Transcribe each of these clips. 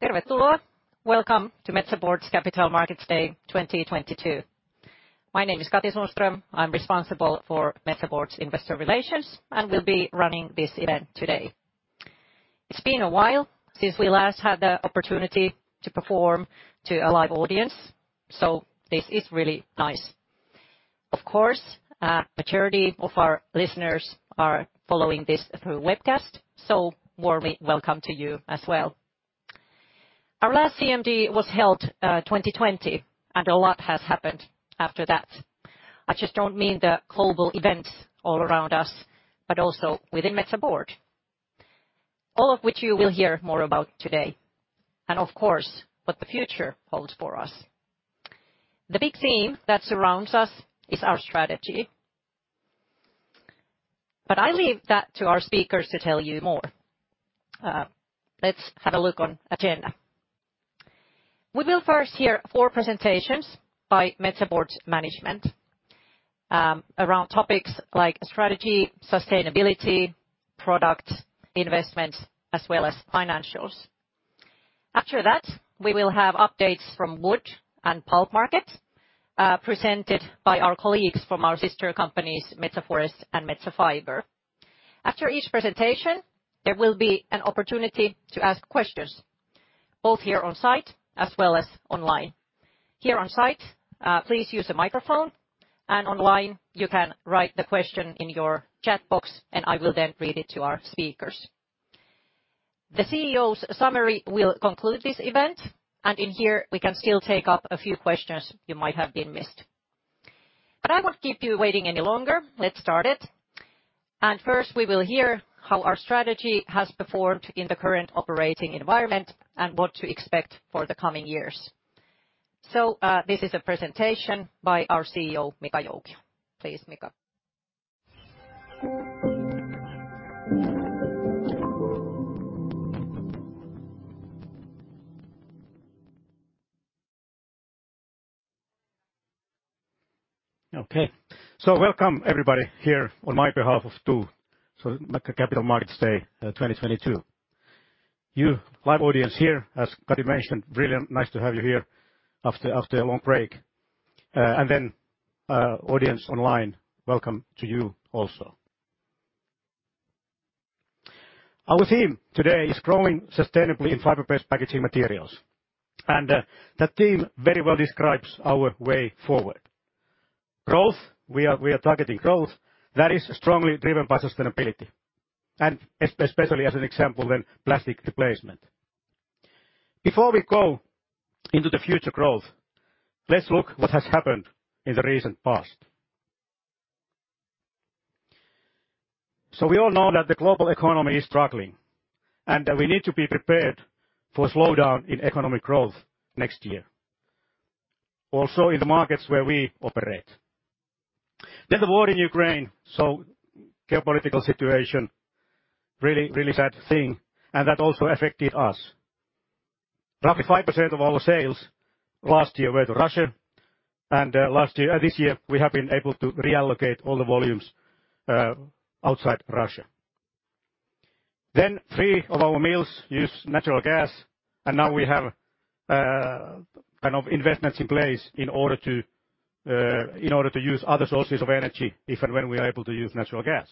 Tervetuloa, welcome to Metsä Board's Capital Markets Day 2022. My name is Katri Sundström. I'm responsible for Metsä Board's investor relations, and we'll be running this event today. It's been a while since we last had the opportunity to perform to a live audience, so this is really nice. Of course, a majority of our listeners are following this through webcast, so warmly welcome to you as well. Our last CMD was held 2020, and a lot has happened after that. I just don't mean the global events all around us, but also within Metsä Board. All of which you will hear more about today, and of course, what the future holds for us. The big theme that surrounds us is our strategy, but I leave that to our speakers to tell you more. Let's have a look on agenda. We will first hear four presentations by Metsä Board's management around topics like strategy, sustainability, product, investments, as well as financials. After that, we will have updates from wood and pulp markets presented by our colleagues from our sister companies, Metsä Forest and Metsä Fibre. After each presentation, there will be an opportunity to ask questions, both here on site as well as online. Here on site, please use a microphone, and online you can write the question in your chat box, and I will then read it to our speakers. The CEO's summary will conclude this event, and in here we can still take up a few questions you might have been missed. But I won't keep you waiting any longer, let's start it, and first we will hear how our strategy has performed in the current operating environment and what to expect for the coming years. So this is a presentation by our CEO, Mika Joukio. Please, Mika. Okay, so welcome everybody here on my behalf to Metsä Board, Mika Joukio Capital Markets Day 2022. You, live audience here, as Katri mentioned, brilliant, nice to have you here after a long break, and then audience online, welcome to you also. Our theme today is growing sustainably in fiber-based packaging materials, and that theme very well describes our way forward. Growth, we are targeting growth that is strongly driven by sustainability, and especially as an example then plastic replacement. Before we go into the future growth, let's look at what has happened in the recent past, so we all know that the global economy is struggling, and that we need to be prepared for a slowdown in economic growth next year, also in the markets where we operate, then the war in Ukraine, so geopolitical situation, really, really sad thing, and that also affected us. Roughly 5% of our sales last year went to Russia, and this year we have been able to reallocate all the volumes outside Russia. Then three of our mills use natural gas, and now we have kind of investments in place in order to use other sources of energy if and when we are able to use natural gas.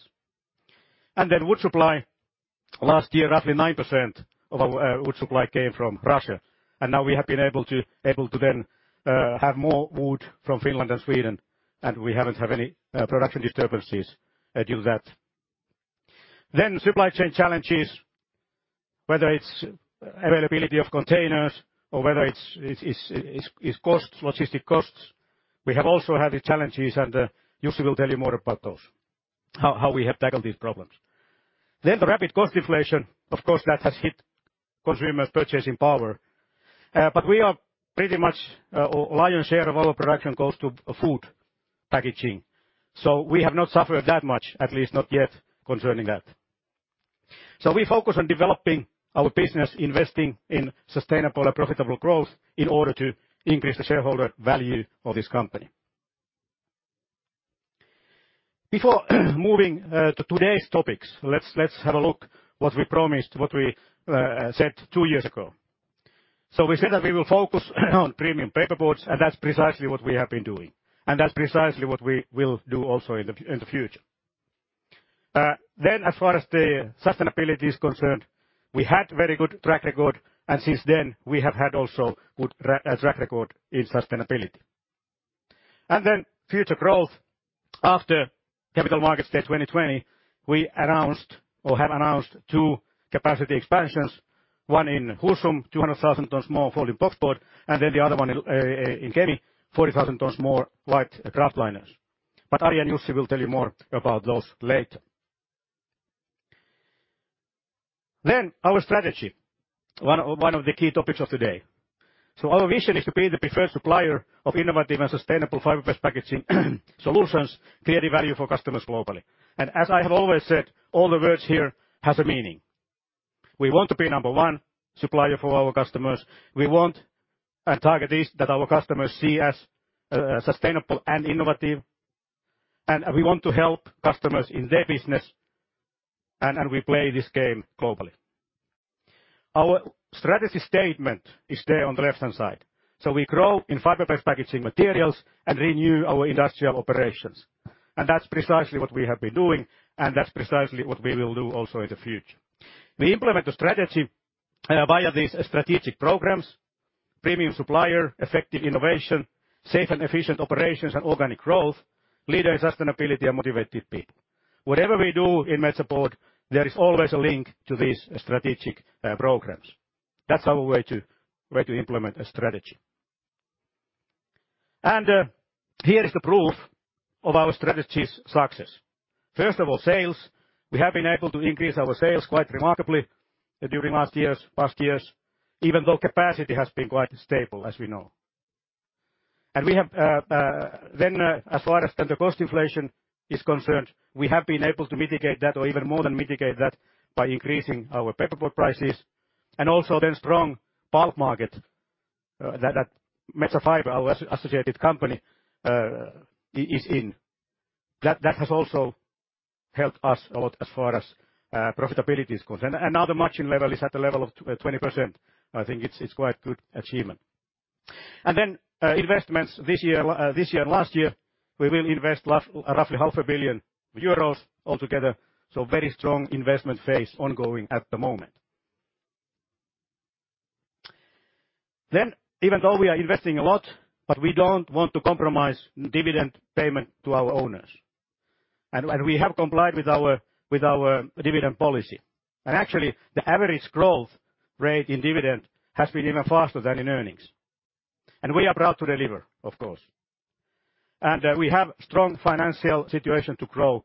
And then wood supply, last year roughly 9% of our wood supply came from Russia, and now we have been able to then have more wood from Finland and Sweden, and we haven't had any production disturbances due to that. Then supply chain challenges, whether it's availability of containers or whether it's costs, logistic costs, we have also had the challenges, and Jussi will tell you more about those, how we have tackled these problems. The rapid cost inflation, of course, has hit consumers' purchasing power, but pretty much the lion's share of our production goes to food packaging, so we have not suffered that much, at least not yet concerning that. We focus on developing our business, investing in sustainable and profitable growth in order to increase the shareholder value of this company. Before moving to today's topics, let's have a look at what we promised, what we said two years ago. We said that we will focus on premium paperboards, and that's precisely what we have been doing, and that's precisely what we will do also in the future. As far as the sustainability is concerned, we had a very good track record, and since then we have had also a good track record in sustainability. And then future growth. After Capital Markets Day 2020, we announced or have announced two capacity expansions, one in Husum, 200,000 tons more folding boxboard, and then the other one in Kemi, 40,000 tons more white kraft liners. But Ari and Jussi will tell you more about those later. Then our strategy, one of the key topics of today. So our vision is to be the preferred supplier of innovative and sustainable fiber-based packaging solutions, creating value for customers globally. And as I have always said, all the words here have a meaning. We want to be number one supplier for our customers, we want and target this that our customers see as sustainable and innovative, and we want to help customers in their business, and we play this game globally. Our strategy statement is there on the left-hand side. So we grow in fiber-based packaging materials and renew our industrial operations, and that's precisely what we have been doing, and that's precisely what we will do also in the future. We implement the strategy via these strategic programs: premium supplier, effective innovation, safe and efficient operations, and organic growth, leaders in sustainability, and motivated people. Whatever we do in Metsä Board, there is always a link to these strategic programs. That's our way to implement a strategy. And here is the proof of our strategy's success. First of all, sales, we have been able to increase our sales quite remarkably during last years, past years, even though capacity has been quite stable as we know. And then, as far as the cost inflation is concerned, we have been able to mitigate that, or even more than mitigate that, by increasing our paperboard prices, and also then strong pulp market that Metsä Fibre, our associated company, is in. That has also helped us a lot as far as profitability is concerned. And now the margin level is at the level of 20%. I think it's quite a good achievement. And then investments this year and last year, we will invest roughly 500 million euros altogether, so very strong investment phase ongoing at the moment. Then even though we are investing a lot, but we don't want to compromise dividend payment to our owners, and we have complied with our dividend policy. And actually, the average growth rate in dividend has been even faster than in earnings, and we are proud to deliver, of course. And we have a strong financial situation to grow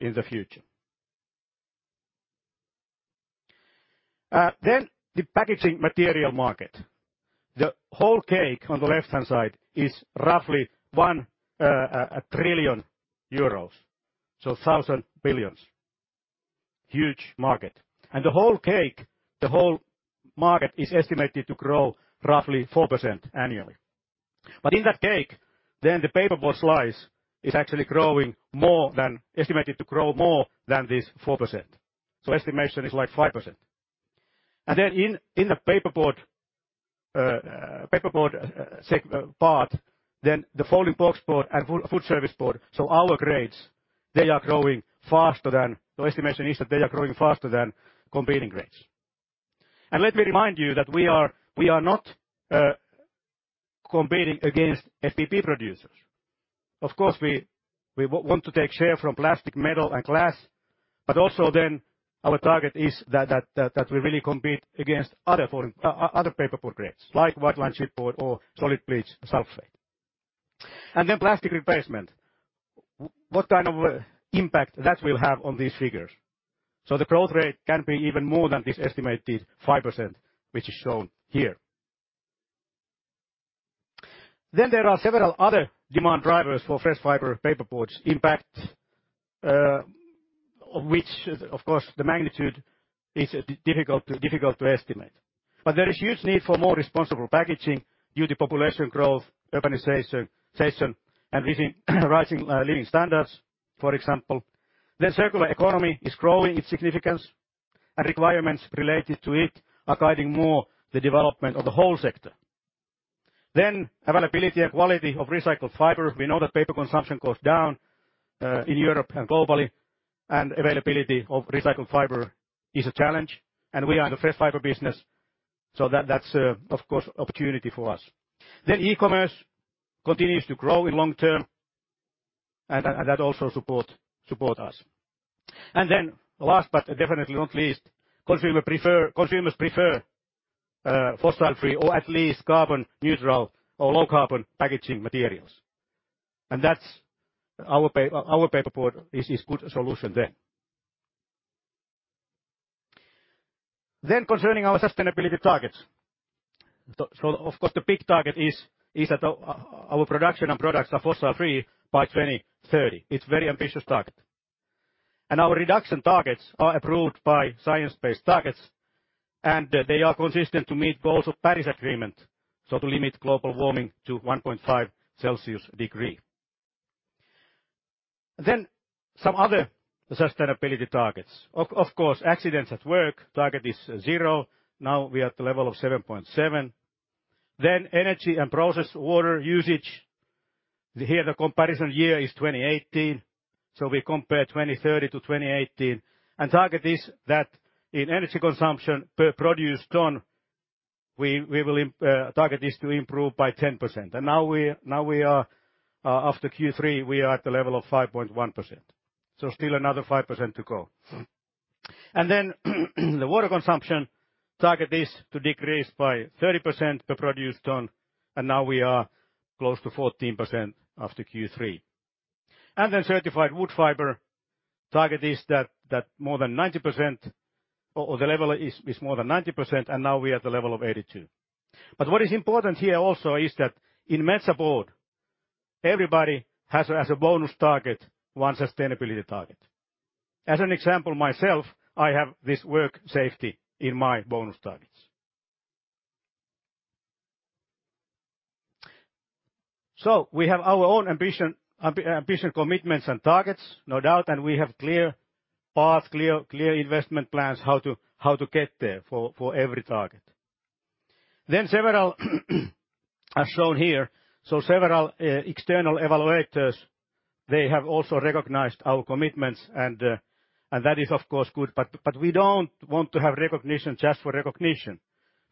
in the future. Then the packaging material market, the whole cake on the left-hand side is roughly one trillion EUR, so thousand billions, huge market. And the whole cake, the whole market is estimated to grow roughly 4% annually. But in that cake, then the paperboard slice is actually growing more than estimated to grow more than this 4%, so estimation is like 5%. And then in the paperboard part, then the folding boxboard and food service board, so our grades, they are growing faster than the estimation is that they are growing faster than competing grades. And let me remind you that we are not competing against FBB producers. Of course, we want to take share from plastic, metal, and glass, but also then our target is that we really compete against other paperboard grades, like white lined chipboard or solid bleached sulfate. And then plastic replacement, what kind of impact that will have on these figures. So the growth rate can be even more than this estimated 5%, which is shown here. Then there are several other demand drivers for fresh fiber paperboards' impact, of which of course the magnitude is difficult to estimate. But there is huge need for more responsible packaging due to population growth, urbanization, and rising living standards, for example. Then circular economy is growing in significance, and requirements related to it are guiding more the development of the whole sector. Then, availability and quality of recycled fiber—we know that paper consumption goes down in Europe and globally, and availability of recycled fiber is a challenge, and we are in the fresh fiber business, so that's of course an opportunity for us. Then, e-commerce continues to grow in long term, and that also supports us. And then, last but definitely not least, consumers prefer fossil-free or at least carbon-neutral or low-carbon packaging materials, and that our paperboard is a good solution then. Then, concerning our sustainability targets, so of course the big target is that our production and products are fossil-free by 2030. It's a very ambitious target. And our reduction targets are approved by Science Based Targets, and they are consistent with the Paris Agreement, so to limit global warming to 1.5 degrees Celsius. Then some other sustainability targets, of course: accidents at work. Target is zero. Now we are at the level of 7.7. Then energy and process water usage. Here the comparison year is 2018, so we compare 2030 to 2018, and target is that in energy consumption per produced ton, we will target this to improve by 10%. And now we are after Q3. We are at the level of 5.1%, so still another 5% to go. And then the water consumption target is to decrease by 30% per produced ton, and now we are close to 14% after Q3. And then certified wood fiber target is that more than 90%, or the level is more than 90%, and now we are at the level of 82. But what is important here also is that in Metsä Board, everybody has a bonus target, one sustainability target. As an example, myself, I have this work safety in my bonus targets. So we have our own ambition commitments and targets, no doubt, and we have clear path, clear investment plans how to get there for every target. Then several are shown here, so several external evaluators, they have also recognized our commitments, and that is of course good, but we don't want to have recognition just for recognition.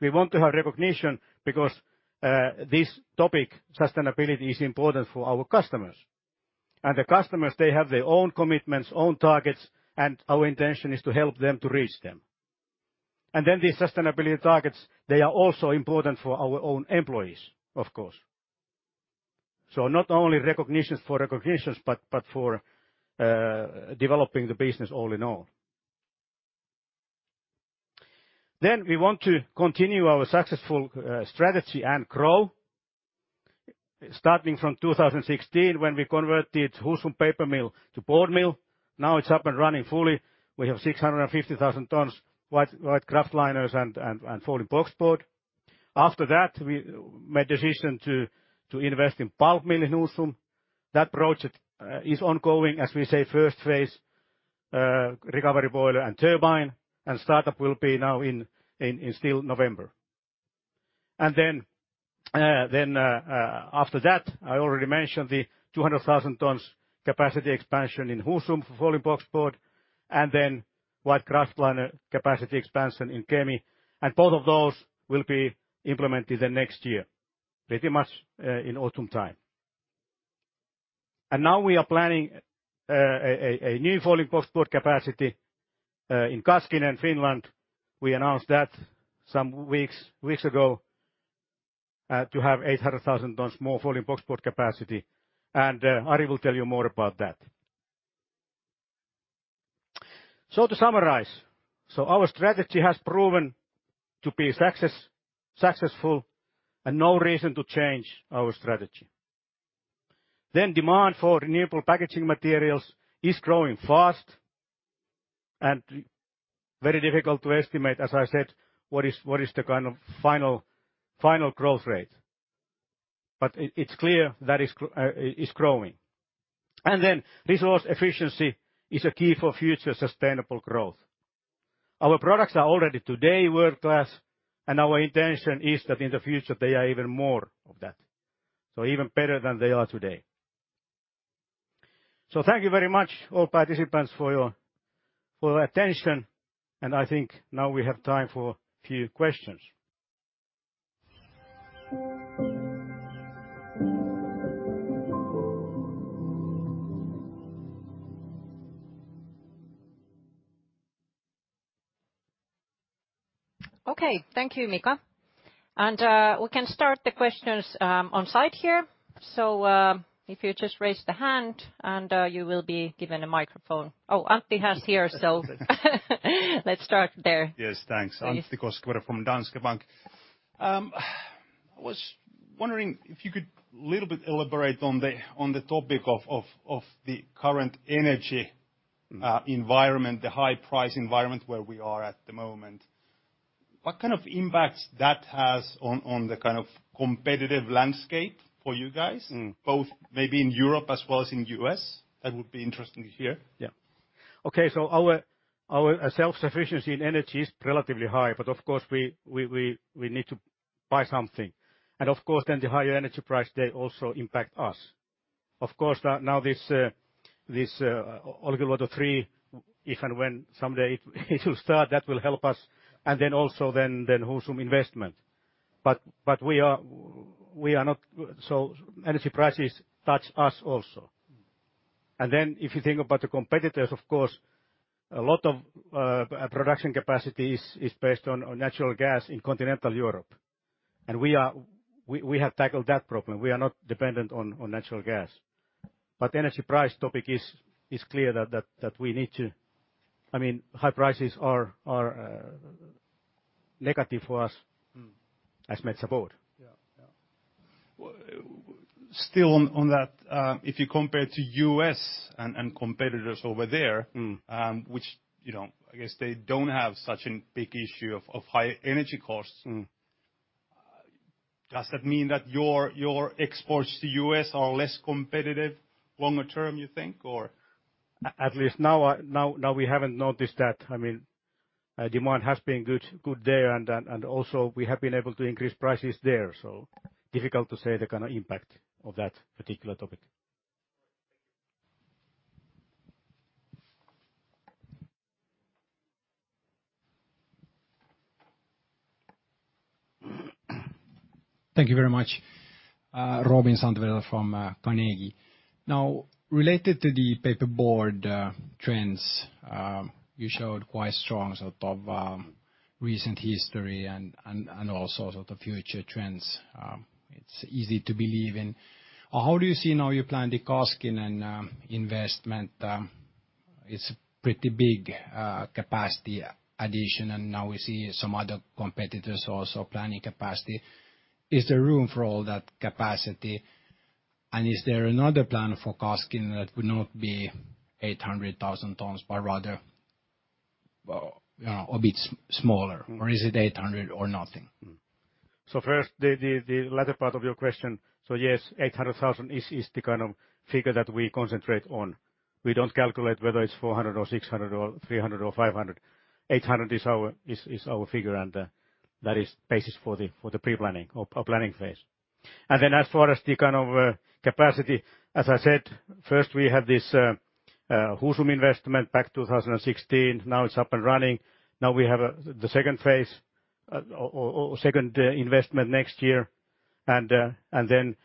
We want to have recognition because this topic, sustainability, is important for our customers. And the customers, they have their own commitments, own targets, and our intention is to help them to reach them. And then these sustainability targets, they are also important for our own employees, of course. So not only recognitions for recognitions, but for developing the business all in all. Then we want to continue our successful strategy and grow, starting from 2016 when we converted Husum Paper Mill to board mill. Now it's up and running fully. We have 650,000 tons white kraft liners and folding boxboard. After that, we made a decision to invest in pulp mill in Husum. That project is ongoing, as we say, first phase, recovery boiler and turbine, and startup will be now in still November. And then after that, I already mentioned the 200,000 tons capacity expansion in Husum for folding boxboard, and then white kraft liner capacity expansion in Kemi, and both of those will be implemented the next year, pretty much in autumn time. And now we are planning a new folding boxboard capacity in Kaskinen, Finland. We announced that some weeks ago to have 800,000 tons more folding boxboard capacity, and Ari will tell you more about that. So, to summarize, our strategy has proven to be successful, and no reason to change our strategy. Then, demand for renewable packaging materials is growing fast, and very difficult to estimate, as I said, what is the kind of final growth rate, but it's clear that it's growing. And then, resource efficiency is a key for future sustainable growth. Our products are already today world-class, and our intention is that in the future they are even more of that, so even better than they are today. So, thank you very much all participants for your attention, and I think now we have time for a few questions. Okay, thank you Mika, and we can start the questions on site here. So, if you just raise the hand, and you will be given a microphone. Oh, Antti has here, so let's start there. Yes, thanks. Antti Koskivirta from Danske Bank. I was wondering if you could a little bit elaborate on the topic of the current energy environment, the high-price environment where we are at the moment. What kind of impact that has on the kind of competitive landscape for you guys, both maybe in Europe as well as in the U.S.? That would be interesting to hear. Yeah. Okay, so our self-sufficiency in energy is relatively high, but of course we need to buy something. And of course then the higher energy price, they also impact us. Of course now this Olkiluoto 3, if and when someday it will start, that will help us, and then also then Husum investment. But we are not, so energy prices touch us also. And then if you think about the competitors, of course a lot of production capacity is based on natural gas in continental Europe, and we have tackled that problem. We are not dependent on natural gas. But energy price topic is clear that we need to, I mean high prices are negative for us as Metsä Board. Still on that, if you compare to U.S. and competitors over there, which I guess they don't have such a big issue of high energy costs, does that mean that your exports to U.S. are less competitive longer term, you think, or? At least now we haven't noticed that. I mean demand has been good there, and also we have been able to increase prices there, so difficult to say the kind of impact of that particular topic. Thank you. Thank you very much, Robin Santavirta from Carnegie. Now related to the paperboard trends, you showed quite strong sort of recent history and also sort of future trends. It's easy to believe in. How do you see now your plan to Kaskinen and investment? It's a pretty big capacity addition, and now we see some other competitors also planning capacity. Is there room for all that capacity, and is there another plan for Kaskinen that would not be 800,000 tons, but rather a bit smaller, or is it 800 or nothing? So first the latter part of your question, so yes, 800,000 is the kind of figure that we concentrate on. We don't calculate whether it's 400 or 600 or 300 or 500. 800 is our figure, and that is basis for the pre-planning or planning phase. And then as far as the kind of capacity, as I said, first we have this Husum investment back 2016, now it's up and running. Now we have the second phase, or second investment next year, and then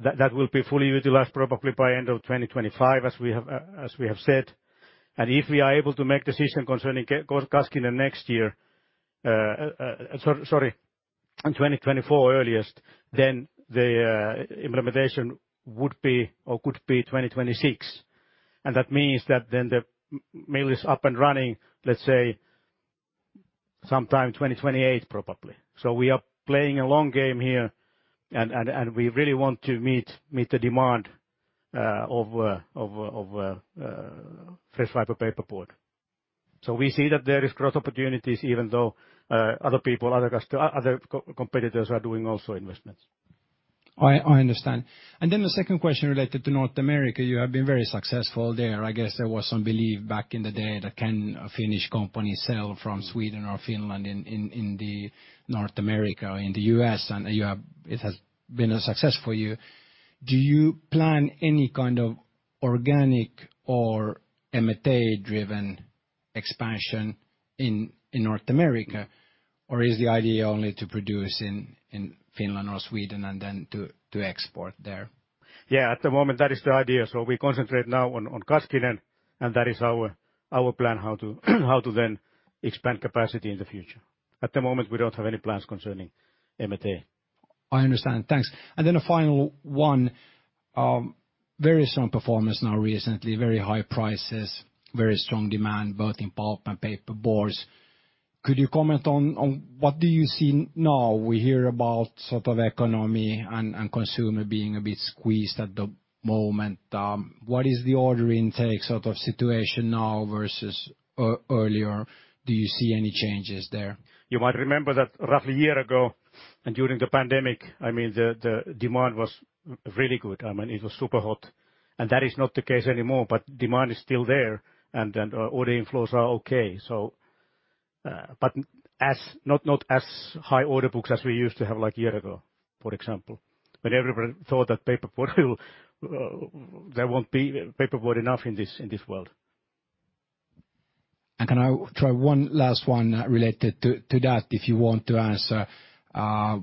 that will be fully utilized probably by end of 2025, as we have said. And if we are able to make decision concerning Kaskinen the next year, sorry, in 2024 earliest, then the implementation would be or could be 2026. And that means that then the mill is up and running, let's say sometime 2028 probably. We are playing a long game here, and we really want to meet the demand of fresh fiber paperboard. We see that there is growth opportunities even though other people, other competitors are doing also investments. I understand. And then the second question related to North America, you have been very successful there. I guess there was some belief back in the day that can Finnish companies sell from Sweden or Finland in the North America or in the U.S., and it has been a success for you. Do you plan any kind of organic or M&A-driven expansion in North America, or is the idea only to produce in Finland or Sweden and then to export there? Yeah, at the moment that is the idea. So we concentrate now on Kaskinen, and that is our plan how to then expand capacity in the future. At the moment we don't have any plans concerning M&A. I understand, thanks. And then a final one, very strong performance now recently, very high prices, very strong demand both in pulp and paperboards. Could you comment on what do you see now? We hear about sort of economy and consumer being a bit squeezed at the moment. What is the order intake sort of situation now versus earlier? Do you see any changes there? You might remember that roughly a year ago and during the pandemic, I mean the demand was really good. I mean it was super hot, and that is not the case anymore, but demand is still there, and then order inflows are okay. But not as high order books as we used to have like a year ago, for example, when everybody thought that paperboard, there won't be paperboard enough in this world. Can I try one last one related to that if you want to answer?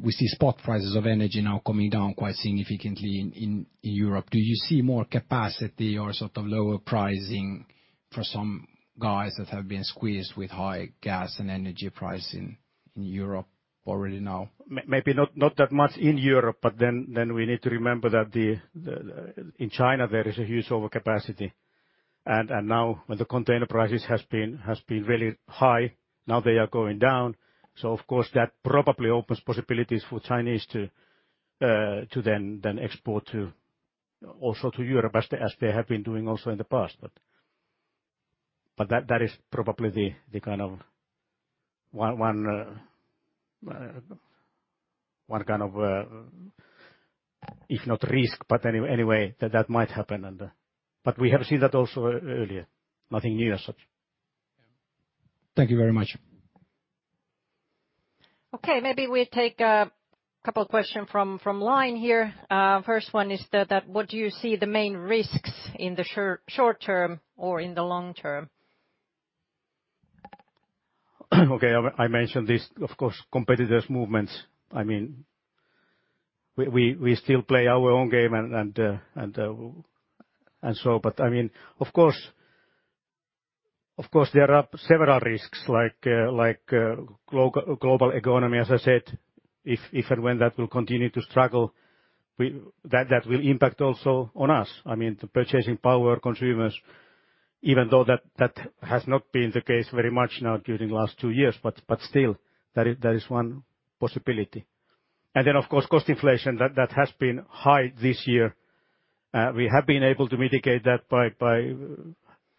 We see spot prices of energy now coming down quite significantly in Europe. Do you see more capacity or sort of lower pricing for some guys that have been squeezed with high gas and energy pricing in Europe already now? Maybe not that much in Europe, but then we need to remember that in China there is a huge overcapacity, and now when the container prices have been really high, now they are going down. So of course that probably opens possibilities for Chinese to then export also to Europe as they have been doing also in the past. But that is probably the kind of one kind of, if not risk, but anyway that might happen. But we have seen that also earlier, nothing new as such. Thank you very much. Okay, maybe we take a couple of questions from line here. First one is, what do you see the main risks in the short term or in the long term? Okay, I mentioned this, of course: competitors' movements. I mean, we still play our own game and so, but I mean, of course there are several risks like global economy, as I said, if and when that will continue to struggle, that will impact also on us. I mean, the purchasing power consumers, even though that has not been the case very much now during the last two years, but still that is one possibility, and then of course cost inflation that has been high this year. We have been able to mitigate that by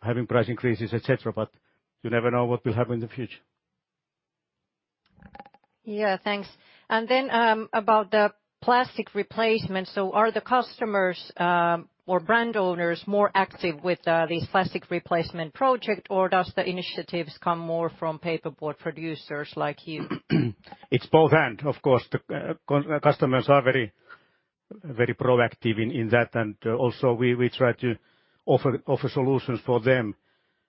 having price increases, etc., but you never know what will happen in the future. Yeah, thanks. And then about the plastic replacement, so are the customers or brand owners more active with these plastic replacement projects, or does the initiatives come more from paperboard producers like you? It's both, and of course the customers are very proactive in that, and also we try to offer solutions for them,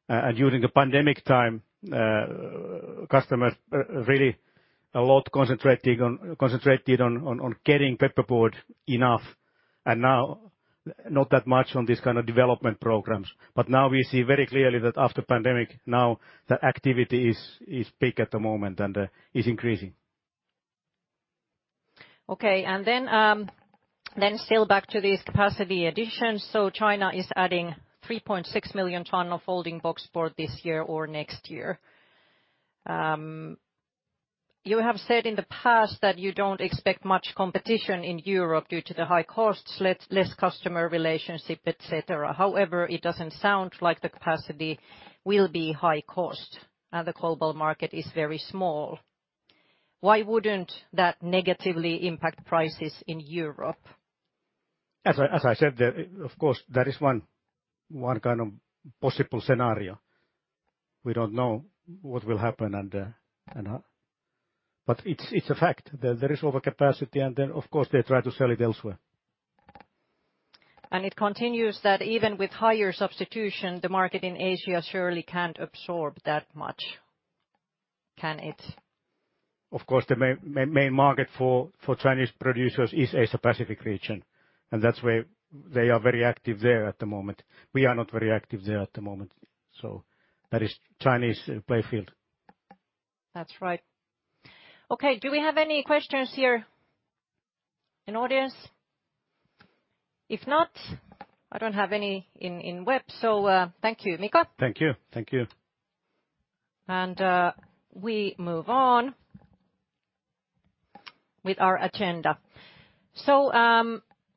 and during the pandemic time, customers really a lot concentrated on getting paperboard enough, and now not that much on these kind of development programs, but now we see very clearly that after pandemic, now the activity is peak at the moment and is increasing. Okay, and then still back to these capacity additions, so China is adding 3.6 million tons of folding boxboard this year or next year. You have said in the past that you don't expect much competition in Europe due to the high costs, less customer relationship, etc. However, it doesn't sound like the capacity will be high cost, and the global market is very small. Why wouldn't that negatively impact prices in Europe? As I said, of course that is one kind of possible scenario. We don't know what will happen, but it's a fact that there is overcapacity, and then of course they try to sell it elsewhere. It continues that even with higher substitution, the market in Asia surely can't absorb that much, can it? Of course, the main market for Chinese producers is Asia-Pacific region, and that's where they are very active there at the moment. We are not very active there at the moment, so that is Chinese playing field. That's right. Okay, do we have any questions here in the audience? If not, I don't have any in the web, so thank you, Mika. Thank you, thank you. We move on with our agenda. So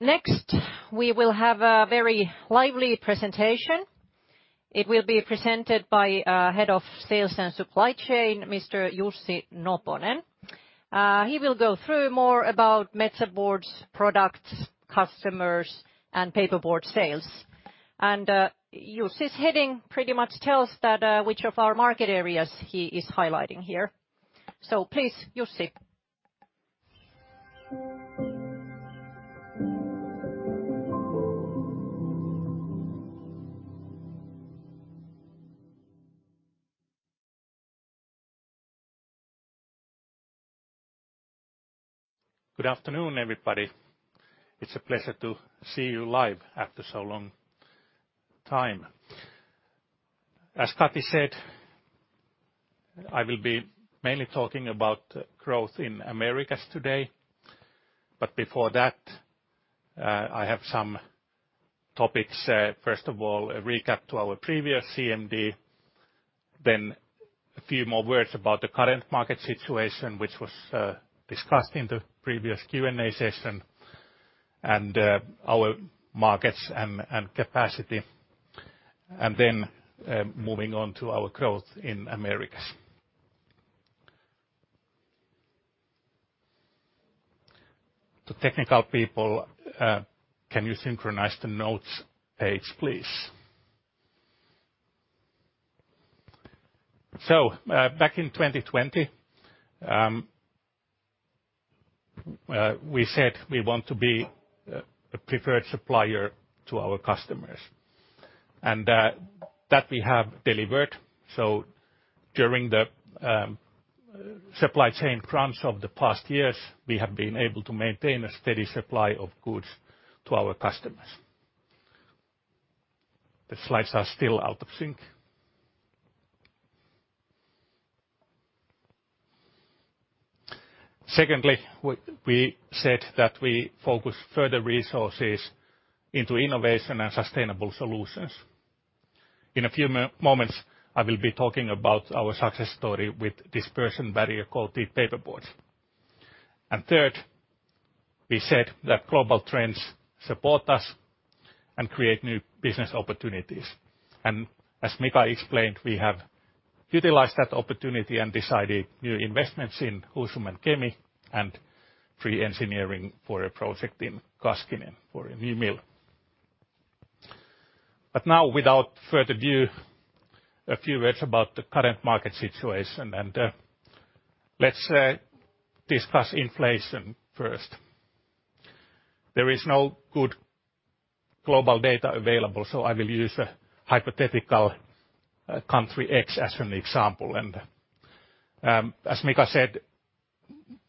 next we will have a very lively presentation. It will be presented by Head of Sales and Supply Chain, Mr. Jussi Noponen. He will go through more about Metsä Board's products, customers, and paperboard sales. Jussi's heading pretty much tells which of our market areas he is highlighting here. Please, Jussi. Good afternoon, everybody. It's a pleasure to see you live after so long time. As Katri said, I will be mainly talking about growth in Americas today, but before that, I have some topics. First of all, a recap to our previous CMD, then a few more words about the current market situation, which was discussed in the previous Q&A session, and our markets and capacity, and then moving on to our growth in Americas. The technical people, can you synchronize the notes page, please? So back in 2020, we said we want to be a preferred supplier to our customers, and that we have delivered. So during the supply chain crunch of the past years, we have been able to maintain a steady supply of goods to our customers. The slides are still out of sync. Secondly, we said that we focus further resources into innovation and sustainable solutions. In a few moments, I will be talking about our success story with dispersion barrier coated paperboards. And third, we said that global trends support us and create new business opportunities. And as Mika explained, we have utilized that opportunity and decided new investments in Husum and Kemi, and pre-engineering for a project in Kaskinen for a new mill. But now, without further ado, a few words about the current market situation, and let's discuss inflation first. There is no good global data available, so I will use a hypothetical country X as an example. And as Mika said,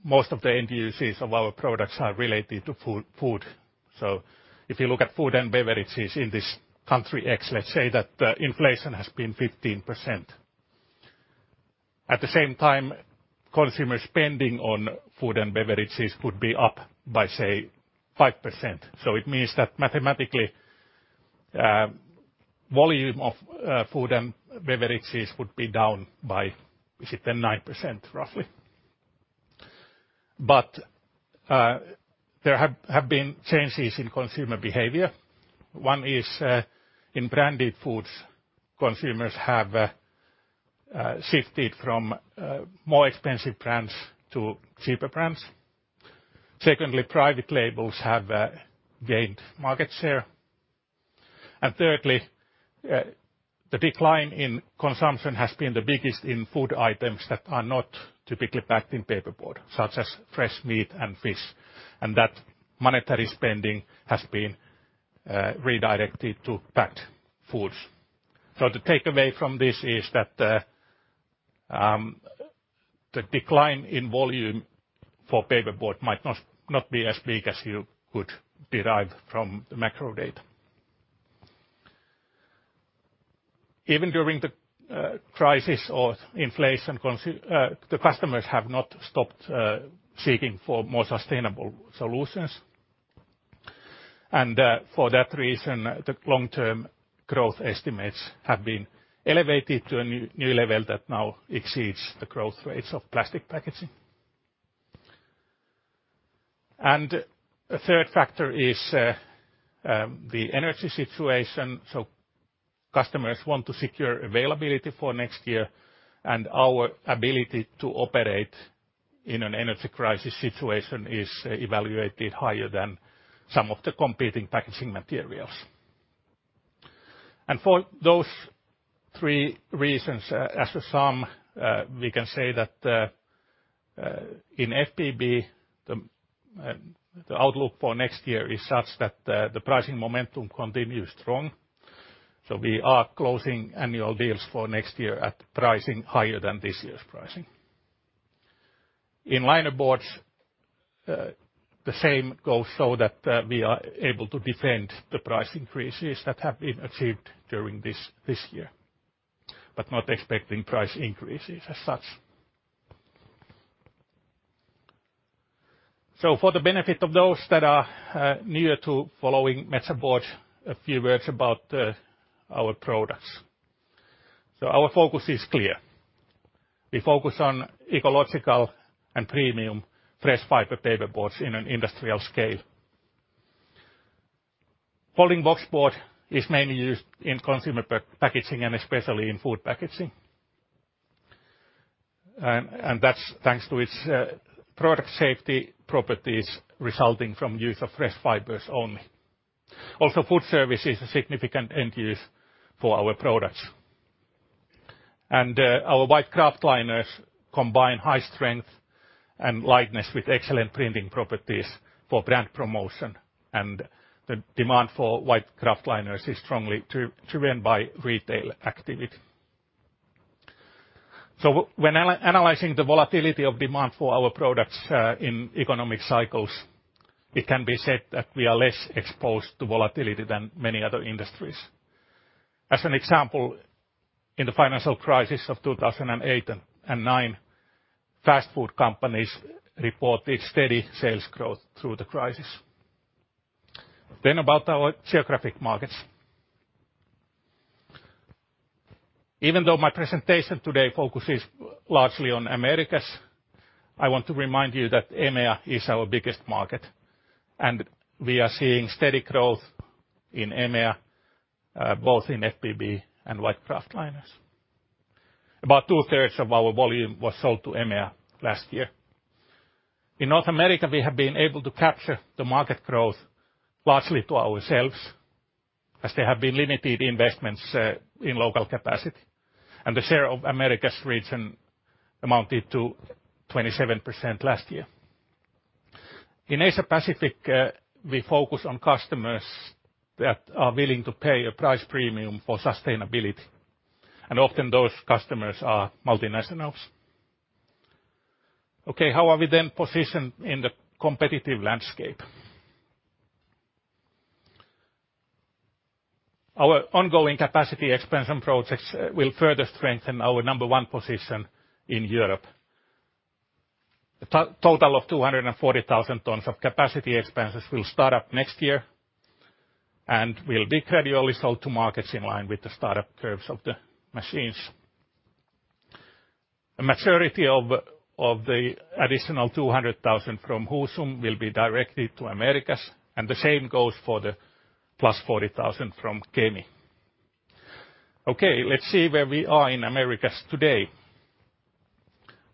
most of the end uses of our products are related to food. So if you look at food and beverages in this country X, let's say that inflation has been 15%. At the same time, consumer spending on food and beverages would be up by, say, 5%. So it means that mathematically, volume of food and beverages would be down by 9% roughly. But there have been changes in consumer behavior. One is in branded foods, consumers have shifted from more expensive brands to cheaper brands. Secondly, private labels have gained market share. And thirdly, the decline in consumption has been the biggest in food items that are not typically packed in paperboard, such as fresh meat and fish, and that monetary spending has been redirected to packed foods. So the takeaway from this is that the decline in volume for paperboard might not be as big as you could derive from the macro data. Even during the crisis of inflation, the customers have not stopped seeking for more sustainable solutions. And for that reason, the long-term growth estimates have been elevated to a new level that now exceeds the growth rates of plastic packaging. A third factor is the energy situation. Customers want to secure availability for next year, and our ability to operate in an energy crisis situation is evaluated higher than some of the competing packaging materials. For those three reasons, as a sum, we can say that in FPB, the outlook for next year is such that the pricing momentum continues strong. We are closing annual deals for next year at pricing higher than this year's pricing. In liner boards, the same goes so that we are able to defend the price increases that have been achieved during this year, but not expecting price increases as such. For the benefit of those that are newer to following Metsä Board, a few words about our products. Our focus is clear. We focus on ecological and premium fresh fiber paperboards in an industrial scale. Folding boxboard is mainly used in consumer packaging and especially in food packaging, and that's thanks to its product safety properties resulting from use of fresh fibers only. Also, food service is a significant end use for our products, and our white kraft liners combine high strength and lightness with excellent printing properties for brand promotion, and the demand for white kraft liners is strongly driven by retail activity, so when analyzing the volatility of demand for our products in economic cycles, it can be said that we are less exposed to volatility than many other industries. As an example, in the financial crisis of 2008 and 2009, fast food companies reported steady sales growth through the crisis, then about our geographic markets. Even though my presentation today focuses largely on Americas, I want to remind you that EMEA is our biggest market, and we are seeing steady growth in EMEA, both in FPB and white kraft liners. About two-thirds of our volume was sold to EMEA last year. In North America, we have been able to capture the market growth largely to ourselves, as there have been limited investments in local capacity, and the share of Americas region amounted to 27% last year. In Asia-Pacific, we focus on customers that are willing to pay a price premium for sustainability, and often those customers are multinationals. Okay, how are we then positioned in the competitive landscape? Our ongoing capacity expansion projects will further strengthen our number one position in Europe. A total of 240,000 tons of capacity expansions will start up next year and will be gradually sold to markets in line with the startup curves of the machines. A majority of the additional 200,000 from Husum will be directed to Americas, and the same goes for the plus 40,000 from Kemi. Okay, let's see where we are in Americas today.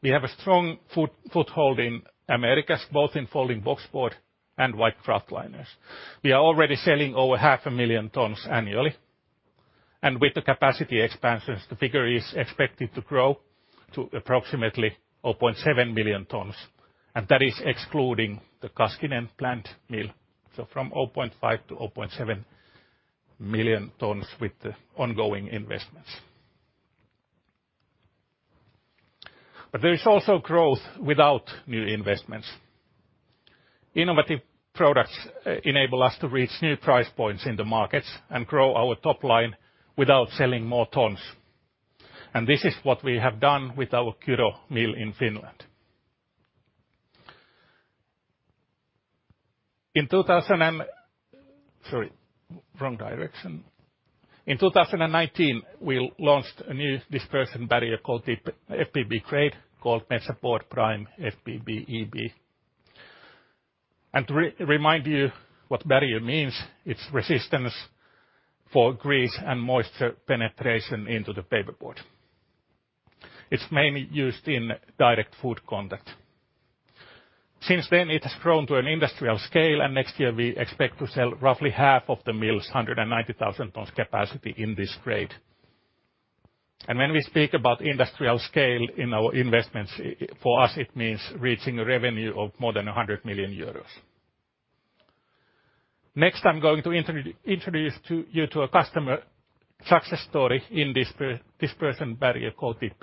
We have a strong foothold in Americas, both in folding boxboard and white kraft liners. We are already selling over 500,000 tons annually, and with the capacity expansions, the figure is expected to grow to approximately 0.7 million tons, and that is excluding the Kaskinen plant mill. So from 0.5 to 0.7 million tons with the ongoing investments. But there is also growth without new investments. Innovative products enable us to reach new price points in the markets and grow our top line without selling more tons. This is what we have done with our Kyrö Mill in Finland. In 2019, we launched a new dispersion barrier called FBB grade, called Metsä Board Prime FBB EB. To remind you what barrier means, it's resistance for grease and moisture penetration into the paperboard. It's mainly used in direct food contact. Since then, it has grown to an industrial scale, and next year we expect to sell roughly 95,000 tons of the mill's capacity in this grade. When we speak about industrial scale in our investments, for us it means reaching a revenue of more than 100 million euros. Next, I'm going to introduce you to a customer success story in dispersion barrier coated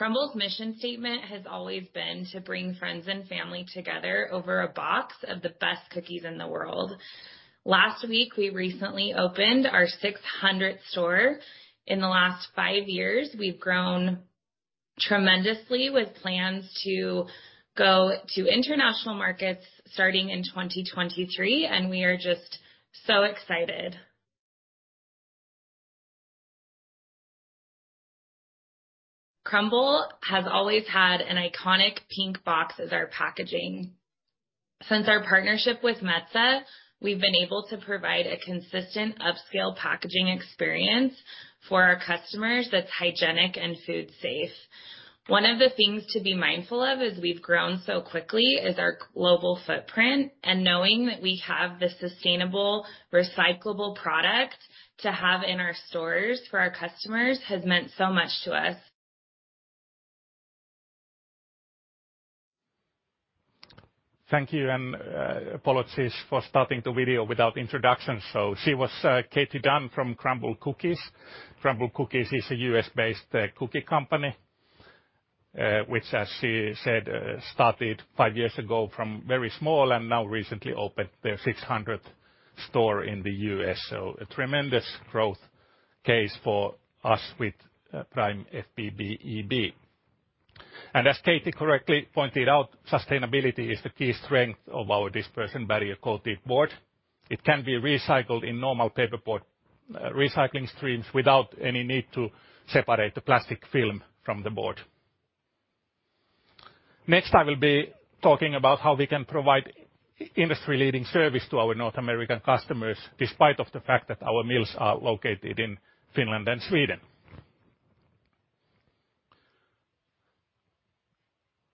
paperboard. Crumbl's mission statement has always been to bring friends and family together over a box of the best cookies in the world. Last week, we recently opened our 600th store. In the last five years, we've grown tremendously with plans to go to international markets starting in 2023, and we are just so excited. Crumbl has always had an iconic pink box as our packaging. Since our partnership with Metsä, we've been able to provide a consistent upscale packaging experience for our customers that's hygienic and food-safe. One of the things to be mindful of as we've grown so quickly is our global footprint, and knowing that we have the sustainable recyclable product to have in our stores for our customers has meant so much to us. Thank you, and apologies for starting the video without introductions. She was Katri Dunn from Crumbl Cookies. Crumbl Cookies is a U.S.-based cookie company, which, as she said, started five years ago from very small and now recently opened their 600th store in the U.S. It is a tremendous growth case for us with Prime FBB EB. And as Katri correctly pointed out, sustainability is the key strength of our dispersion barrier called deep board. It can be recycled in normal paperboard recycling streams without any need to separate the plastic film from the board. Next, I will be talking about how we can provide industry-leading service to our North American customers despite the fact that our mills are located in Finland and Sweden.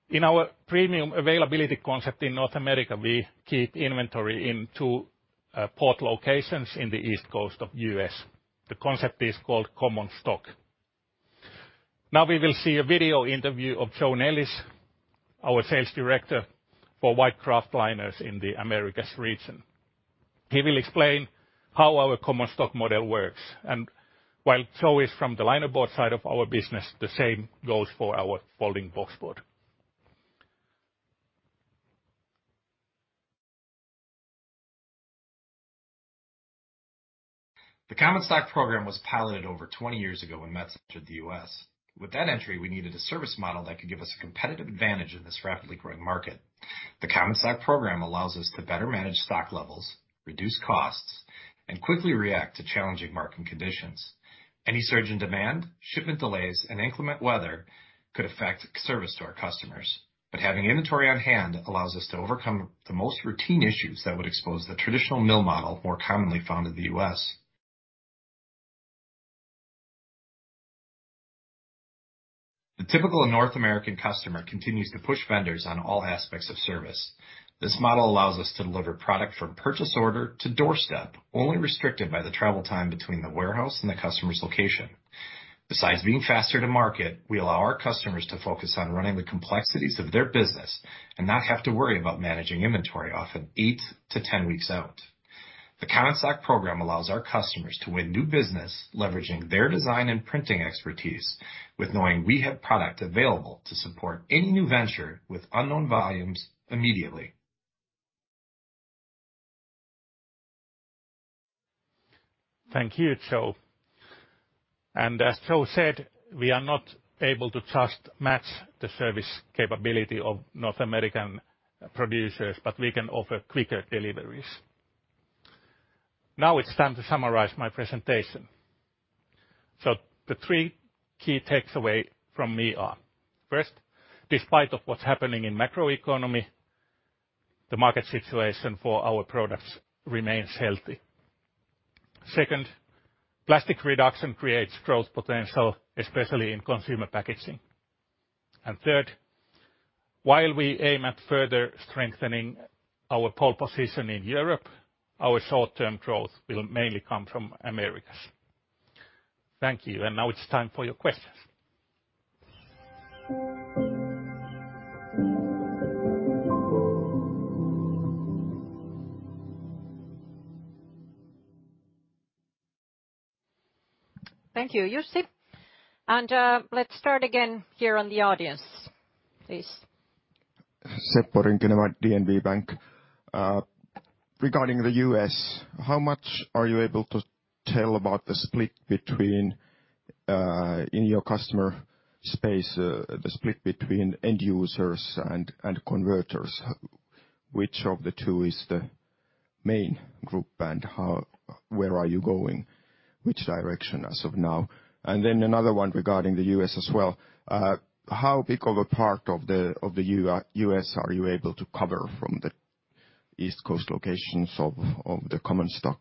In our premium availability concept in North America, we keep inventory in two port locations in the East Coast of the U.S. The concept is called Common Stock. Now we will see a video interview of Joe Nellis, our sales director for white kraft liners in the Americas region. He will explain how our Common Stock model works. And while Joe is from the linerboard side of our business, the same goes for our folding boxboard. The Common Stock program was piloted over 20 years ago when Metsä entered the U.S. With that entry, we needed a service model that could give us a competitive advantage in this rapidly growing market. The Common Stock program allows us to better manage stock levels, reduce costs, and quickly react to challenging marketing conditions. Any surge in demand, shipment delays, and inclement weather could affect service to our customers. But having inventory on hand allows us to overcome the most routine issues that would expose the traditional mill model more commonly found in the U.S. The typical North American customer continues to push vendors on all aspects of service. This model allows us to deliver product from purchase order to doorstep, only restricted by the travel time between the warehouse and the customer's location. Besides being faster to market, we allow our customers to focus on running the complexities of their business and not have to worry about managing inventory often eight to 10 weeks out. The Common Stock program allows our customers to win new business leveraging their design and printing expertise, with knowing we have product available to support any new venture with unknown volumes immediately. Thank you, Joe, and as Joe said, we are not able to just match the service capability of North American producers, but we can offer quicker deliveries. Now it's time to summarize my presentation so the three key takeaways from me are: first, despite what's happening in the macro economy, the market situation for our products remains healthy. Second, plastic reduction creates growth potential, especially in consumer packaging. And third, while we aim at further strengthening our pole position in Europe, our short-term growth will mainly come from Americas. Thank you, and now it's time for your questions. Thank you, Jussi, and let's start again here on the audience, please. Seb Borink from DNB Bank. Regarding the U.S., how much are you able to tell about the split between in your customer space, the split between end users and converters? Which of the two is the main group and where are you going? Which direction as of now? And then another one regarding the U.S. as well. How big of a part of the U.S. are you able to cover from the East Coast locations of the current stock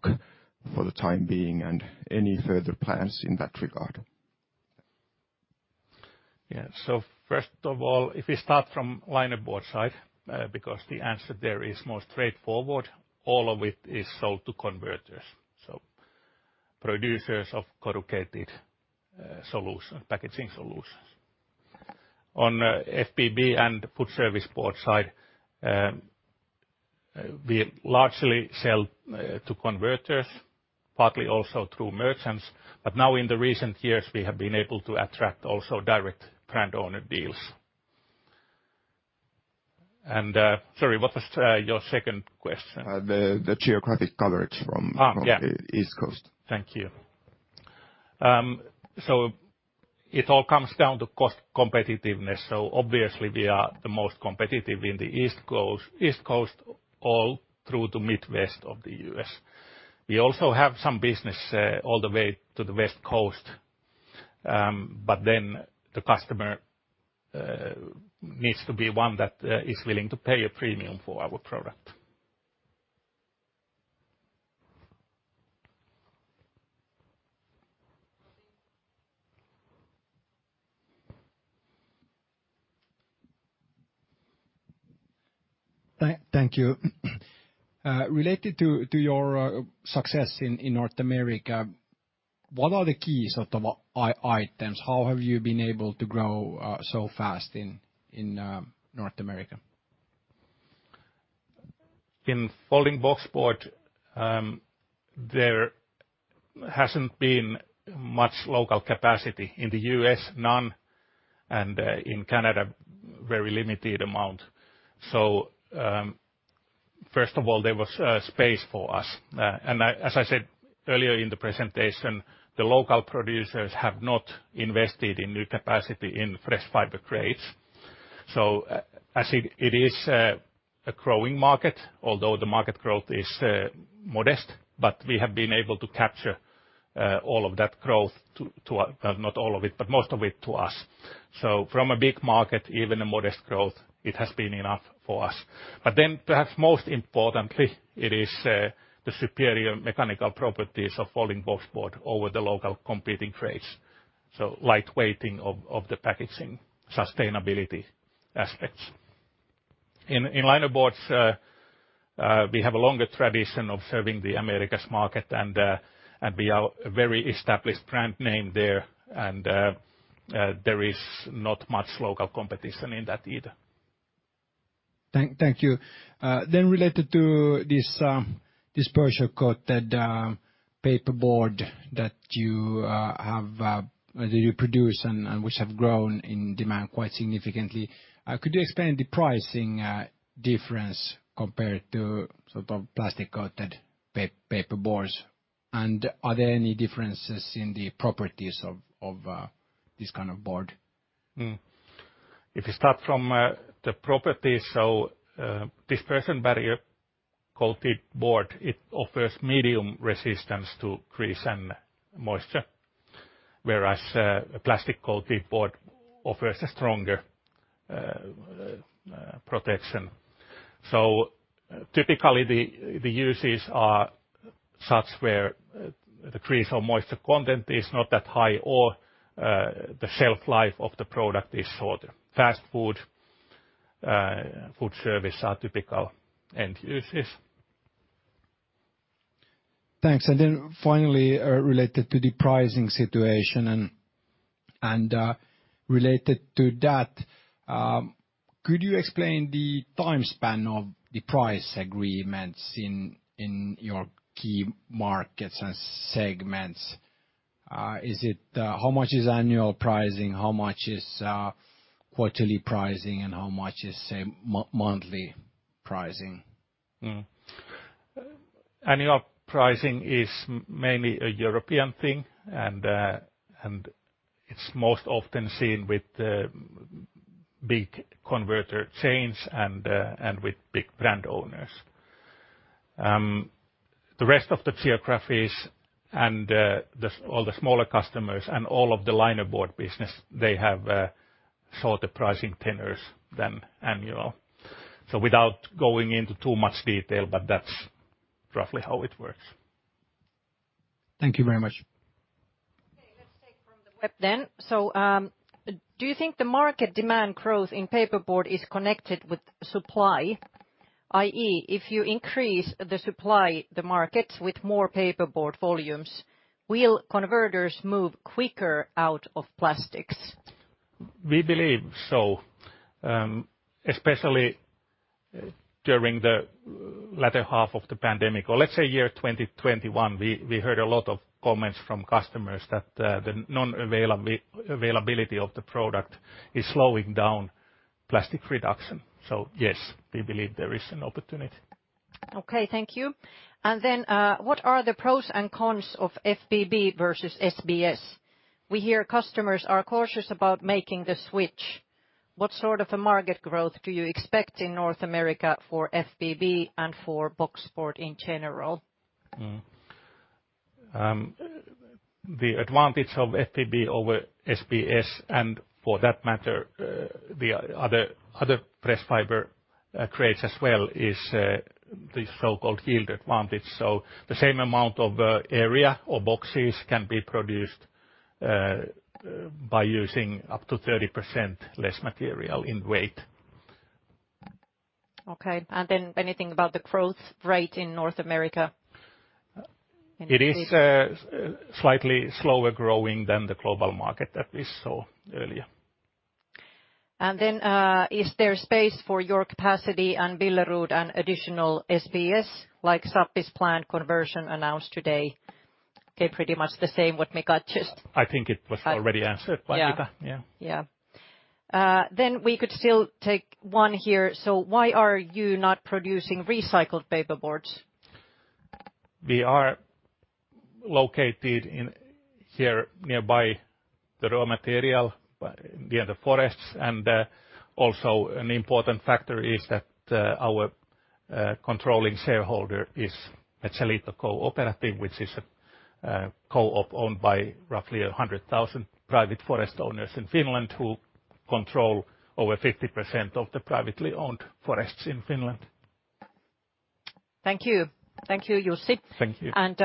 for the time being and any further plans in that regard? Yeah, so first of all, if we start from the linerboard side, because the answer there is most straightforward, all of it is sold to converters, so producers of corrugated packaging solutions. On the FPB and Food Service Board side, we largely sell to converters, partly also through merchants, but now in the recent years, we have been able to attract also direct brand owner deals, and sorry, what was your second question? The geographic coverage from the East Coast. Thank you. So it all comes down to cost competitiveness. So obviously, we are the most competitive in the East Coast all through to the Midwest of the U.S. We also have some business all the way to the West Coast, but then the customer needs to be one that is willing to pay a premium for our product. Thank you. Related to your success in North America, what are the keys of the items? How have you been able to grow so fast in North America? In folding boxboard, there hasn't been much local capacity in the U.S., none, and in Canada, a very limited amount, so first of all, there was space for us. And as I said earlier in the presentation, the local producers have not invested in new capacity in fresh fiber grades, so as it is a growing market, although the market growth is modest, but we have been able to capture all of that growth to, well, not all of it, but most of it to us. So from a big market, even a modest growth, it has been enough for us, but then perhaps most importantly, it is the superior mechanical properties of folding boxboard over the local competing grades, so light weighting of the packaging sustainability aspects.In liner boards, we have a longer tradition of serving the Americas market, and we are a very established brand name there, and there is not much local competition in that either. Thank you. Then related to this dispersion-coated paperboard that you produce and which have grown in demand quite significantly, could you explain the pricing difference compared to sort of plastic coated paperboards? And are there any differences in the properties of this kind of board? If you start from the properties, so dispersion barrier coated board, it offers medium resistance to grease and moisture, whereas a plastic coated board offers a stronger protection. So typically, the uses are such where the grease or moisture content is not that high or the shelf life of the product is shorter. Fast food, food service are typical end uses. Thanks. Then finally, related to the pricing situation and related to that, could you explain the time span of the price agreements in your key markets and segments? How much is annual pricing, how much is quarterly pricing, and how much is monthly pricing? Annual pricing is mainly a European thing, and it's most often seen with big converter chains and with big brand owners. The rest of the geographies and all the smaller customers and all of the liner board business, they have shorter pricing tenors than annual. So without going into too much detail, but that's roughly how it works. Thank you very much. Okay, let's take from the web then. So do you think the market demand growth in paperboard is connected with supply, i.e., if you increase the supply, the market with more paperboard volumes, will converters move quicker out of plastics? We believe so, especially during the latter half of the pandemic. Or let's say year 2021, we heard a lot of comments from customers that the non-availability of the product is slowing down plastic reduction. So yes, we believe there is an opportunity. Okay, thank you. And then what are the pros and cons of FBB versus SBS? We hear customers are cautious about making the switch. What sort of a market growth do you expect in North America for FBB and for boxboard in general? The advantage of FBB over SBS, and for that matter, the other fresh fiber grades as well, is the so-called yield advantage. So the same amount of area or boxes can be produced by using up to 30% less material in weight. Okay, and then anything about the growth rate in North America? It is slightly slower growing than the global market that we saw earlier. And then is there space for your capacity and Billerud and additional SBS like Sappi's planned conversion announced today? Okay, pretty much the same what Mika just. I think it was already answered, but Mika, yeah. Yeah. Then we could still take one here. So why are you not producing recycled paperboards? We are located here nearby the raw material near the forests, and also an important factor is that our controlling shareholder is Metsäliitto Cooperative, which is a co-op owned by roughly 100,000 private forest owners in Finland who control over 50% of the privately owned forests in Finland. Thank you. Thank you, Jussi. Thank you. And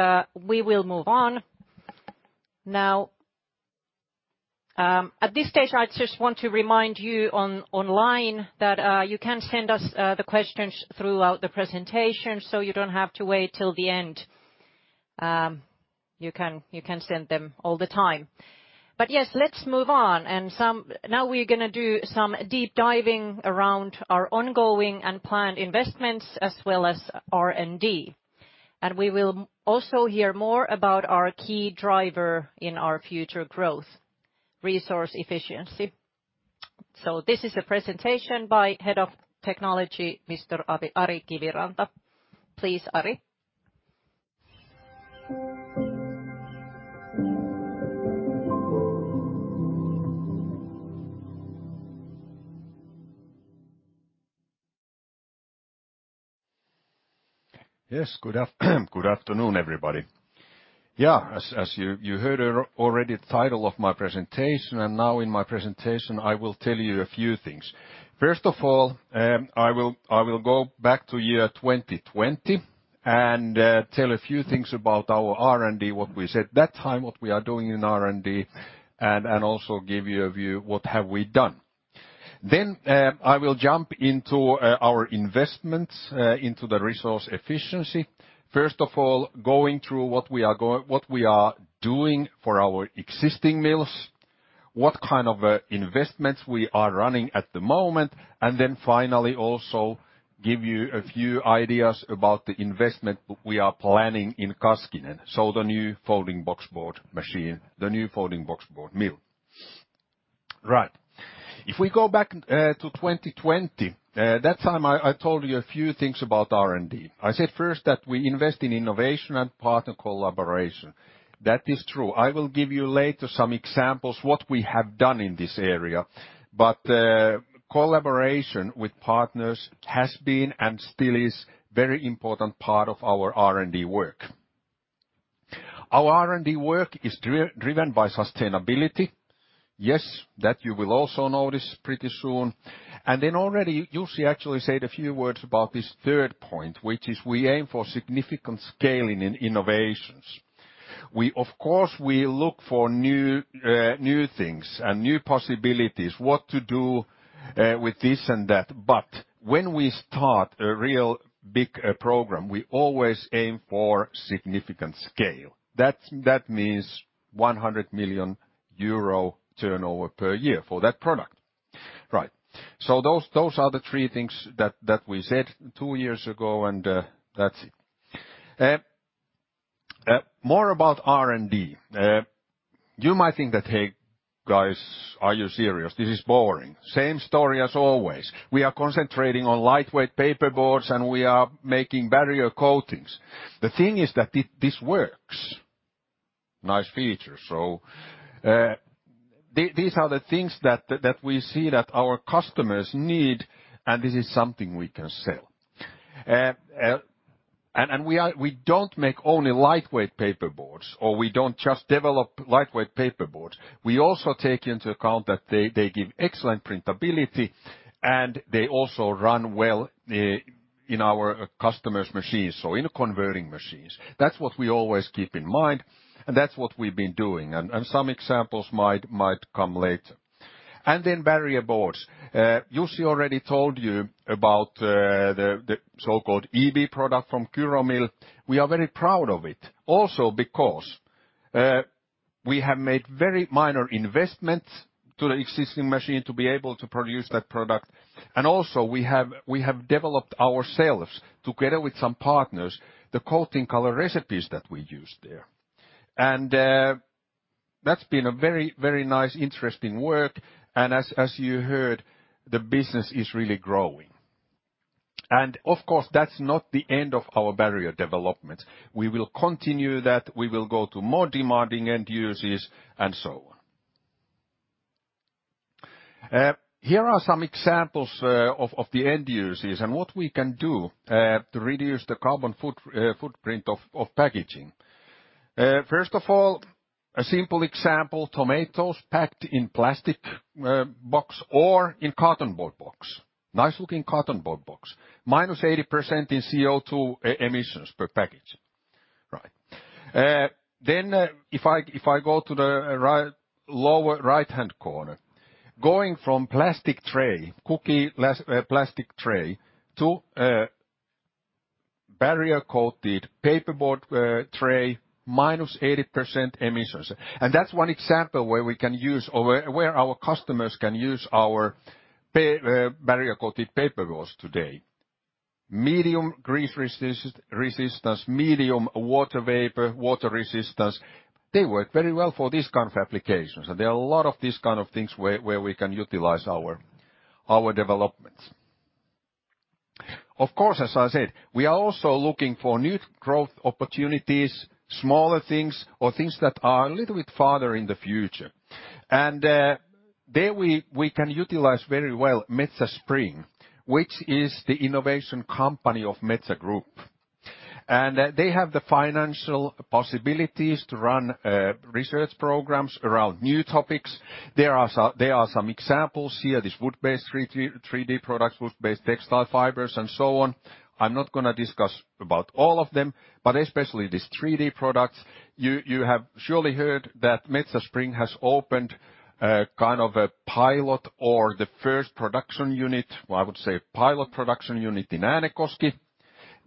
we will move on. Now, at this stage, I just want to remind you online that you can send us the questions throughout the presentation so you don't have to wait till the end. You can send them all the time. But yes, let's move on. And now we're going to do some deep diving around our ongoing and planned investments as well as R&D. And we will also hear more about our key driver in our future growth, resource efficiency. So this is a presentation byHead of Technology, Mr. Ari Kiviranta. Please, Ari. Yes, good afternoon, everybody. Yeah, as you heard already the title of my presentation, and now in my presentation, I will tell you a few things. First of all, I will go back to year 2020 and tell a few things about our R&D, what we said that time, what we are doing in R&D, and also give you a view of what have we done. Then I will jump into our investments into the resource efficiency. First of all, going through what we are doing for our existing mills, what kind of investments we are running at the moment, and then finally also give you a few ideas about the investment we are planning in Kaskinen, so the new folding boxboard machine, the new folding boxboard mill. Right. If we go back to 2020, that time I told you a few things about R&D. I said first that we invest in innovation and partner collaboration. That is true. I will give you later some examples of what we have done in this area, but collaboration with partners has been and still is a very important part of our R&D work. Our R&D work is driven by sustainability. Yes, that you will also notice pretty soon, and then already Jussi actually said a few words about this third point, which is we aim for significant scaling in innovations. We, of course, look for new things and new possibilities, what to do with this and that. But when we start a real big program, we always aim for significant scale. That means 100 million euro turnover per year for that product. Right, so those are the three things that we said two years ago, and that's it. More about R&D. You might think that, hey guys, are you serious? This is boring. Same story as always. We are concentrating on lightweight paperboards, and we are making barrier coatings. The thing is that this works. Nice feature. So these are the things that we see that our customers need, and this is something we can sell. And we don't make only lightweight paperboards, or we don't just develop lightweight paperboards. We also take into account that they give excellent printability, and they also run well in our customers' machines, so in converting machines. That's what we always keep in mind, and that's what we've been doing. And some examples might come later. And then barrier boards. Jussi already told you about the so-called EB product from Kyrö mill. We are very proud of it, also because we have made very minor investments to the existing machine to be able to produce that product, and also we have developed ourselves, together with some partners, the coating color recipes that we use there, and that's been a very, very nice, interesting work, and as you heard, the business is really growing, and of course, that's not the end of our barrier development. We will continue that. We will go to more demanding end uses and so on. Here are some examples of the end uses and what we can do to reduce the carbon footprint of packaging. First of all, a simple example, tomatoes packed in plastic box or in carton board box. Nice looking carton board box. Minus 80% in CO2 emissions per package. Right. Then if I go to the lower right-hand corner, going from plastic tray, cookie plastic tray, to barrier-coated paperboard tray, minus 80% emissions. And that's one example where we can use or where our customers can use our barrier-coated paperboards today. Medium grease resistance, medium water vapor, water resistance. They work very well for this kind of applications. And there are a lot of these kind of things where we can utilize our developments. Of course, as I said, we are also looking for new growth opportunities, smaller things, or things that are a little bit farther in the future. And there we can utilize very well Metsä Spring, which is the innovation company of Metsä Group. And they have the financial possibilities to run research programs around new topics. There are some examples here, these wood-based 3D products, wood-based textile fibers, and so on. I'm not going to discuss about all of them, but especially these 3D products. You have surely heard that Metsä Spring has opened kind of a pilot or the first production unit, I would say pilot production unit in Äänekoski.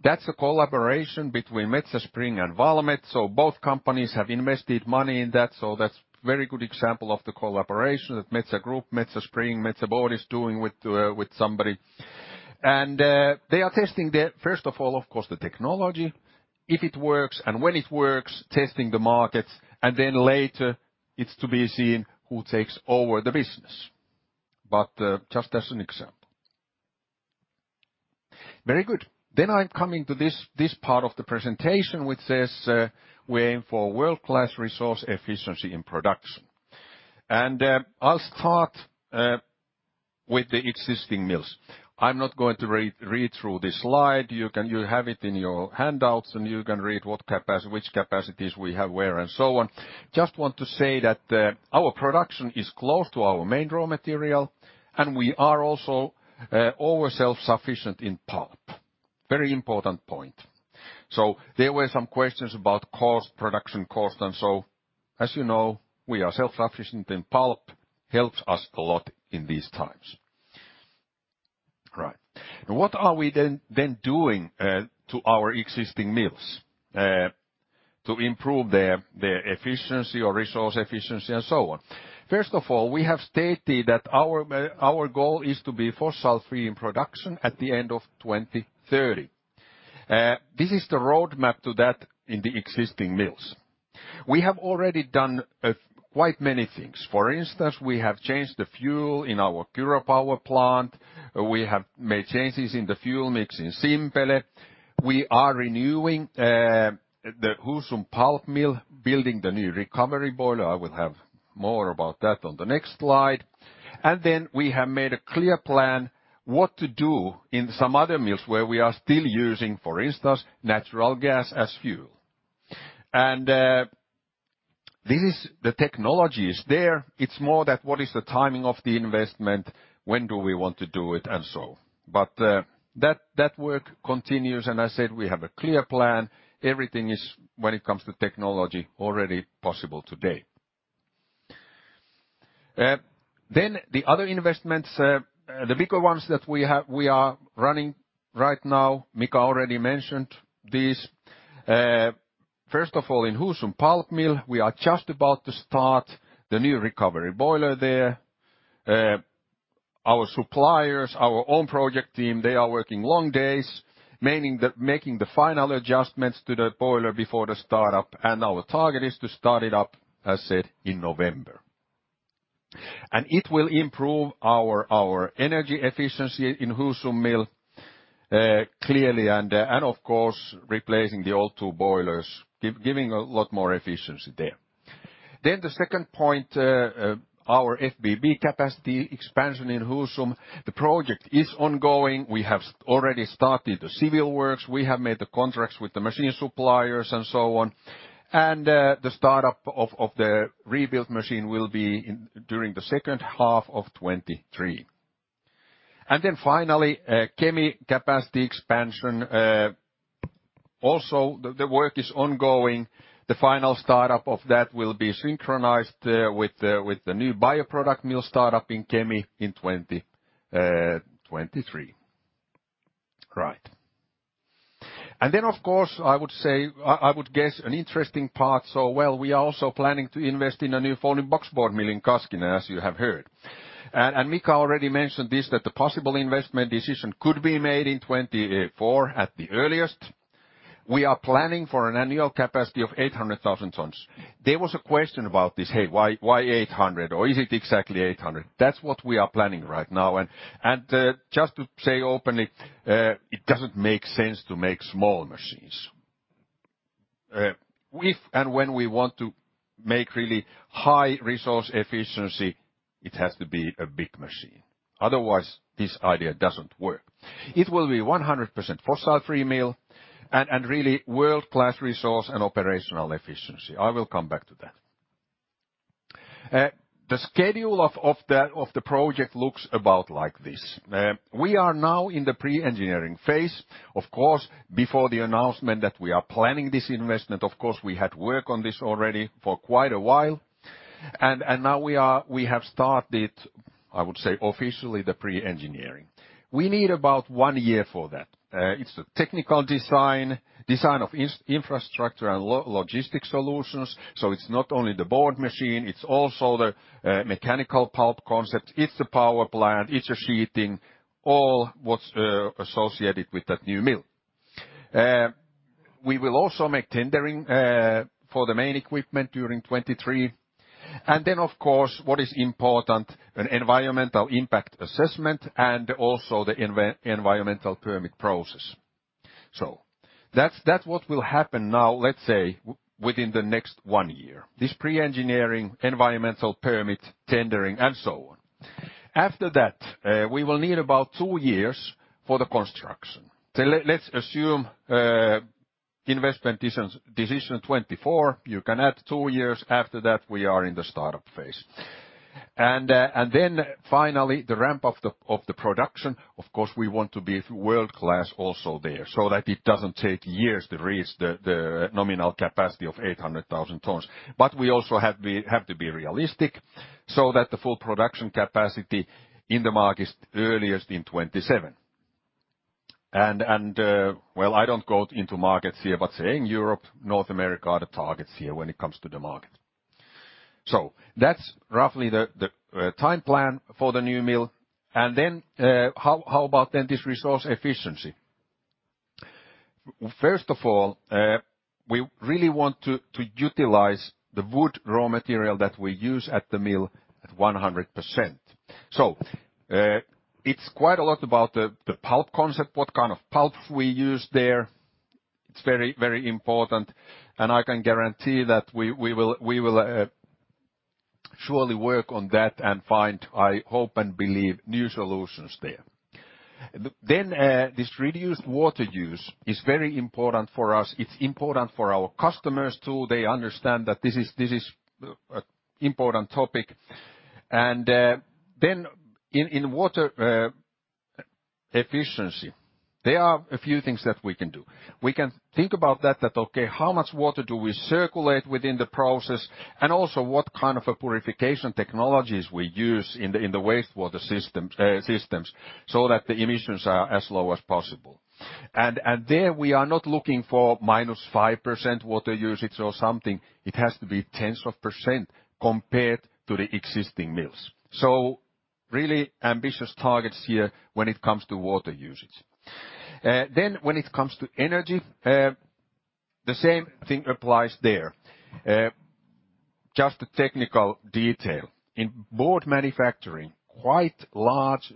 That's a collaboration between Metsä Spring and Valmet, so both companies have invested money in that. So that's a very good example of the collaboration that Metsä Group, Metsä Spring, Metsä Board is doing with somebody, and they are testing, first of all, of course, the technology, if it works, and when it works, testing the markets, and then later it's to be seen who takes over the business. But just as an example. Very good, then I'm coming to this part of the presentation, which says we aim for world-class resource efficiency in production, and I'll start with the existing mills. I'm not going to read through this slide. You have it in your handouts, and you can read which capacities we have where and so on. Just want to say that our production is close to our main raw material, and we are also overself-sufficient in pulp. Very important point. So there were some questions about cost, production cost, and so, as you know, we are self-sufficient in pulp, helps us a lot in these times. Right. What are we then doing to our existing mills to improve their efficiency or resource efficiency and so on? First of all, we have stated that our goal is to be fossil-free in production at the end of 2030. This is the roadmap to that in the existing mills. We have already done quite many things. For instance, we have changed the fuel in our Kyrö power plant. We have made changes in the fuel mix in Simpele. We are renewing the Husum pulp mill, building the new recovery boiler. I will have more about that on the next slide, and then we have made a clear plan what to do in some other mills where we are still using, for instance, natural gas as fuel, and the technology is there. It's more that what is the timing of the investment, when do we want to do it, and so on, but that work continues, and I said we have a clear plan. Everything is, when it comes to technology, already possible today, then the other investments, the bigger ones that we are running right now, Mika already mentioned these. First of all, in Husum pulp mill, we are just about to start the new recovery boiler there. Our suppliers, our own project team, they are working long days, making the final adjustments to the boiler before the startup. Our target is to start it up, as said, in November. It will improve our energy efficiency in Husum mill clearly, and of course, replacing the old two boilers, giving a lot more efficiency there. The second point, our FBB capacity expansion in Husum. The project is ongoing. We have already started the civil works. We have made the contracts with the machine suppliers and so on. The startup of the rebuilt machine will be during the second half of 2023. Then finally, Kemi capacity expansion. Also, the work is ongoing. The final startup of that will be synchronized with the new bioproduct mill startup in Kemi in 2023. Right. Then, of course, I would say, I would guess an interesting part. We are also planning to invest in a new folding boxboard mill in Kaskinen, as you have heard. Mika already mentioned this, that the possible investment decision could be made in 2024 at the earliest. We are planning for an annual capacity of 800,000 tons. There was a question about this, hey, why 800, or is it exactly 800? That's what we are planning right now. Just to say openly, it doesn't make sense to make small machines. If and when we want to make really high resource efficiency, it has to be a big machine. Otherwise, this idea doesn't work. It will be 100% fossil-free mill and really world-class resource and operational efficiency. I will come back to that. The schedule of the project looks about like this. We are now in the pre-engineering phase. Of course, before the announcement that we are planning this investment, of course, we had worked on this already for quite a while. And now we have started, I would say, officially the pre-engineering. We need about one year for that. It's the technical design, design of infrastructure and logistic solutions. So it's not only the board machine, it's also the mechanical pulp concept, it's the power plant, it's the sheeting, all what's associated with that new mill. We will also make tendering for the main equipment during 2023. And then, of course, what is important, an environmental impact assessment and also the environmental permit process. So that's what will happen now, let's say, within the next one year. This pre-engineering, environmental permit, tendering, and so on. After that, we will need about two years for the construction. Let's assume investment decision 2024. You can add two years. After that, we are in the startup phase. And then finally, the ramp of the production, of course, we want to be world-class also there so that it doesn't take years to reach the nominal capacity of 800,000 tons. But we also have to be realistic so that the full production capacity in the market is earliest in 2027. And well, I don't go into markets here, but saying Europe, North America are the targets here when it comes to the market. So that's roughly the time plan for the new mill. And then how about then this resource efficiency? First of all, we really want to utilize the wood raw material that we use at the mill at 100%. So it's quite a lot about the pulp concept, what kind of pulp we use there. It's very, very important. I can guarantee that we will surely work on that and find, I hope and believe, new solutions there. Then this reduced water use is very important for us. It's important for our customers too. They understand that this is an important topic. And then in water efficiency, there are a few things that we can do. We can think about that, that okay, how much water do we circulate within the process? And also, what kind of purification technologies we use in the wastewater systems, so that the emissions are as low as possible. And there we are not looking for minus 5% water usage or something. It has to be tens of percent compared to the existing mills. So really ambitious targets here when it comes to water usage. Then when it comes to energy, the same thing applies there. Just a technical detail. In board manufacturing, quite a large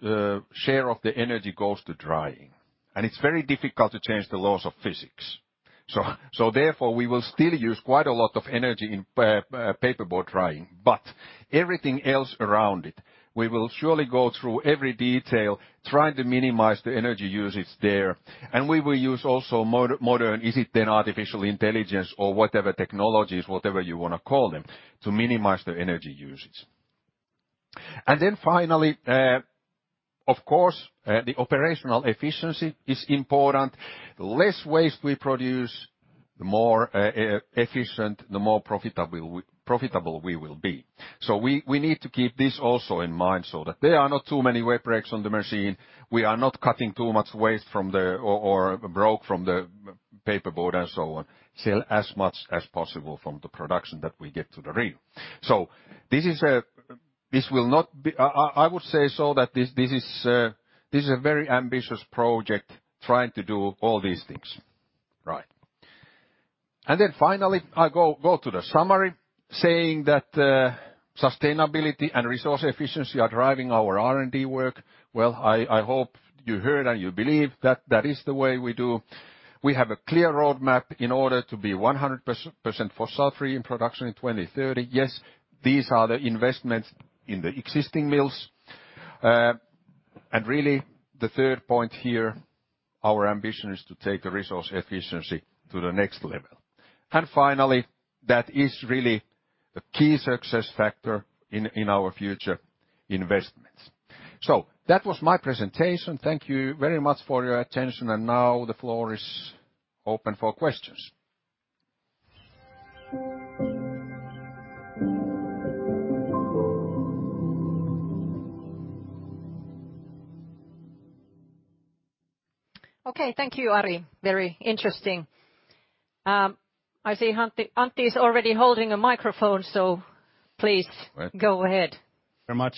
share of the energy goes to drying. And it's very difficult to change the laws of physics. So therefore we will still use quite a lot of energy in paperboard drying. But everything else around it, we will surely go through every detail, trying to minimize the energy usage there. And we will use also modern, is it then artificial intelligence or whatever technologies, whatever you want to call them, to minimize the energy usage. And then finally, of course, the operational efficiency is important. The less waste we produce, the more efficient, the more profitable we will be. So we need to keep this also in mind so that there are not too many web breaks on the machine. We are not cutting too much waste from the or broke from the paperboard and so on. Sell as much as possible from the production that we get to the real. So this will not be, I would say so that this is a very ambitious project trying to do all these things. Right. And then finally, I go to the summary saying that sustainability and resource efficiency are driving our R&D work. Well, I hope you heard and you believe that that is the way we do. We have a clear roadmap in order to be 100% fossil-free in production in 2030. Yes, these are the investments in the existing mills. And really the third point here, our ambition is to take the resource efficiency to the next level. And finally, that is really a key success factor in our future investments. So that was my presentation. Thank you very much for your attention. And now the floor is open for questions. Okay, thank you, Ari.Very interesting. I see Antti is already holding a microphone, so please go ahead. Thank you very much.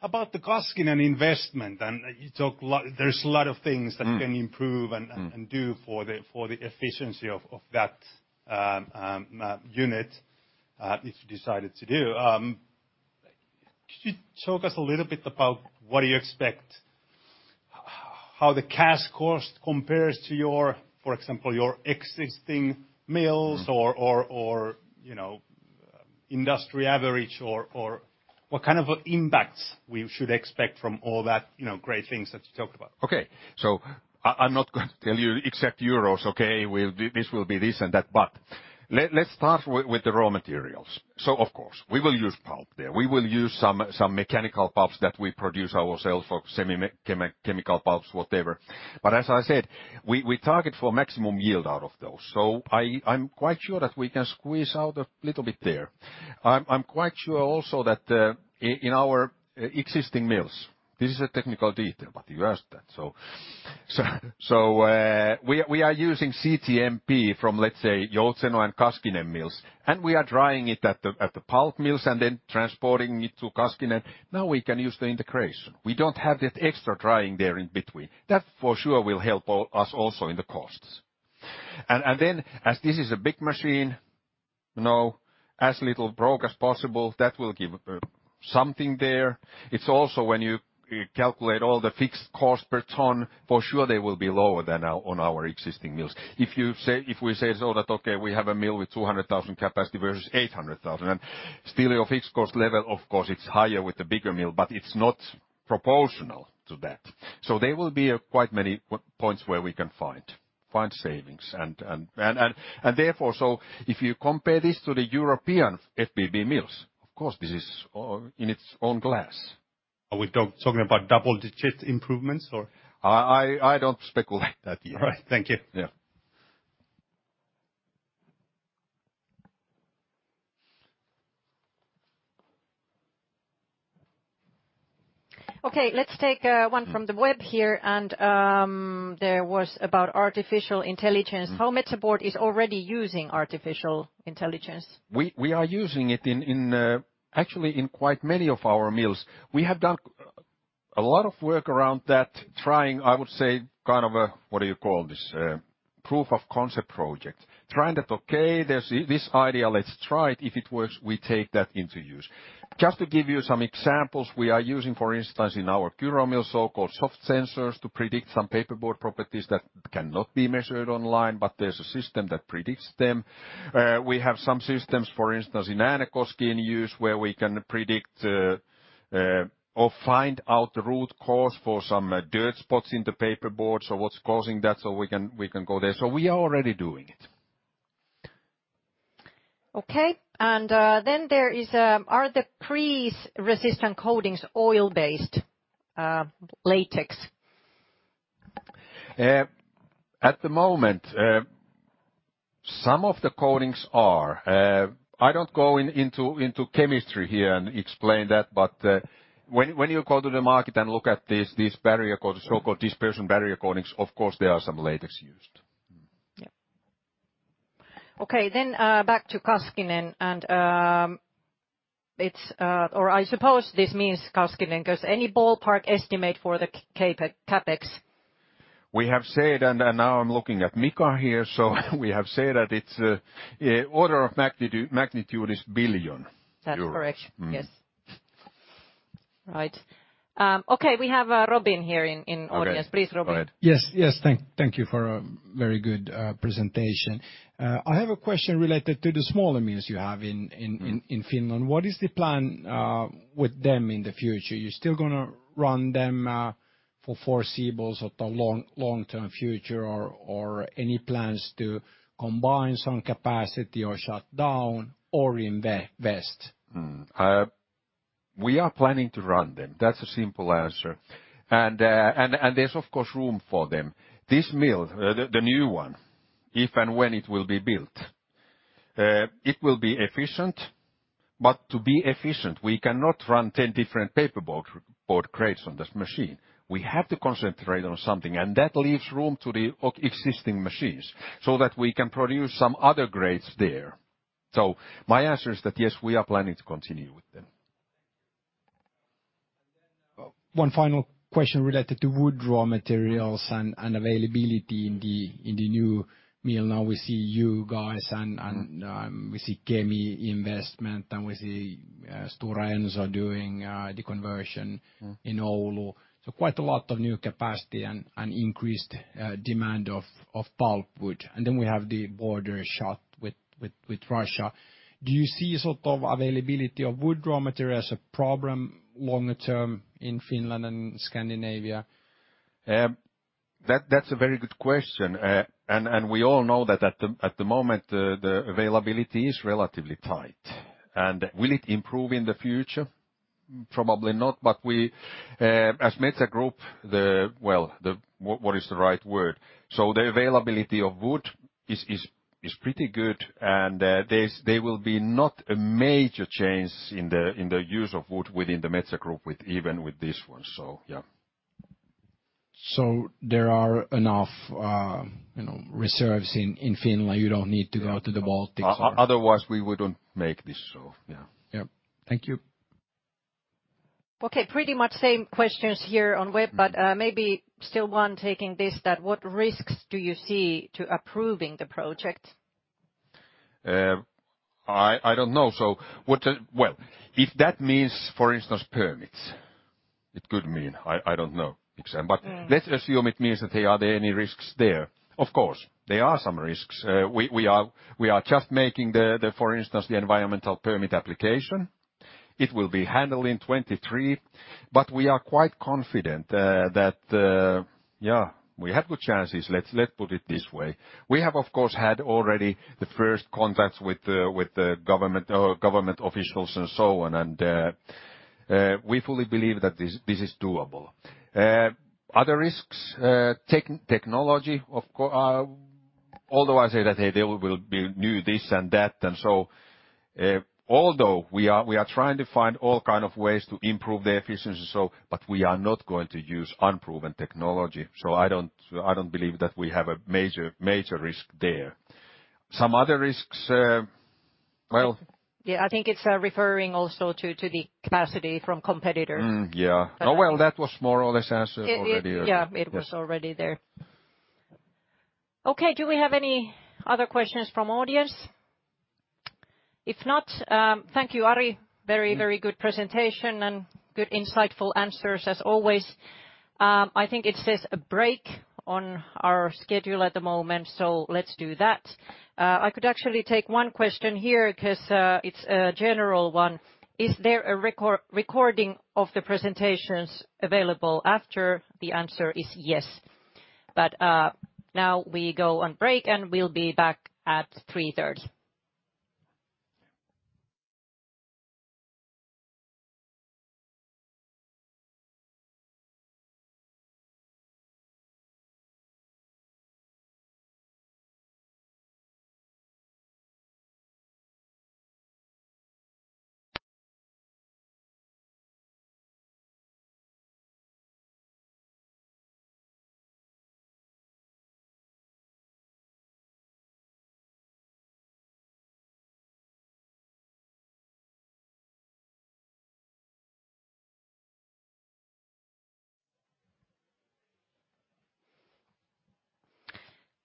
About the Kaskinen investment, and you talked a lot, there's a lot of things that can improve and do for the efficiency of that unit if you decided to do. Could you talk us a little bit about what do you expect, how the cash cost compares to your, for example, your existing mills or industry average, or what kind of impacts we should expect from all that great things that you talked about? Okay, so I'm not going to tell you exact euros, okay? This will be this and that, but let's start with the raw materials. So of course, we will use pulp there. We will use some mechanical pulps that we produce ourselves or semi-chemical pulps, whatever. But as I said, we target for maximum yield out of those. So I'm quite sure that we can squeeze out a little bit there. I'm quite sure also that in our existing mills, this is a technical detail, but you asked that. So we are using CTMP from, let's say, Joutseno and Kaskinen mills, and we are drying it at the pulp mills and then transporting it to Kaskinen. Now we can use the integration. We don't have that extra drying there in between. That for sure will help us also in the costs. And then, as this is a big machine, as little broke as possible, that will give something there. It's also when you calculate all the fixed cost per ton, for sure they will be lower than on our existing mills. If we say so that, okay, we have a mill with 200,000 capacity versus 800,000, and still your fixed cost level, of course, it's higher with the bigger mill, but it's not proportional to that. So there will be quite many points where we can find savings. And therefore, so if you compare this to the European FBB mills, of course, this is in its own class. Are we talking about double-digit improvements or? I don't speculate that yet. All right. Thank you. Yeah. Okay, let's take one from the web here. And there was about artificial intelligence. How Metsä Board is already using artificial intelligence? We are using it actually in quite many of our mills. We have done a lot of work around that, trying, I would say, kind of a, what do you call this, proof of concept project. Trying that, okay, there's this idea, let's try it. If it works, we take that into use. Just to give you some examples, we are using, for instance, in our Kyrö mill, so-called soft sensors to predict some paperboard properties that cannot be measured online, but there's a system that predicts them. We have some systems, for instance, in Äänekoski in use where we can predict or find out the root cause for some dirt spots in the paperboard. So what's causing that? So we can go there. So we are already doing it. Okay. And then there are the grease-resistant coatings, oil-based latex. At the moment, some of the coatings are. I don't go into chemistry here and explain that, but when you go to the market and look at these barrier coatings, so-called dispersion barrier coatings, of course, there are some latex used. Yeah. Okay, then back to Kaskinen.Or, I suppose this means Kaskinen? Because any ballpark estimate for the CapEx? We have said, and now I'm looking at Mika here, so we have said that its order of magnitude is 1 billion EUR. That's correct. Yes. Right. Okay, we have Robin here in the audience. Please, Robin. Yes, yes. Thank you for a very good presentation. I have a question related to the smaller mills you have in Finland. What is the plan with them in the future? You're still going to run them for foreseeable or long-term future or any plans to combine some capacity or shut down or invest? We are planning to run them. That's a simple answer. There's, of course, room for them. This mill, the new one, if and when it will be built, it will be efficient. But to be efficient, we cannot run 10 different paperboard grades on this machine. We have to concentrate on something, and that leaves room to the existing machines so that we can produce some other grades there. So my answer is that yes, we are planning to continue with them. One final question related to wood raw materials and availability in the new mill. Now we see you guys and we see Kemi investment and we see Stora Enso doing the conversion in Oulu. So quite a lot of new capacity and increased demand of pulp wood. And then we have the border shutdown with Russia. Do you see sort of availability of wood raw materials a problem longer term in Finland and Scandinavia? That's a very good question. And we all know that at the moment, the availability is relatively tight. And will it improve in the future? Probably not. But as Metsä Group, well, what is the right word? So the availability of wood is pretty good. And there will be not a major change in the use of wood within the Metsä Group, even with this one. So yeah. So there are enough reserves in Finland. You don't need to go to the Baltics. Otherwise, we wouldn't make this. So yeah. Yeah. Thank you. Okay. Pretty much same questions here on web, but maybe still one taking this, that what risks do you see to approving the project? I don't know. So well, if that means, for instance, permits, it could mean. I don't know. But let's assume it means that there are any risks there. Of course, there are some risks. We are just making the, for instance, the environmental permit application. It will be handled in 2023. But we are quite confident that, yeah, we have good chances. Let's put it this way. We have, of course, had already the first contacts with government officials and so on. And we fully believe that this is doable. Other risks, technology, although I say that there will be new this and that. And so although we are trying to find all kinds of ways to improve the efficiency, but we are not going to use unproven technology. So I don't believe that we have a major risk there. Some other risks, well. Yeah, I think it's referring also to the capacity from competitors. Yeah. Well, that was more or less answered already. Yeah, it was already there. Okay, do we have any other questions from audience? If not, thank you, Ari. Very, very good presentation and good insightful answers as always. I think it says a break on our schedule at the moment, so let's do that. I could actually take one question here because it's a general one. Is there a recording of the presentations available after? The answer is yes. But now we go on break and we'll be back at 3:30 P.M.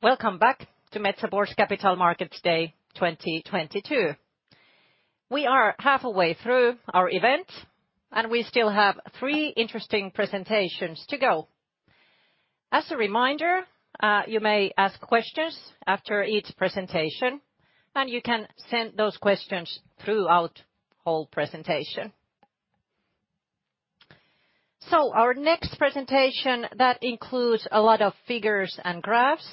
Welcome back to Metsä Board Capital Markets Day 2022. We are halfway through our event, and we still have three interesting presentations to go. As a reminder, you may ask questions after each presentation, and you can send those questions throughout the whole presentation. So our next presentation that includes a lot of figures and graphs,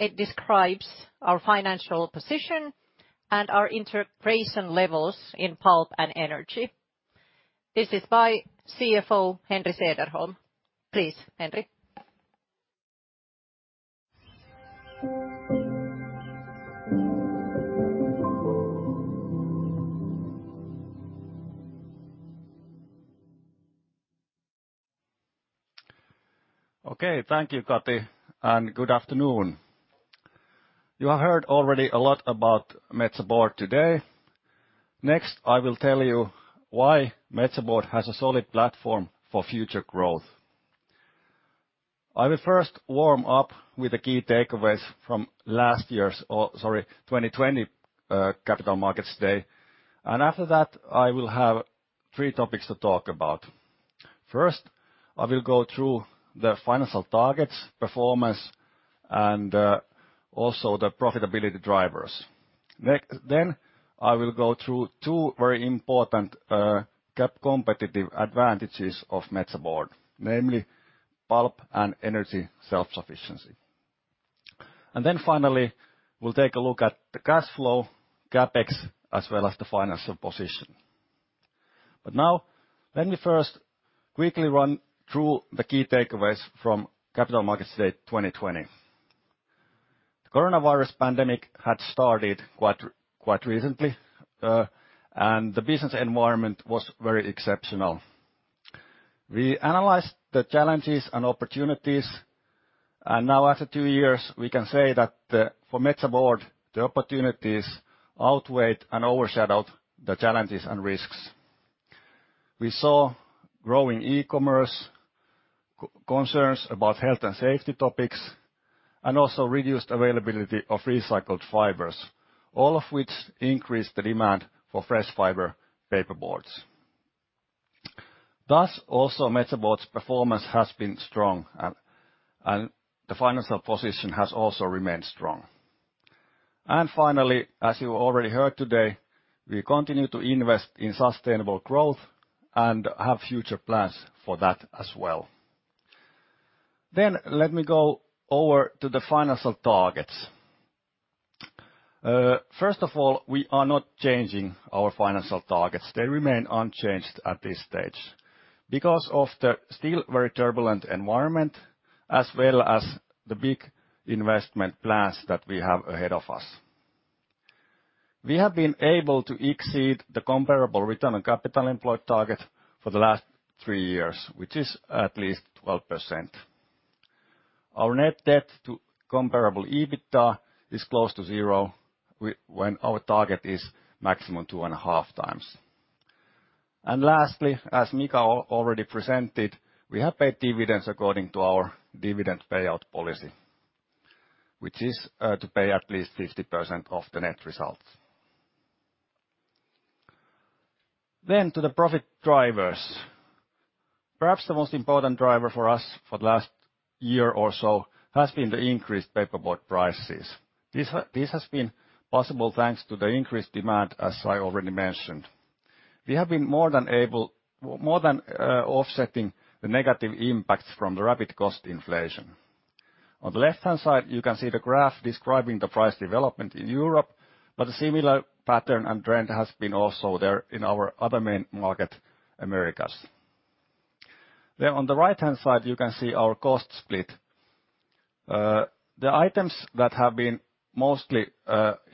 it describes our financial position and our EBITDA levels in pulp and energy. This is by CFO Henri Söderholm. Please, Henri. Okay, thank you, Katri, and good afternoon. You have heard already a lot about Metsä Board today. Next, I will tell you why Metsä Board has a solid platform for future growth. I will first warm up with the key takeaways from last year's, sorry, 2020 Capital Markets Day. And after that, I will have three topics to talk about. First, I will go through the financial targets, performance, and also the profitability drivers. Then I will go through two very important competitive advantages of Metsä Board, namely pulp and energy self-sufficiency. And then finally, we'll take a look at the cash flow, CapEx, as well as the financial position. But now, let me first quickly run through the key takeaways from Capital Markets Day 2020. The coronavirus pandemic had started quite recently, and the business environment was very exceptional. We analyzed the challenges and opportunities, and now after two years, we can say that for Metsä Board, the opportunities outweighed and overshadowed the challenges and risks. We saw growing e-commerce, concerns about health and safety topics, and also reduced availability of recycled fibers, all of which increased the demand for fresh fiber paperboards. Thus, also Metsä Board's performance has been strong, and the financial position has also remained strong, and finally, as you already heard today, we continue to invest in sustainable growth and have future plans for that as well, then let me go over to the financial targets. First of all, we are not changing our financial targets. They remain unchanged at this stage because of the still very turbulent environment, as well as the big investment plans that we have ahead of us. We have been able to exceed the comparable Return on Capital Employed target for the last three years, which is at least 12%. Our net debt to comparable EBITDA is close to zero when our target is maximum two and a half times. And lastly, as Mika already presented, we have paid dividends according to our dividend payout policy, which is to pay at least 50% of the net results. Then to the profit drivers. Perhaps the most important driver for us for the last year or so has been the increased paperboard prices. This has been possible thanks to the increased demand, as I already mentioned. We have been more than able, more than offsetting the negative impacts from the rapid cost inflation. On the left-hand side, you can see the graph describing the price development in Europe, but a similar pattern and trend has been also there in our other main market, Americas. Then on the right-hand side, you can see our cost split. The items that have been mostly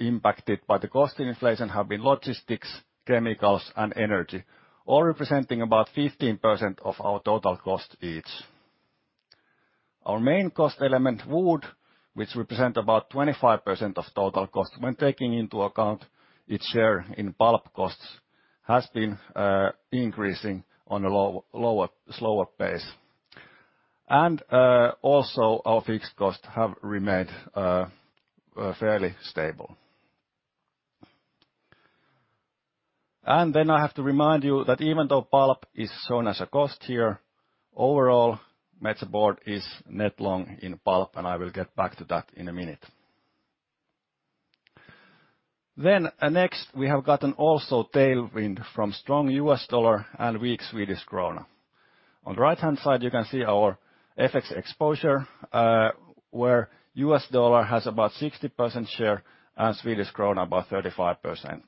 impacted by the cost inflation have been logistics, chemicals, and energy, all representing about 15% of our total cost each. Our main cost element, wood, which represents about 25% of total cost when taking into account its share in pulp costs, has been increasing on a slower pace, and also our fixed costs have remained fairly stable, and then I have to remind you that even though pulp is shown as a cost here, overall, Metsä Board is net long in pulp, and I will get back to that in a minute, then next, we have gotten also tailwind from strong U.S. dollar and weak Swedish krona. On the right-hand side, you can see our FX exposure, where U.S. dollar has about 60% share and Swedish krona about 35%.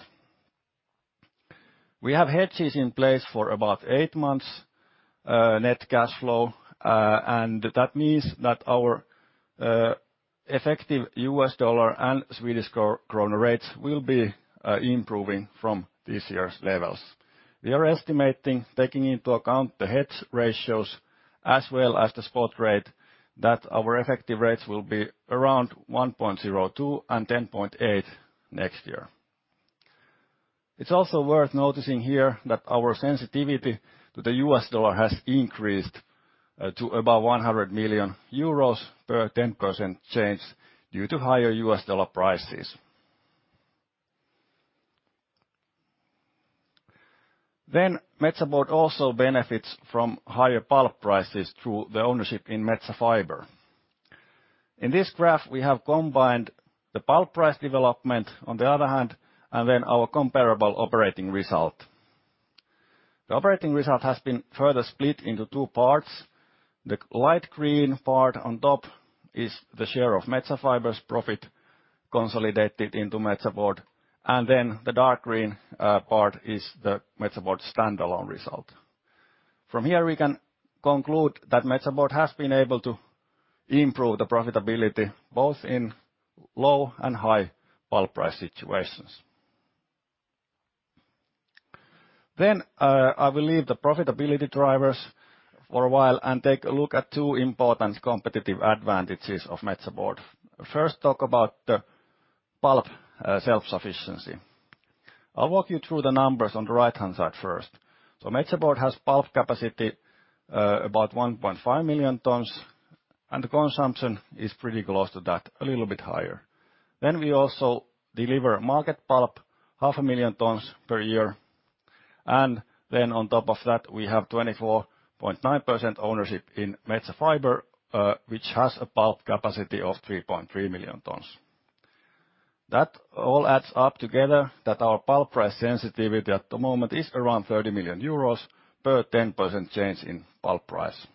We have hedges in place for about eight months net cash flow, and that means that our effective USD and SEK rates will be improving from this year's levels. We are estimating, taking into account the hedge ratios as well as the spot rate, that our effective rates will be around 1.02 and 10.8 next year. It's also worth noticing here that our sensitivity to the USD has increased to about 100 million euros per 10% change due to higher USD prices. Then Metsä Board also benefits from higher pulp prices through the ownership in Metsä Fibre. In this graph, we have combined the pulp price development on the other hand, and then our comparable operating result. The operating result has been further split into two parts. The light green part on top is the share of Metsä Fibre's profit consolidated into Metsä Board, and then the dark green part is the Metsä Board standalone result. From here, we can conclude that Metsä Board has been able to improve the profitability both in low and high pulp price situations. Then I will leave the profitability drivers for a while and take a look at two important competitive advantages of Metsä Board. First, talk about the pulp self-sufficiency. I'll walk you through the numbers on the right-hand side first. So Metsä Board has pulp capacity about 1.5 million tons, and the consumption is pretty close to that, a little bit higher. Then we also deliver market pulp, 500,000 tons per year. And then on top of that, we have 24.9% ownership in Metsä Fibre, which has a pulp capacity of 3.3 million tons. That all adds up together that our pulp price sensitivity at the moment is around 30 million euros per 10% change in pulp price.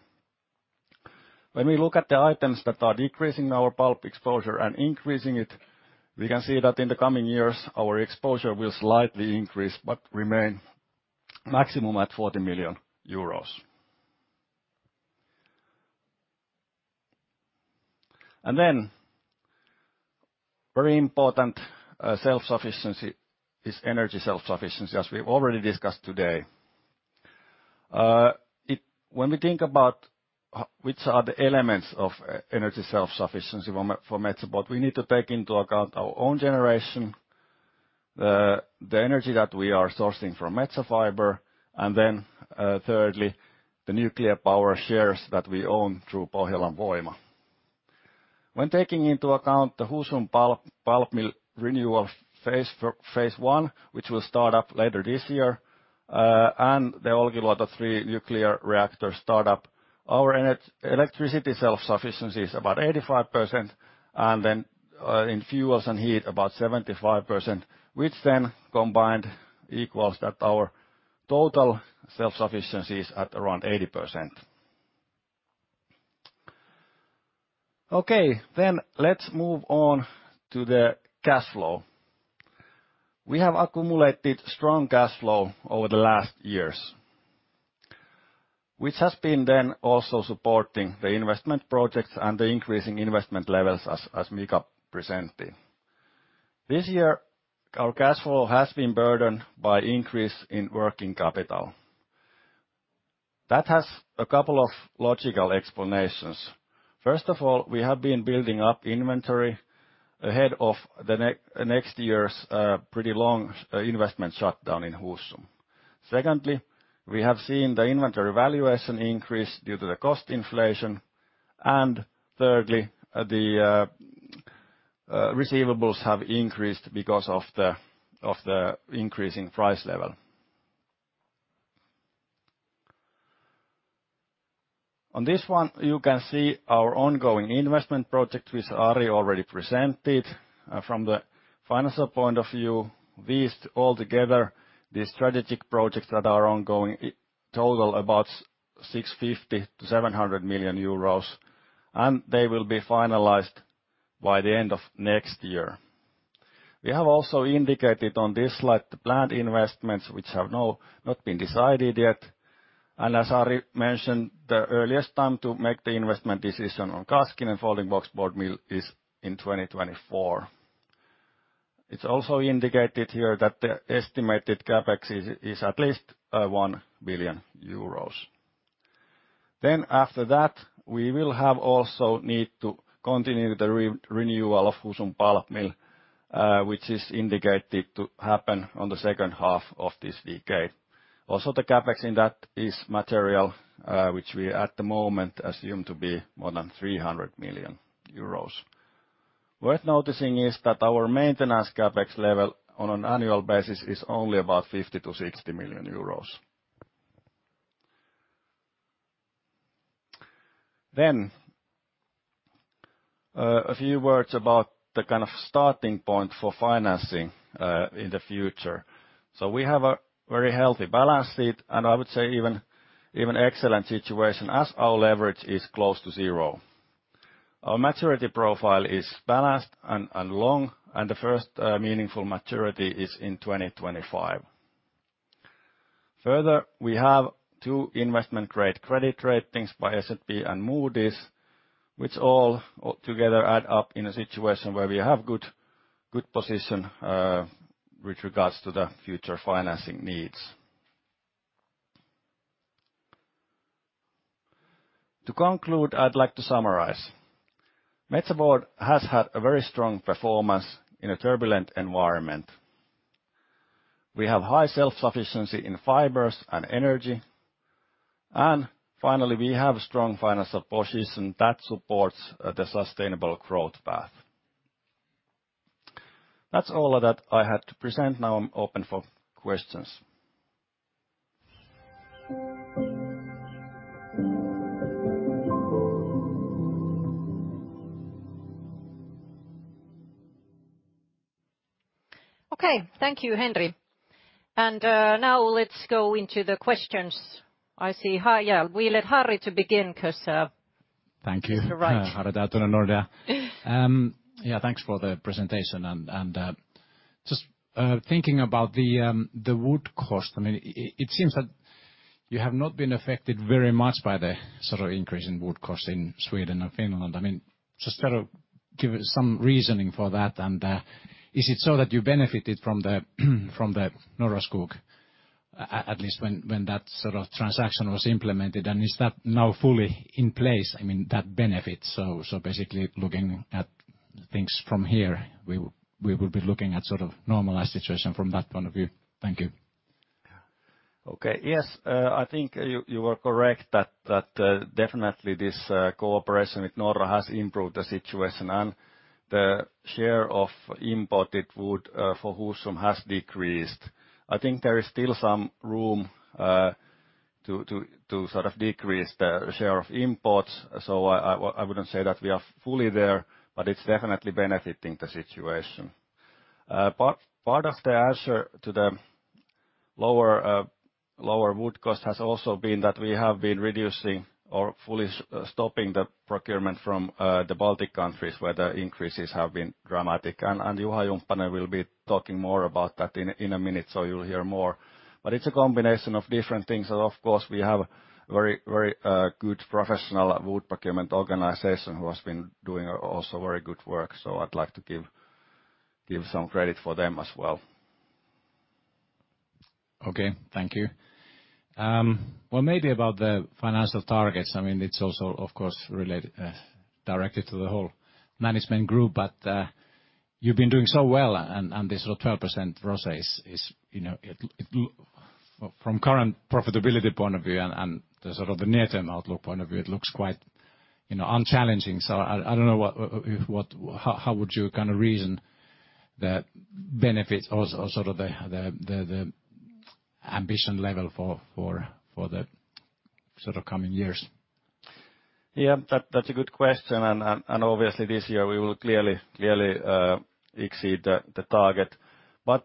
When we look at the items that are decreasing our pulp exposure and increasing it, we can see that in the coming years, our exposure will slightly increase, but remain maximum at 40 million euros, and then very important self-sufficiency is energy self-sufficiency, as we've already discussed today. When we think about which are the elements of energy self-sufficiency for Metsä Board, we need to take into account our own generation, the energy that we are sourcing from Metsä Fibre, and then thirdly, the nuclear power shares that we own through Pohjolan Voima. When taking into account the Husum pulp renewal phase one, which will start up later this year, and the Olkiluoto 3 nuclear reactor startup, our electricity self-sufficiency is about 85%, and then in fuels and heat, about 75%, which then combined equals that our total self-sufficiency is at around 80%. Okay, then let's move on to the cash flow. We have accumulated strong cash flow over the last years, which has been then also supporting the investment projects and the increasing investment levels, as Mika presented. This year, our cash flow has been burdened by an increase in working capital. That has a couple of logical explanations. First of all, we have been building up inventory ahead of next year's pretty long investment shutdown in Husum. Secondly, we have seen the inventory valuation increase due to the cost inflation, and thirdly, the receivables have increased because of the increasing price level. On this one, you can see our ongoing investment project, which Ari already presented from the financial point of view. These altogether, these strategic projects that are ongoing total about 650-700 million euros, and they will be finalized by the end of next year. We have also indicated on this slide the planned investments, which have not been decided yet. And as Ari mentioned, the earliest time to make the investment decision on Kaskinen folding boxboard mill is in 2024. It's also indicated here that the estimated CapEx is at least 1 billion euros. Then after that, we will also need to continue the renewal of Husum pulp mill, which is indicated to happen in the second half of this decade. Also, the CapEx in that is material, which we at the moment assume to be more than 300 million euros. Worth noticing is that our maintenance CapEx level on an annual basis is only about 50-60 million euros. Then a few words about the kind of starting point for financing in the future. So we have a very healthy balance sheet, and I would say even excellent situation as our leverage is close to zero. Our maturity profile is balanced and long, and the first meaningful maturity is in 2025. Further, we have two investment-grade credit ratings by S&P and Moody's, which all together add up in a situation where we have a good position with regards to the future financing needs. To conclude, I'd like to summarize. Metsä Board has had a very strong performance in a turbulent environment. We have high self-sufficiency in fibers and energy. And finally, we have a strong financial position that supports the sustainable growth path. That's all that I had to present. Now I'm open for questions. Okay, thank you, Henri. And now let's go into the questions. I see. We'll let Harry to begin because. Thank you. Harri Taittonen Nordea. Yeah, thanks for the presentation. And just thinking about the wood cost, I mean, it seems that you have not been affected very much by the sort of increase in wood cost in Sweden and Finland. I mean, just sort of give some reasoning for that. And is it so that you benefited from the Norra Skog, at least when that sort of transaction was implemented? And is that now fully in place, I mean, that benefit? So basically looking at things from here, we will be looking at sort of normalized situation from that point of view. Thank you. Okay, yes, I think you were correct that definitely this cooperation with Norra has improved the situation and the share of imported wood for Husum has decreased. I think there is still some room to sort of decrease the share of imports. So I wouldn't say that we are fully there, but it's definitely benefiting the situation. Part of the answer to the lower wood cost has also been that we have been reducing or fully stopping the procurement from the Baltic countries where the increases have been dramatic, and Juha Jumppanen will be talking more about that in a minute, so you'll hear more, but it's a combination of different things. Of course, we have a very good professional wood procurement organization who has been doing also very good work. So I'd like to give some credit for them as well. Okay, thank you. Maybe about the financial targets. I mean, it's also, of course, related directly to the whole management group, but you've been doing so well and this sort of 12% ROCE is, from current profitability point of view and the sort of the near-term outlook point of view, it looks quite unchallenging. So I don't know how would you kind of reason the benefits or sort of the ambition level for the sort of coming years? Yeah, that's a good question. Obviously this year we will clearly exceed the target.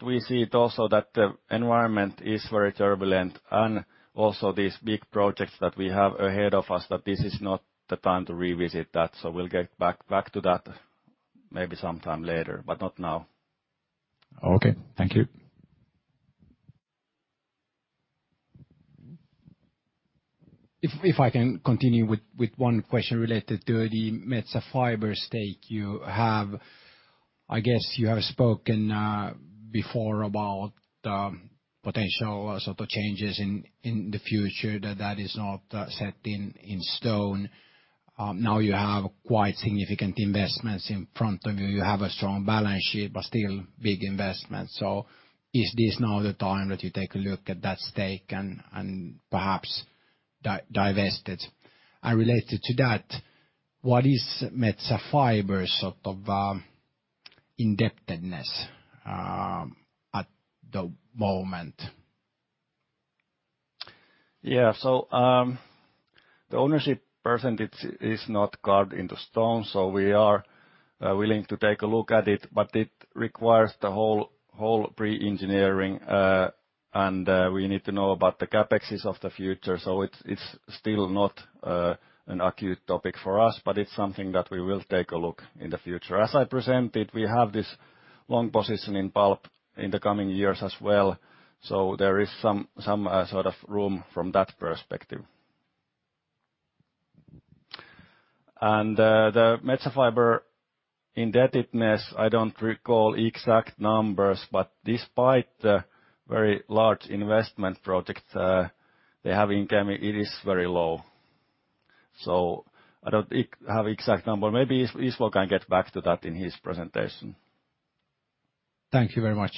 We see it also that the environment is very turbulent and also these big projects that we have ahead of us, that this is not the time to revisit that. We'll get back to that maybe sometime later, but not now. Okay, thank you. If I can continue with one question related to the Metsä Fibre stake you have, I guess you have spoken before about the potential sort of changes in the future that that is not set in stone. Now you have quite significant investments in front of you. You have a strong balance sheet, but still big investments. So is this now the time that you take a look at that stake and perhaps divest it? And related to that, what is Metsä Fibre's sort of indebtedness at the moment? Yeah, so the ownership percentage is not carved into stone, so we are willing to take a look at it, but it requires the whole pre-engineering, and we need to know about the CapExes of the future. So it's still not an acute topic for us, but it's something that we will take a look in the future. As I presented, we have this long position in pulp in the coming years as well. So there is some sort of room from that perspective. And the Metsä Fibre indebtedness, I don't recall exact numbers, but despite the very large investment projects they have income, it is very low. So I don't have exact numbers. Maybe Ismo can get back to that in his presentation. Thank you very much.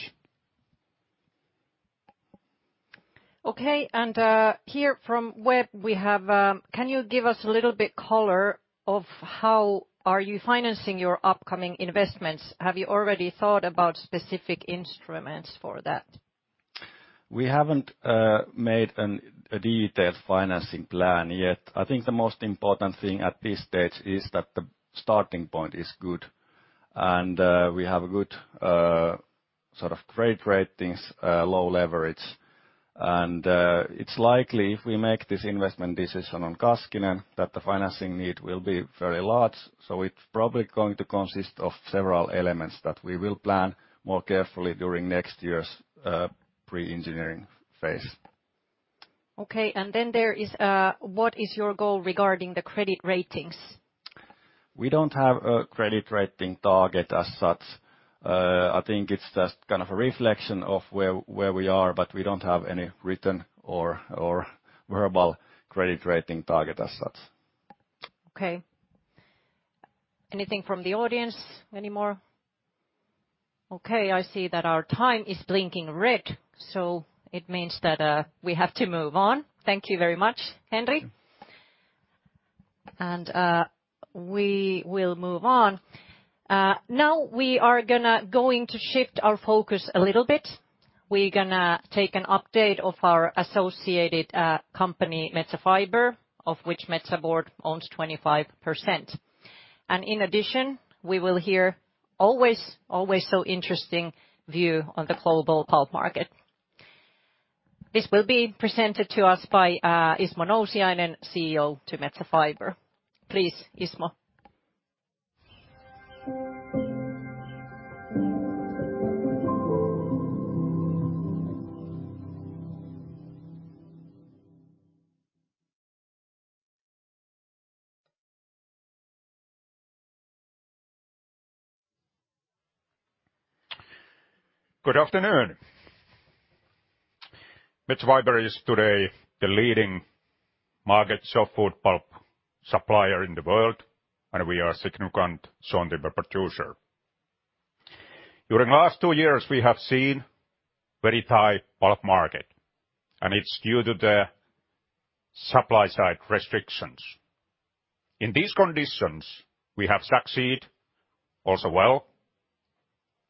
Okay, and here from the web, can you give us a little bit color on how are you financing your upcoming investments? Have you already thought about specific instruments for that? We haven't made a detailed financing plan yet. I think the most important thing at this stage is that the starting point is good and we have good sort of credit ratings, low leverage. And it's likely if we make this investment decision on Kaskinen, that the financing need will be very large. So it's probably going to consist of several elements that we will plan more carefully during next year's pre-engineering phase. Okay, and then there is, what is your goal regarding the credit ratings? We don't have a credit rating target as such. I think it's just kind of a reflection of where we are, but we don't have any written or verbal credit rating target as such. Okay. Anything from the audience? Any more? Okay, I see that our time is blinking red, so it means that we have to move on. Thank you very much, Henri. And we will move on. Now we are going to shift our focus a little bit. We're going to take an update of our associated company, Metsä Fibre, of which Metsä Board owns 25%. In addition, we will hear always so interesting view on the global pulp market. This will be presented to us by Ismo Nousiainen, CEO of Metsä Fibre. Please, Ismo. Good afternoon. Metsä Fibre is today the leading market softwood pulp supplier in the world, and we are a significant source of production. During the last two years, we have seen a very tight pulp market, and it's due to the supply-side restrictions. In these conditions, we have succeeded also well.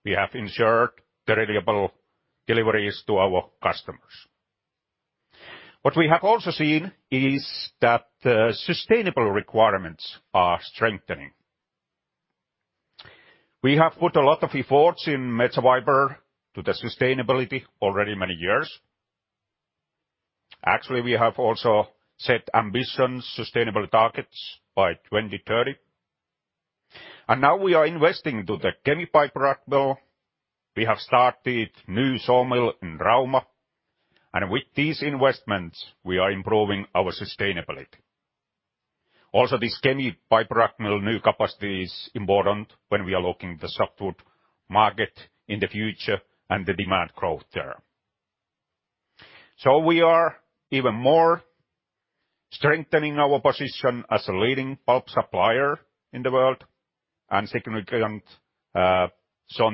We have ensured the reliable deliveries to our customers. What we have also seen is that the sustainable requirements are strengthening. We have put a lot of efforts in Metsä Fibre to the sustainability already many years. Actually, we have also set ambitions, sustainable targets by 2030. Now we are investing into the Kemi bioproduct mill. We have started new sawmill in Rauma, and with these investments, we are improving our sustainability. Also, this Kemi bioproduct mill new capacity is important when we are looking at the softwood market in the future and the demand growth there, so we are even more strengthening our position as a leading pulp supplier in the world and significant source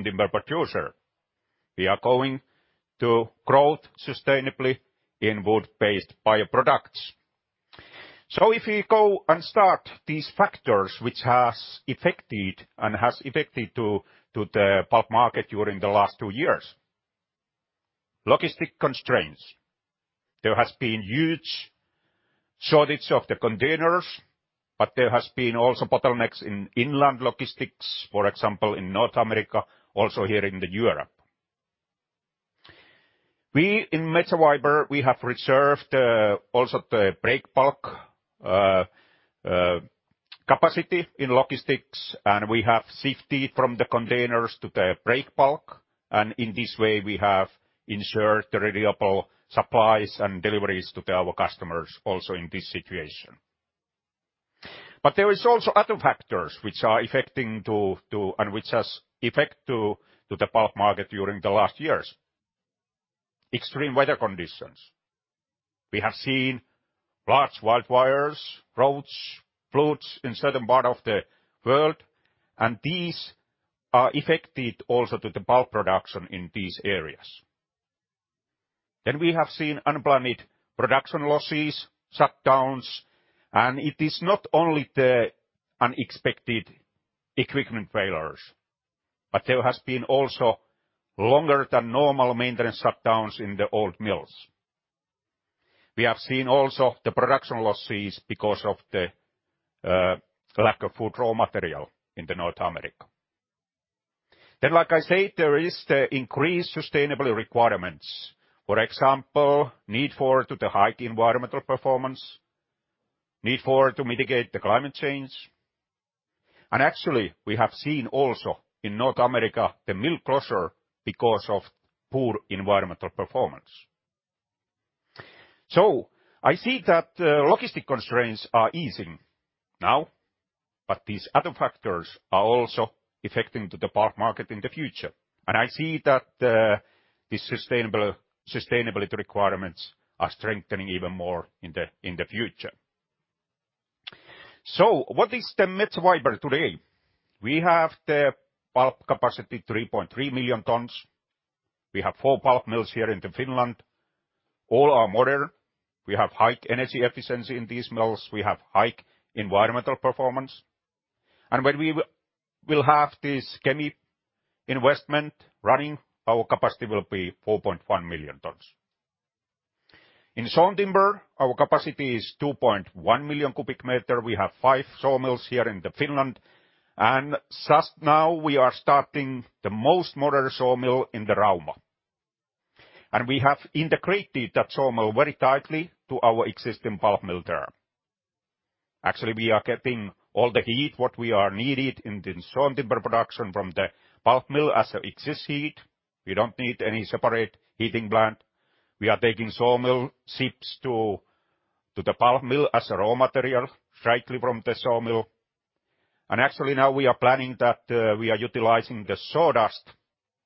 of production. We are going to grow sustainably in wood-based bioproducts, so if we go and start these factors, which have affected the pulp market during the last two years, logistic constraints. There has been huge shortage of the containers, but there has been also bottlenecks in inland logistics, for example, in North America, also here in Europe. We in Metsä Fibre, we have reserved also the breakbulk capacity in logistics, and we have safety from the containers to the breakbulk. In this way, we have ensured the reliable supplies and deliveries to our customers also in this situation. There are also other factors which are affecting and which have affected the pulp market during the last years: extreme weather conditions. We have seen large wildfires, roads, floods in certain parts of the world, and these have affected also the pulp production in these areas. We have seen unplanned production losses, shutdowns, and it is not only the unexpected equipment failures, but there have been also longer-than-normal maintenance shutdowns in the old mills. We have seen also the production losses because of the lack of wood raw material in North America. Like I said, there are increased sustainability requirements, for example, the need for high environmental performance, the need to mitigate climate change. Actually, we have seen also in North America the mill closure because of poor environmental performance. I see that logistic constraints are easing now, but these other factors are also affecting the pulp market in the future. I see that the sustainability requirements are strengthening even more in the future. What is the Metsä Fibre today? We have the pulp capacity of 3.3 million tons. We have four pulp mills here in Finland. All are modern. We have high energy efficiency in these mills. We have high environmental performance. When we will have this chemical investment running, our capacity will be 4.1 million tons. In sawn timber, our capacity is 2.1 million cubic meters. We have five sawmills here in Finland. Just now we are starting the most modern sawmill in Rauma. We have integrated that sawmill very tightly to our existing pulp mill there. Actually, we are getting all the heat what we need in the sawn timber production from the pulp mill as existing heat. We don't need any separate heating plant. We are taking sawmill chips to the pulp mill as raw material directly from the sawmill. Actually now we are planning that we are utilizing the sawdust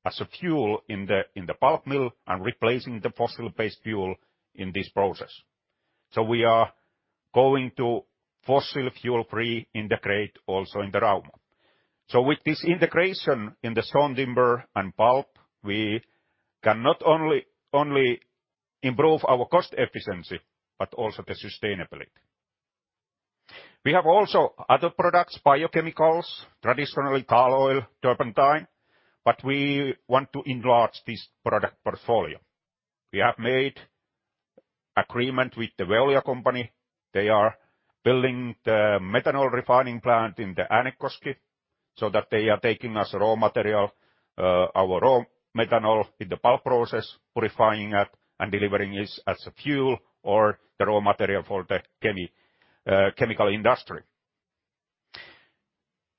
as a fuel in the pulp mill and replacing the fossil-based fuel in this process. We are going to fossil-fuel-free integrate also in Rauma. With this integration in the sawn timbe and pulp, we can not only improve our cost efficiency, but also the sustainability. We have also other products, biochemicals, traditionally tall oil, turpentine, but we want to enlarge this product portfolio. We have made an agreement with the Veolia company. They are building the methanol refining plant in Äänekoski so that they are taking as raw material our raw methanol in the pulp process, purifying it and delivering it as a fuel or the raw material for the chemical industry.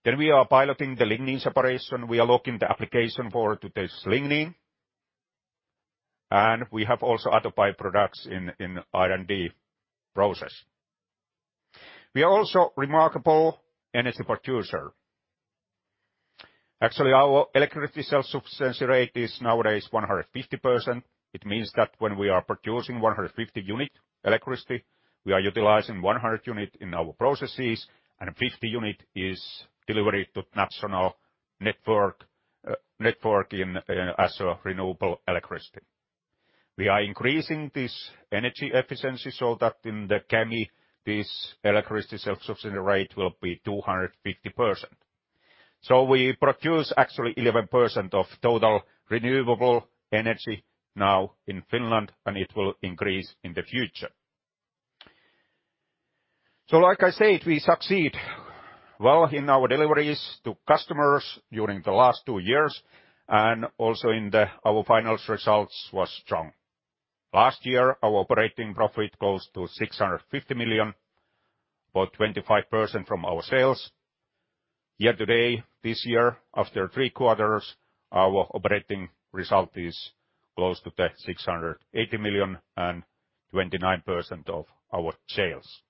Then we are piloting the lignin separation. We are looking at the application for today's lignin. And we have also other byproducts in the R&D process. We are also a remarkable energy producer. Actually, our electricity self-sufficiency rate is nowadays 150%. It means that when we are producing 150 units of electricity, we are utilizing 100 units in our processes, and 50 units is delivered to the national network as renewable electricity. We are increasing this energy efficiency so that in the chemical, this electricity self-sufficiency rate will be 250%. So we produce actually 11% of total renewable energy now in Finland, and it will increase in the future. So like I said, we succeeded well in our deliveries to customers during the last two years, and also our final results were strong. Last year, our operating profit close to 650 million, about 25% from our sales. Year to date, this year, after three quarters, our operating result is close to 680 million and 29% of our sales.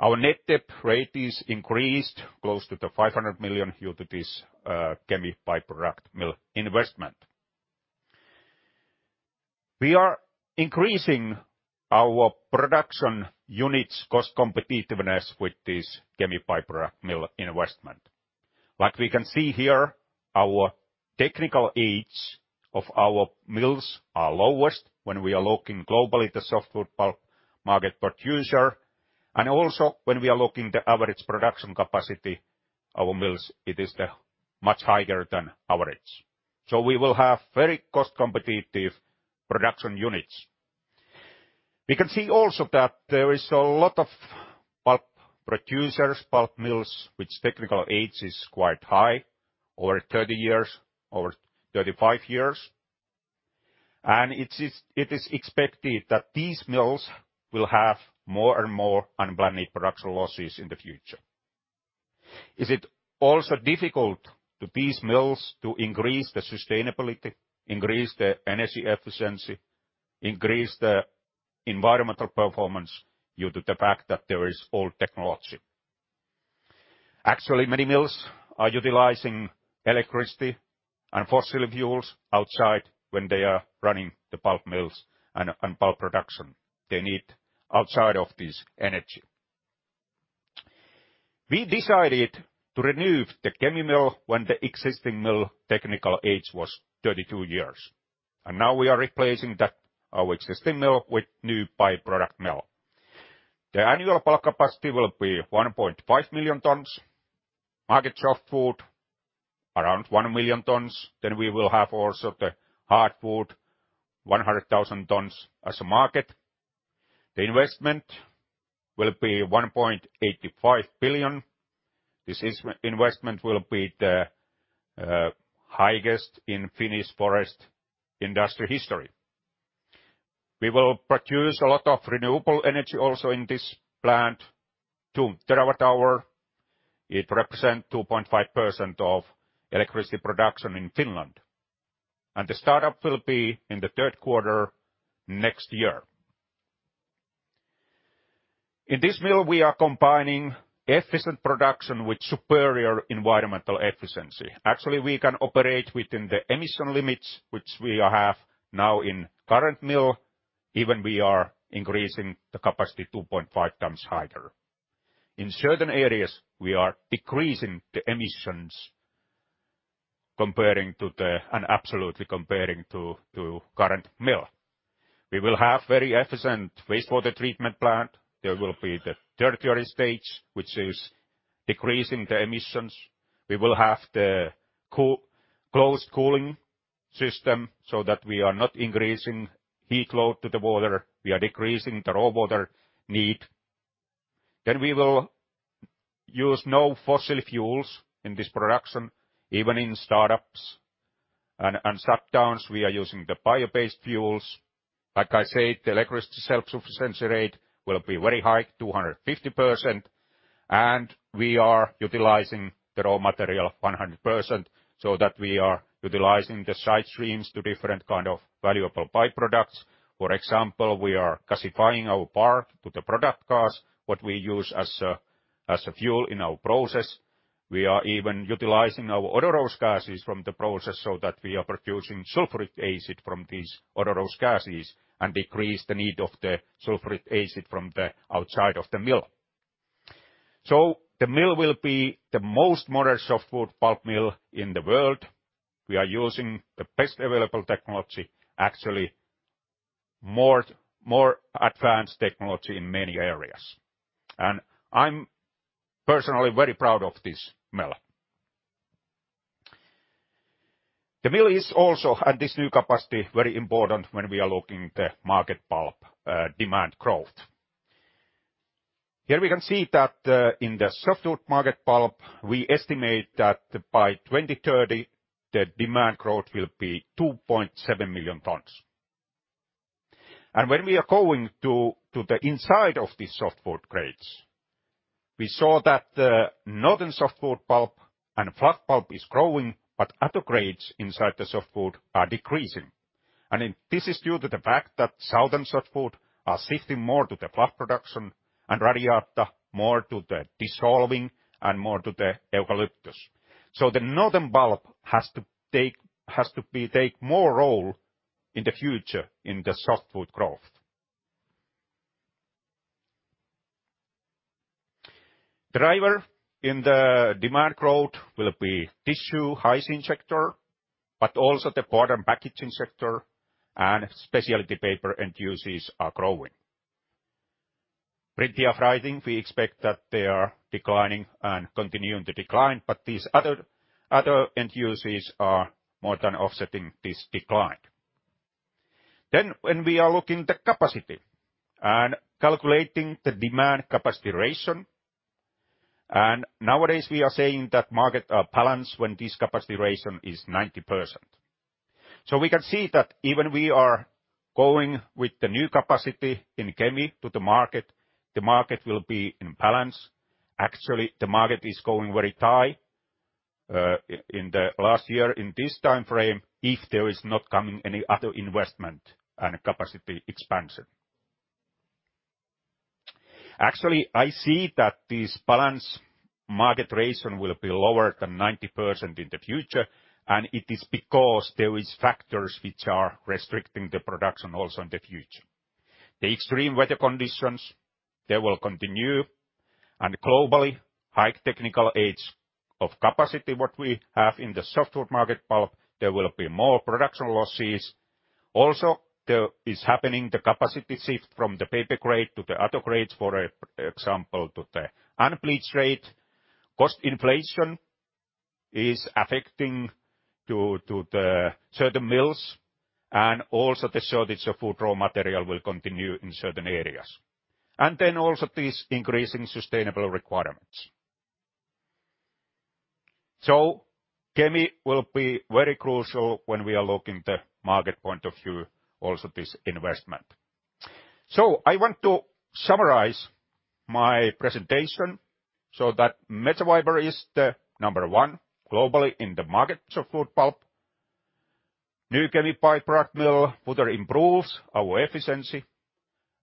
Our net debt rate is increased close to 500 million due to this bio-product mill investment. We are increasing our production units' cost competitiveness with this bio-product mill investment. Like we can see here, our technical age of our mills is lowest when we are looking globally at the softwood pulp market producer. And also when we are looking at the average production capacity of our mills, it is much higher than average. So we will have very cost competitive production units. We can see also that there are a lot of pulp producers, pulp mills whose technical age is quite high, over 30 years, over 35 years. And it is expected that these mills will have more and more unplanned production losses in the future. Is it also difficult for these mills to increase the sustainability, increase the energy efficiency, increase the environmental performance due to the fact that there is old technology? Actually, many mills are utilizing electricity and fossil fuels outside when they are running the pulp mills and pulp production. They need outside of this energy. We decided to renew the chemical mill when the existing mill technical age was 32 years. And now we are replacing our existing mill with a new bio-product mill. The annual pulp capacity will be 1.5 million tons. Market softwood, around 1 million tons. Then we will have also the hardwood, 100,000 tons as a market. The investment will be 1.85 billion. This investment will be the highest in Finnish forest industry history. We will produce a lot of renewable energy also in this plant, 2 terawatt hours. It represents 2.5% of electricity production in Finland. And the startup will be in the third quarter next year. In this mill, we are combining efficient production with superior environmental efficiency. Actually, we can operate within the emission limits which we have now in the current mill, even if we are increasing the capacity 2.5 times higher. In certain areas, we are decreasing the emissions and absolutely comparing to the current mill. We will have a very efficient wastewater treatment plant. There will be the tertiary stage, which is decreasing the emissions. We will have the closed cooling system so that we are not increasing heat load to the water. We are decreasing the raw water need. Then we will use no fossil fuels in this production, even in startups and shutdowns. We are using the bio-based fuels. Like I said, the electricity self-sufficiency rate will be very high, 250%. And we are utilizing the raw material 100% so that we are utilizing the side streams to different kinds of valuable byproducts. For example, we are gasifying our part to the product gas, what we use as a fuel in our process. We are even utilizing our odorous gases from the process so that we are producing sulfuric acid from these odorous gases and decrease the need of the sulfuric acid from the outside of the mill, so the mill will be the most modern softwood pulp mill in the world. We are using the best available technology, actually more advanced technology in many areas, and I'm personally very proud of this mill. The mill is also, at this new capacity, very important when we are looking at the market pulp demand growth. Here we can see that in the softwood market pulp, we estimate that by 2030, the demand growth will be 2.7 million tons, and when we are going to the inside of these softwood grades, we saw that the northern softwood pulp and fluff pulp is growing, but other grades inside the softwood are decreasing, and this is due to the fact that southern softwood are shifting more to the fluff production and radiata more to the dissolving and more to the eucalyptus, so the northern pulp has to take more role in the future in the softwood growth. The driver in the demand growth will be tissue hygiene sector, but also the board packaging sector and specialty paper end uses are growing. Printing and writing, we expect that they are declining and continuing to decline, but these other end uses are more than offsetting this decline. Then when we are looking at the capacity and calculating the demand capacity ratio, and nowadays we are saying that market are balanced when this capacity ratio is 90%. So we can see that even we are going with the new capacity in chemical to the market, the market will be in balance. Actually, the market is going very high in the last year in this time frame if there is not coming any other investment and capacity expansion. Actually, I see that this balanced market ratio will be lower than 90% in the future, and it is because there are factors which are restricting the production also in the future. The extreme weather conditions, they will continue, and globally, high technical age of capacity what we have in the softwood market pulp, there will be more production losses. Also, there is happening the capacity shift from the paper grade to the other grades, for example, to the unbleached kraft. Cost inflation is affecting certain mills, and also the shortage of wood raw material will continue in certain areas, and then also these increasing sustainability requirements. Chemical pulp will be very crucial when we are looking at the market point of view, also this investment, so I want to summarize my presentation so that Metsä Fibre is the number one globally in the market softwood pulp. New chemical bio-product mill further improves our efficiency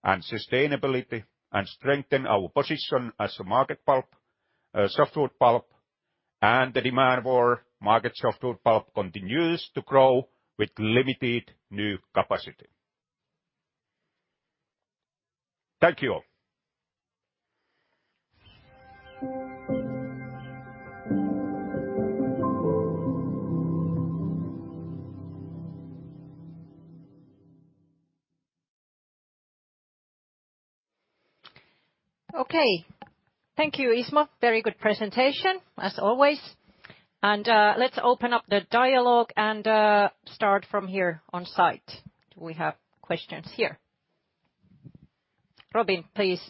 and sustainability and strengthens our position as a softwood pulp, and the demand for market softwood pulp continues to grow with limited new capacity. Thank you. Okay, thank you, Ismo. Very good presentation, as always. And let's open up the dialogue and start from here on site. Do we have questions here? Robin, please.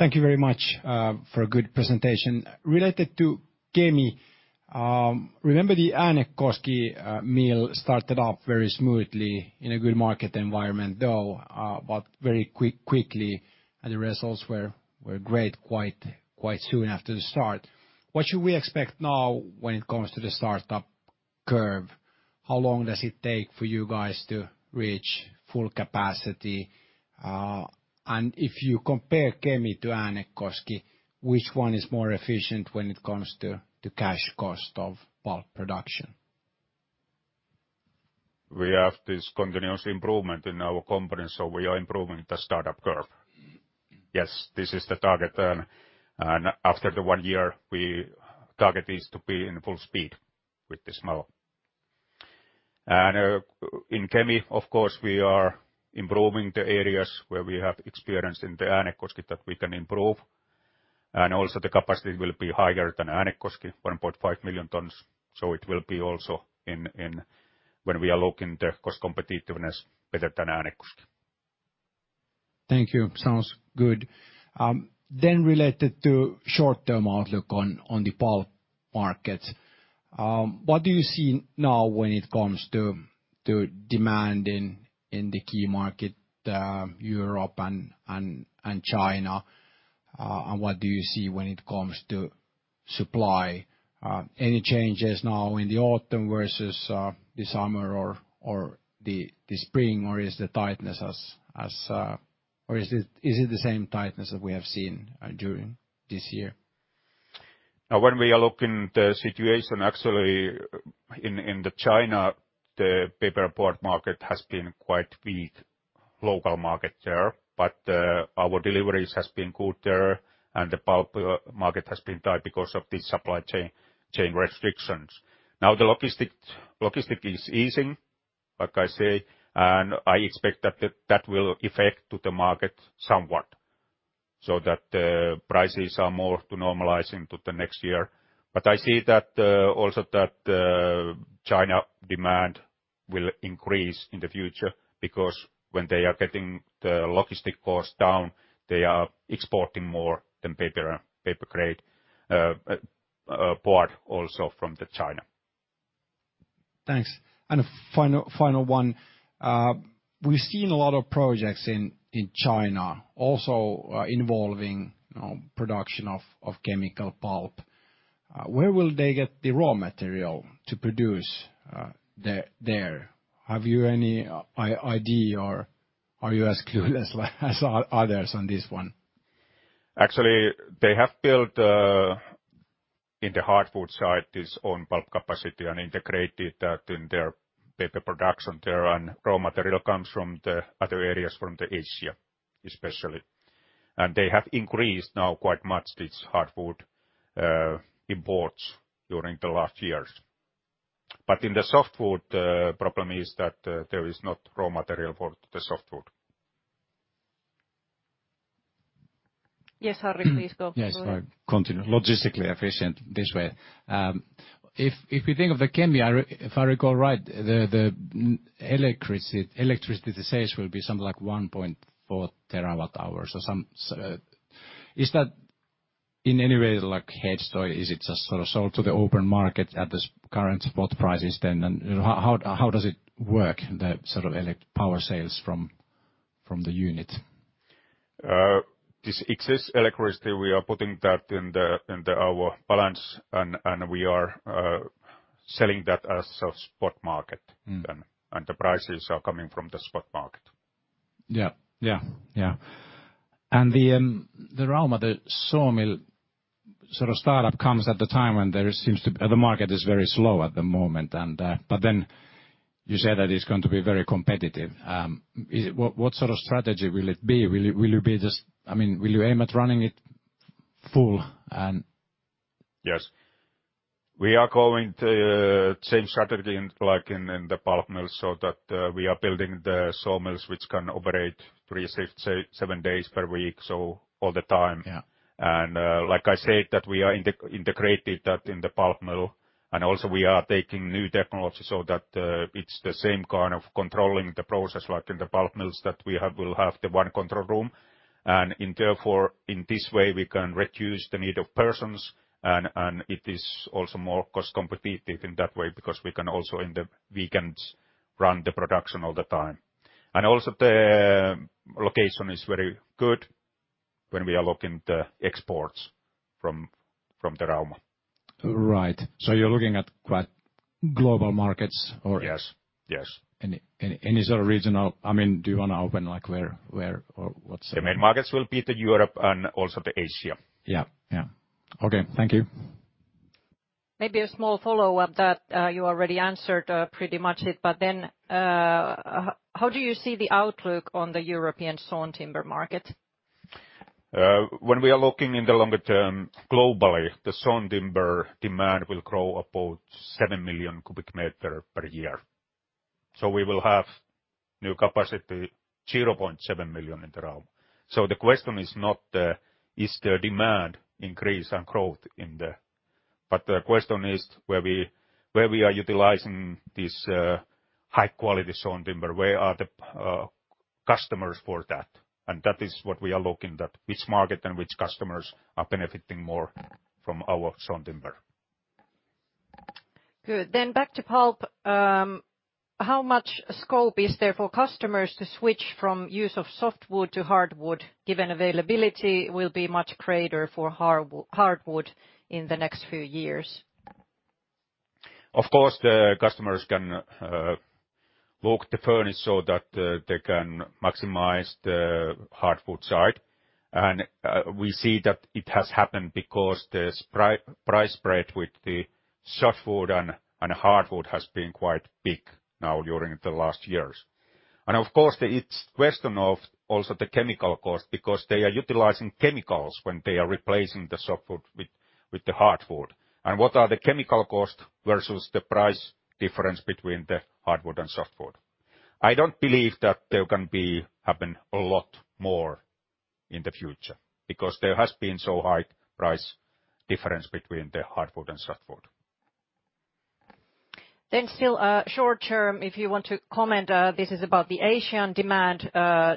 Thank you very much for a good presentation. Related to chemical, remember the Äänekoski mill started off very smoothly in a good market environment, though, but very quickly, and the results were great quite soon after the start. What should we expect now when it comes to the startup curve? How long does it take for you guys to reach full capacity? And if you compare chemical to Äänekoski, which one is more efficient when it comes to cash cost of pulp production? We have this continuous improvement in our company, so we are improving the startup curve. Yes, this is the target, and after the one year, the target is to be in full speed with this mill. And in chemical, of course, we are improving the areas where we have experience in the Äänekoski that we can improve. And also the capacity will be higher than Äänekoski, 1.5 million tons. So it will be also when we are looking at the cost competitiveness, better than Äänekoski. Thank you. Sounds good. Then related to short-term outlook on the pulp market, what do you see now when it comes to demand in the key markets, Europe and China, and what do you see when it comes to supply? Any changes now in the autumn versus the summer or the spring, or is the tightness, or is it the same tightness that we have seen during this year? When we are looking at the situation, actually, in China, the paper pulp market has been quite weak, local market there, but our deliveries have been good there, and the pulp market has been tight because of these supply chain restrictions. Now the logistics is easing, like I say, and I expect that that will affect the market somewhat so that the prices are more to normalize into the next year. But I see also that China demand will increase in the future because when they are getting the logistic cost down, they are exporting more than paper grade part also from China. Thanks, and a final one. We've seen a lot of projects in China also involving production of chemical pulp. Where will they get the raw material to produce there? Have you any idea or are you as clueless as others on this one? Actually, they have built in the hardwood side their own pulp capacity and integrated that in their paper production there, and raw material comes from the other areas from Asia especially. They have increased now quite much these hardwood imports during the last years. But in the softwood, the problem is that there is not raw material for the softwood. Yes, Harri, please go forward. Yes, I continue. Logistically efficient this way. If we think of the chemical, if I recall right, the electricity sales will be something like 1.4 terawatt hours. Is that in any way like hedged or is it just sort of sold to the open market at the current spot prices then? And how does it work, the sort of power sales from the unit? This excess electricity, we are putting that in our balance, and we are selling that as a spot market, and the prices are coming from the spot market. Yeah, yeah, yeah. And the Rauma, the sawmill sort of startup comes at the time when there seems to be the market is very slow at the moment, but then you said that it's going to be very competitive. What sort of strategy will it be? Will you be just, I mean, will you aim at running it full and? Yes. We are going to the same strategy like in the pulp mills so that we are building the sawmills, which can operate three to seven days per week, so all the time. And like I said, that we are integrating that in the pulp mill, and also we are taking new technology so that it's the same kind of controlling the process like in the pulp mills that we will have the one control room. And in this way, we can reduce the need of persons, and it is also more cost competitive in that way because we can also in the weekends run the production all the time. And also the location is very good when we are looking at the exports from Rauma. Right. So you're looking at quite global markets? Yes, yes. Any sort of regional, I mean, do you want to open like where or what's the? The main markets will be the Europe and also the Asia. Yeah, yeah. Okay, thank you. Maybe a small follow-up that you already answered pretty much it, but then how do you see the outlook on the European sawn timber market? When we are looking in the longer term globally, the sawn timber demand will grow about seven million cubic meters per year. So we will have new capacity, 0.7 million in the Rauma. So the question is not is the demand increase and growth in the, but the question is where we are utilizing this high-quality sawn timber, where are the customers for that? And that is what we are looking at, which market and which customers are benefiting more from our sawn timber. Good. Then back to pulp. How much scope is there for customers to switch from use of softwood to hardwood given availability will be much greater for hardwood in the next few years? Of course, the customers can look at the furnish so that they can maximize the hardwood side. And we see that it has happened because the price spread with the softwood and hardwood has been quite big now during the last years. And of course, it's a question of also the chemical cost because they are utilizing chemicals when they are replacing the softwood with the hardwood. And what are the chemical cost versus the price difference between the hardwood and softwood? I don't believe that there can be happen a lot more in the future because there has been so high price difference between the hardwood and softwood. Then still short term, if you want to comment, this is about the Asian demand.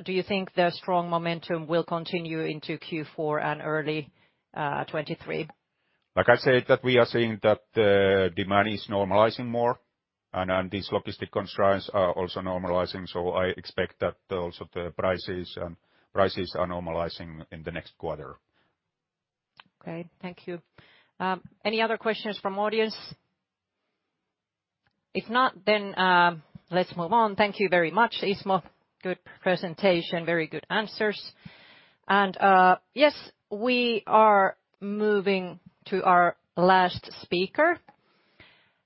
Do you think the strong momentum will continue into Q4 and early 2023? Like I said, that we are seeing that the demand is normalizing more, and these logistics constraints are also normalizing. So I expect that also the prices are normalizing in the next quarter. Okay, thank you. Any other questions from the audience? If not, then let's move on. Thank you very much, Ismo. Good presentation, very good answers. And yes, we are moving to our last speaker.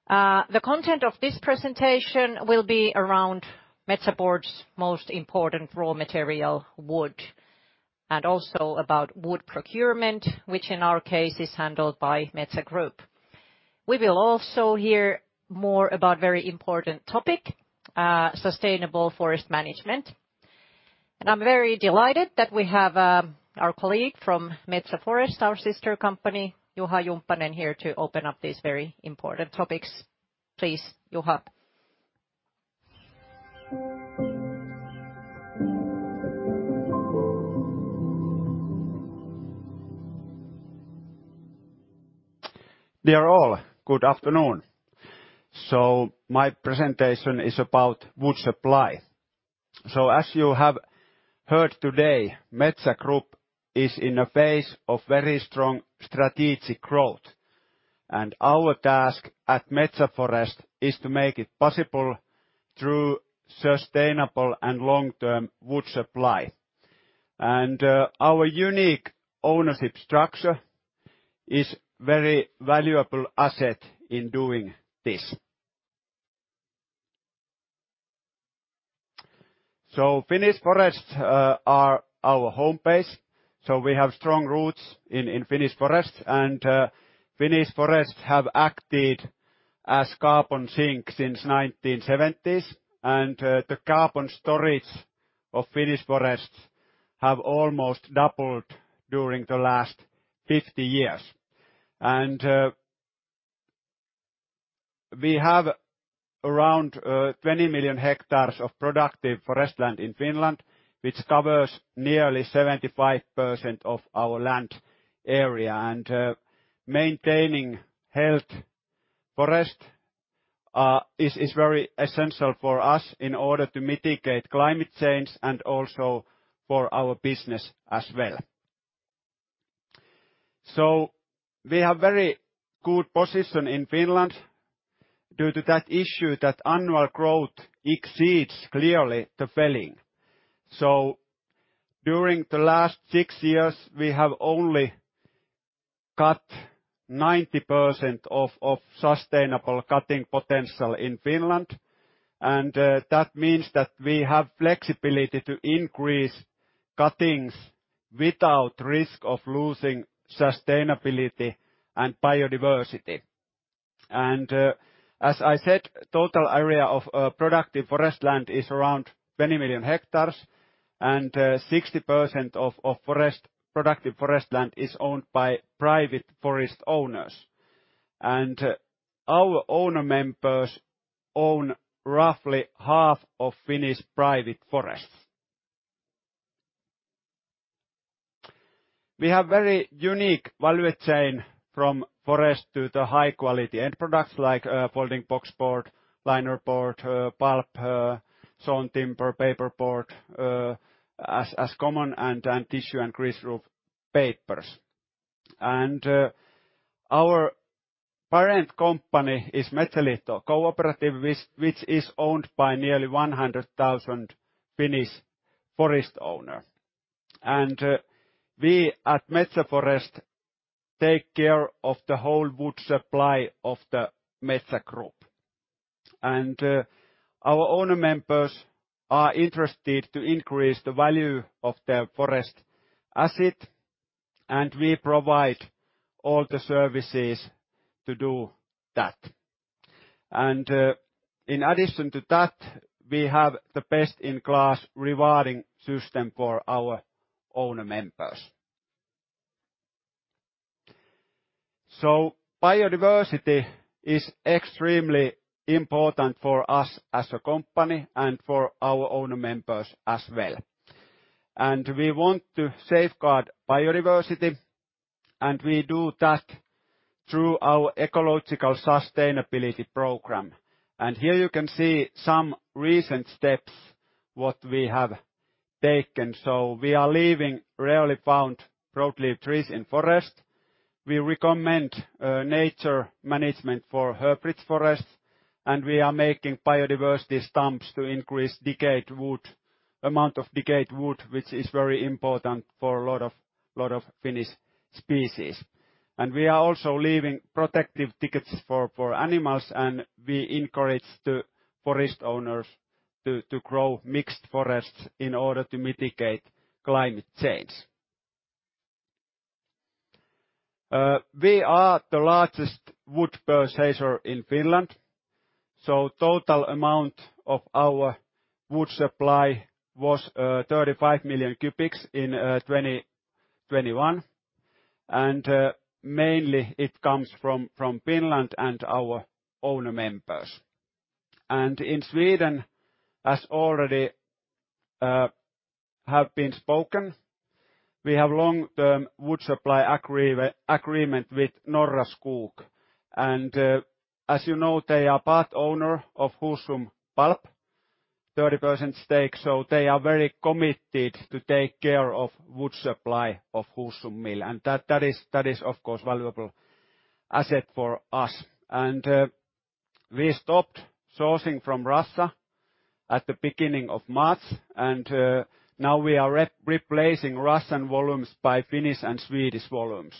The content of this presentation will be around Metsä Board's most important raw material, wood, and also about wood procurement, which in our case is handled by Metsä Group. We will also hear more about a very important topic, sustainable forest management. I'm very delighted that we have our colleague from Metsä Forest, our sister company, Juha Jumppanen, here to open up these very important topics. Please, Juha. Dear all, good afternoon. So my presentation is about wood supply. So as you have heard today, Metsä Group is in a phase of very strong strategic growth. And our task at Metsä Forest is to make it possible through sustainable and long-term wood supply. And our unique ownership structure is a very valuable asset in doing this. So Finnish forests are our home base. So we have strong roots in Finnish forests, and Finnish forests have acted as carbon sink since the 1970s. And the carbon storage of Finnish forests has almost doubled during the last 50 years. And we have around 20 million hectares of productive forest land in Finland, which covers nearly 75% of our land area. Maintaining healthy forest is very essential for us in order to mitigate climate change and also for our business as well. We have a very good position in Finland due to that issue that annual growth exceeds clearly the felling. During the last six years, we have only cut 90% of sustainable cutting potential in Finland. That means that we have flexibility to increase cuttings without risk of losing sustainability and biodiversity. As I said, the total area of productive forest land is around 20 million hectares, and 60% of productive forest land is owned by private forest owners. Our owner members own roughly half of Finnish private forests. We have a very unique value chain from forest to the high-quality end products like folding boxboard, liner board, pulp, sawn timber, paperboard, sack paper, and tissue and greaseproof papers. Our parent company is Metsäliitto Cooperative, which is owned by nearly 100,000 Finnish forest owners. We at Metsä Forest take care of the whole wood supply of the Metsä Group. Our owner members are interested to increase the value of their forest asset, and we provide all the services to do that. In addition to that, we have the best-in-class rewarding system for our owner members. Biodiversity is extremely important for us as a company and for our owner members as well. We want to safeguard biodiversity, and we do that through our ecological sustainability program. Here you can see some recent steps what we have taken. We are leaving rarely found broadleaf trees in forest. We recommend nature management for herb-rich forests, and we are making biodiversity stumps to increase decayed wood, amount of decayed wood, which is very important for a lot of Finnish species, and we are also leaving protective thickets for animals, and we encourage the forest owners to grow mixed forests in order to mitigate climate change. We are the largest wood purchaser in Finland, so the total amount of our wood supply was 35 million cubics in 2021, and mainly it comes from Finland and our owner members, and in Sweden, as already has been spoken, we have a long-term wood supply agreement with Norra Skog. And as you know, they are part owner of Husum Pulp, 30% stake, so they are very committed to take care of wood supply of Husum Mill, and that is, of course, a valuable asset for us. We stopped sourcing from Russia at the beginning of March, and now we are replacing Russian volumes by Finnish and Swedish volumes.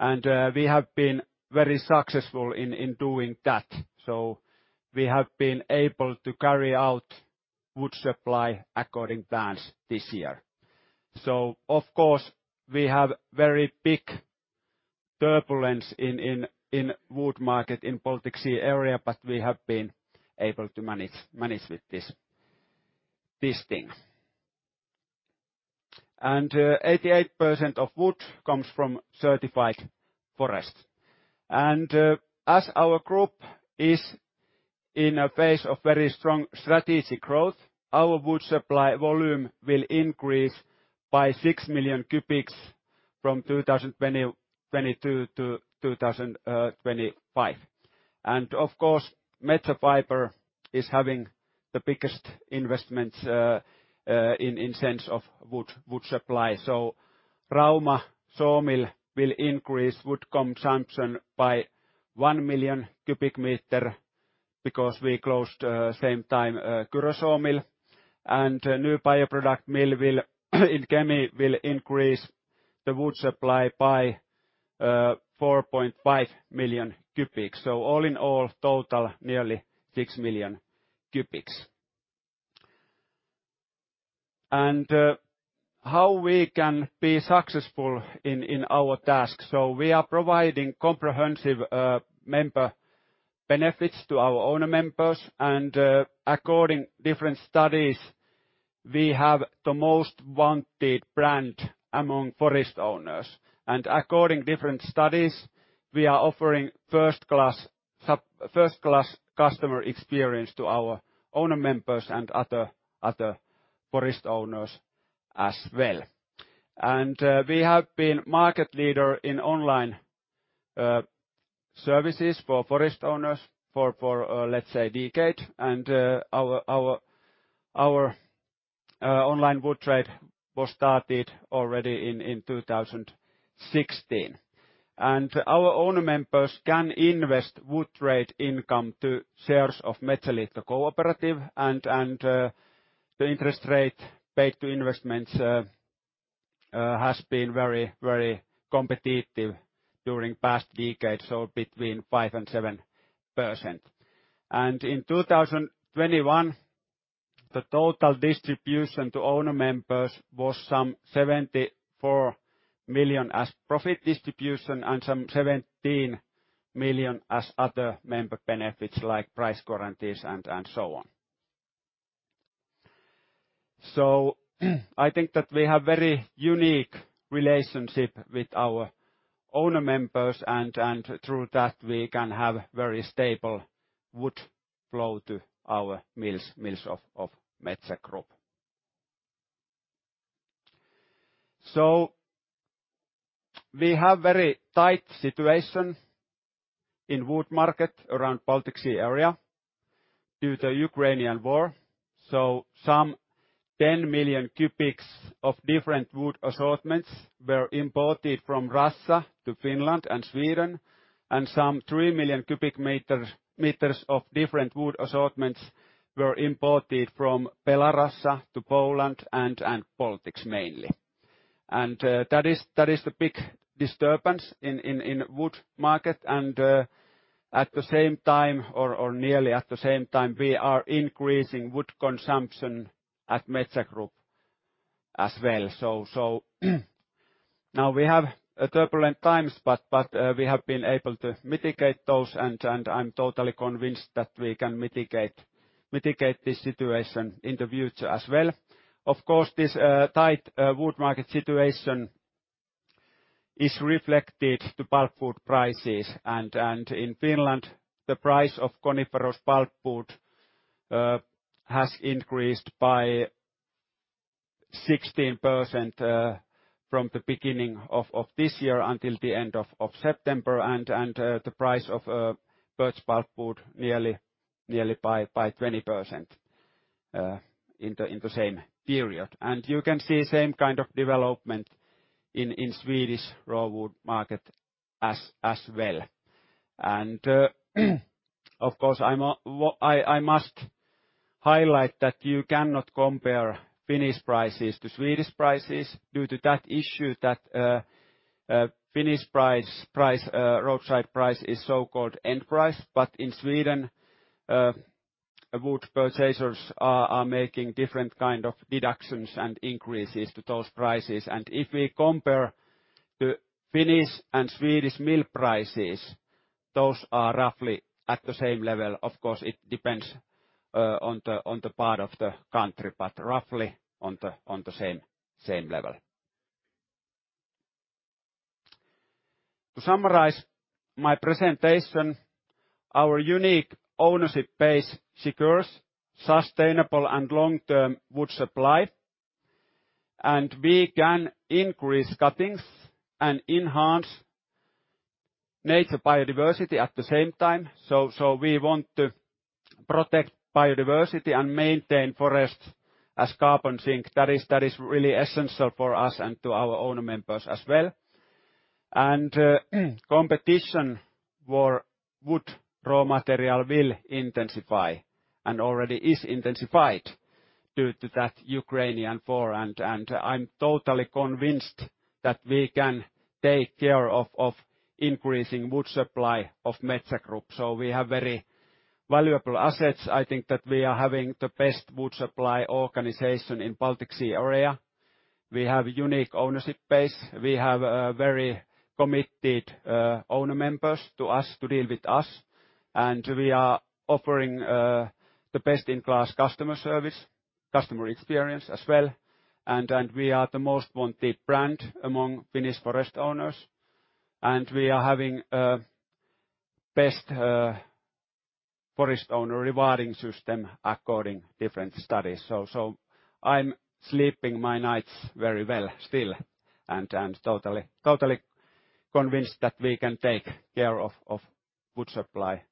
We have been very successful in doing that. We have been able to carry out wood supply according to plans this year. Of course, we have very big turbulence in the wood market in the Baltic Sea area, but we have been able to manage with this thing. 88% of wood comes from certified forest. As our group is in a phase of very strong strategic growth, our wood supply volume will increase by six million cubic meters from 2022 to 2025. Of course, Metsä Fibre is having the biggest investments in sense of wood supply. Rauma sawmill will increase wood consumption by one million cubic meters because we closed at the same time Kyrö sawmill. The new bioproduct mill in Kemi will increase the wood supply by 4.5 million cubics. So all in all, total nearly 6 million cubics. How we can be successful in our task. We are providing comprehensive member benefits to our owner members. According to different studies, we have the most wanted brand among forest owners. According to different studies, we are offering first-class customer experience to our owner members and other forest owners as well. We have been market leader in online services for forest owners for, let's say, a decade. Our online wood trade was started already in 2016. Our owner members can invest wood trade income to shares of Metsäliitto Cooperative. The interest rate paid to investments has been very, very competitive during the past decade, so between 5% and 7%. In 2021, the total distribution to owner members was some 74 million as profit distribution and some 17 million as other member benefits like price guarantees and so on. I think that we have a very unique relationship with our owner members, and through that, we can have a very stable wood flow to our mills of Metsä Group. We have a very tight situation in the wood market around the Baltic Sea area due to the Ukrainian war. Some 10 million cubic meters of different wood assortments were imported from Russia to Finland and Sweden. Some 3 million cubic meters of different wood assortments were imported from Belarus to Poland and Baltics mainly. That is the big disturbance in the wood market. At the same time, or nearly at the same time, we are increasing wood consumption at Metsä Group as well. So now we have turbulent times, but we have been able to mitigate those, and I'm totally convinced that we can mitigate this situation in the future as well. Of course, this tight wood market situation is reflected inpulpwood prices, and in Finland, the price of coniferous pulpwood has increased by 16% from the beginning of this year until the end of September, and the price of birch pulpwood nearly by 20% in the same period, and you can see the same kind of development in Swedish raw wood market as well, and of course, I must highlight that you cannot compare Finnish prices to Swedish prices due to that issue that Finnish roadside price is so-called end price, but in Sweden, wood purchasers are making different kinds of deductions and increases to those prices. And if we compare the Finnish and Swedish mill prices, those are roughly at the same level. Of course, it depends on the part of the country, but roughly on the same level. To summarize my presentation, our unique ownership base secures sustainable and long-term wood supply. And we can increase cuttings and enhance nature biodiversity at the same time. So we want to protect biodiversity and maintain forests as carbon sink. That is really essential for us and to our owner members as well. And competition for wood raw material will intensify and already is intensified due to that Ukrainian war. And I'm totally convinced that we can take care of increasing wood supply of Metsä Group. So we have very valuable assets. I think that we are having the best wood supply organization in the Baltic Sea area. We have a unique ownership base. We have very committed owner members to deal with us. And we are offering the best-in-class customer service, customer experience as well. And we are the most wanted brand among Finnish forest owners. And we are having the best forest owner rewarding system according to different studies. So I'm sleeping my nights very well still and totally convinced that we can take care of wood supply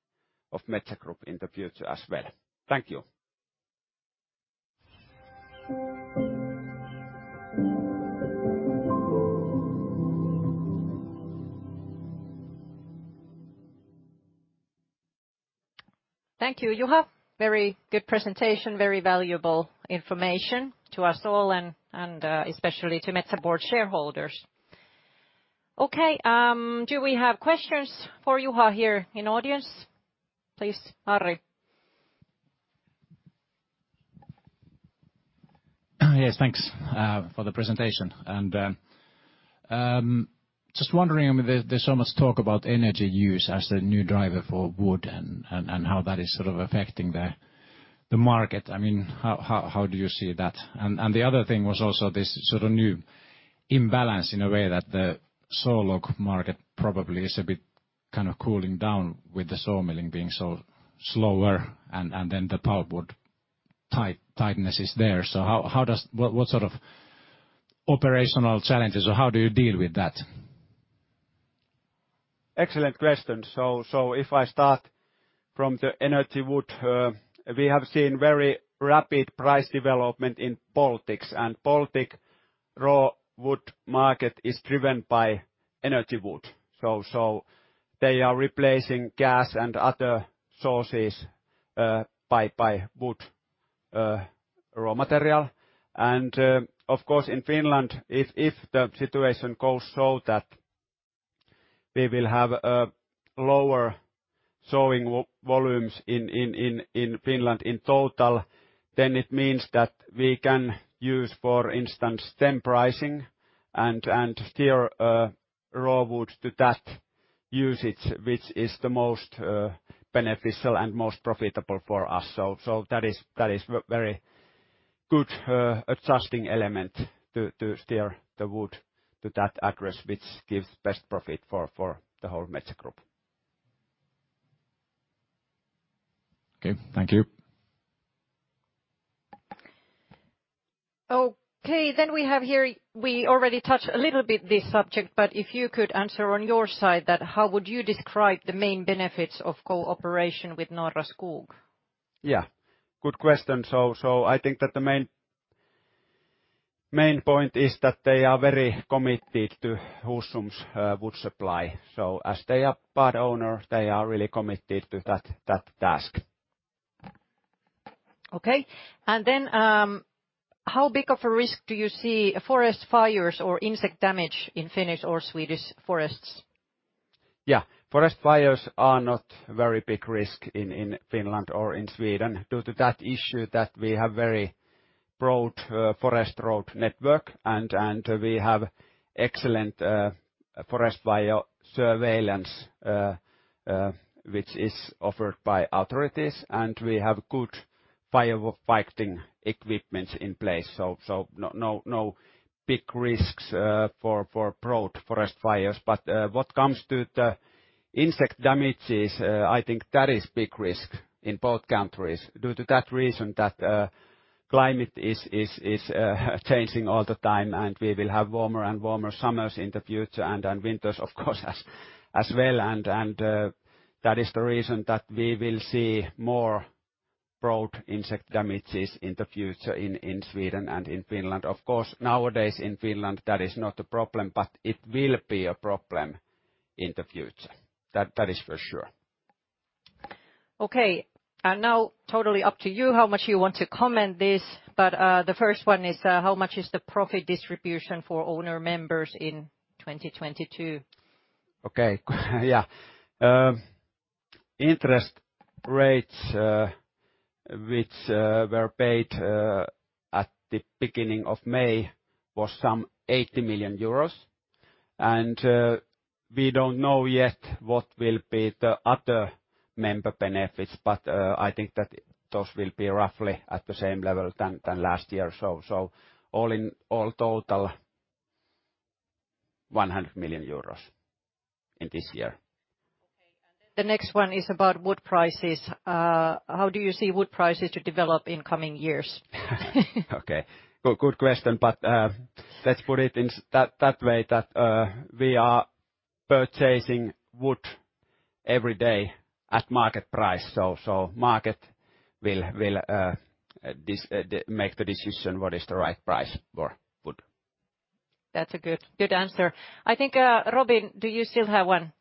of Metsä Group in the future as well. Thank you. Thank you, Juha. Very good presentation, very valuable information to us all and especially to Metsä Board shareholders. Okay, do we have questions for Juha here in the audience? Please, Harri. Yes, thanks for the presentation. And just wondering, I mean, there's so much talk about energy use as the new driver for wood and how that is sort of affecting the market. I mean, how do you see that? The other thing was also this sort of new imbalance in a way that the sawlog market probably is a bit kind of cooling down with the sawmilling being so slower and then the pulpwood tightness is there. What sort of operational challenges or how do you deal with that? Excellent question. If I start from the energy wood, we have seen very rapid price development in Baltics. The Baltic raw wood market is driven by energy wood. They are replacing gas and other sources by wood raw material. Of course, in Finland, if the situation goes so that we will have lower sawing volumes in Finland in total, then it means that we can use, for instance, stem pricing and steer raw wood to that usage, which is the most beneficial and most profitable for us. So that is a very good adjusting element to steer the wood to that address, which gives best profit for the whole Metsä Group. Okay, thank you. Okay, then we have here, we already touched a little bit on this subject, but if you could answer on your side that how would you describe the main benefits of cooperation with Norra Skog? Yeah, good question. So I think that the main point is that they are very committed to Husum's wood supply. So as they are part owners, they are really committed to that task. Okay, and then how big of a risk do you see forest fires or insect damage in Finnish or Swedish forests? Yeah, forest fires are not a very big risk in Finland or in Sweden due to that issue that we have a very broad forest road network and we have excellent forest fire surveillance, which is offered by authorities, and we have good firefighting equipment in place. So no big risks for broad forest fires. But what comes to the insect damages, I think that is a big risk in both countries due to that reason that climate is changing all the time and we will have warmer and warmer summers in the future and winters, of course, as well. And that is the reason that we will see more broad insect damages in the future in Sweden and in Finland. Of course, nowadays in Finland that is not a problem, but it will be a problem in the future. That is for sure. Okay, and now totally up to you how much you want to comment this, but the first one is how much is the profit distribution for owner members in 2022? Okay, yeah. Interest rates which were paid at the beginning of May was some 80 million euros. And we don't know yet what will be the other member benefits, but I think that those will be roughly at the same level than last year. So all in all, total 100 million euros in this year. Okay, and then the next one is about wood prices. How do you see wood prices to develop in coming years? Okay, good question, but let's put it in that way that we are purchasing wood every day at market price. So market will make the decision what is the right price for wood. That's a good answer. I think, Robin, do you still have one?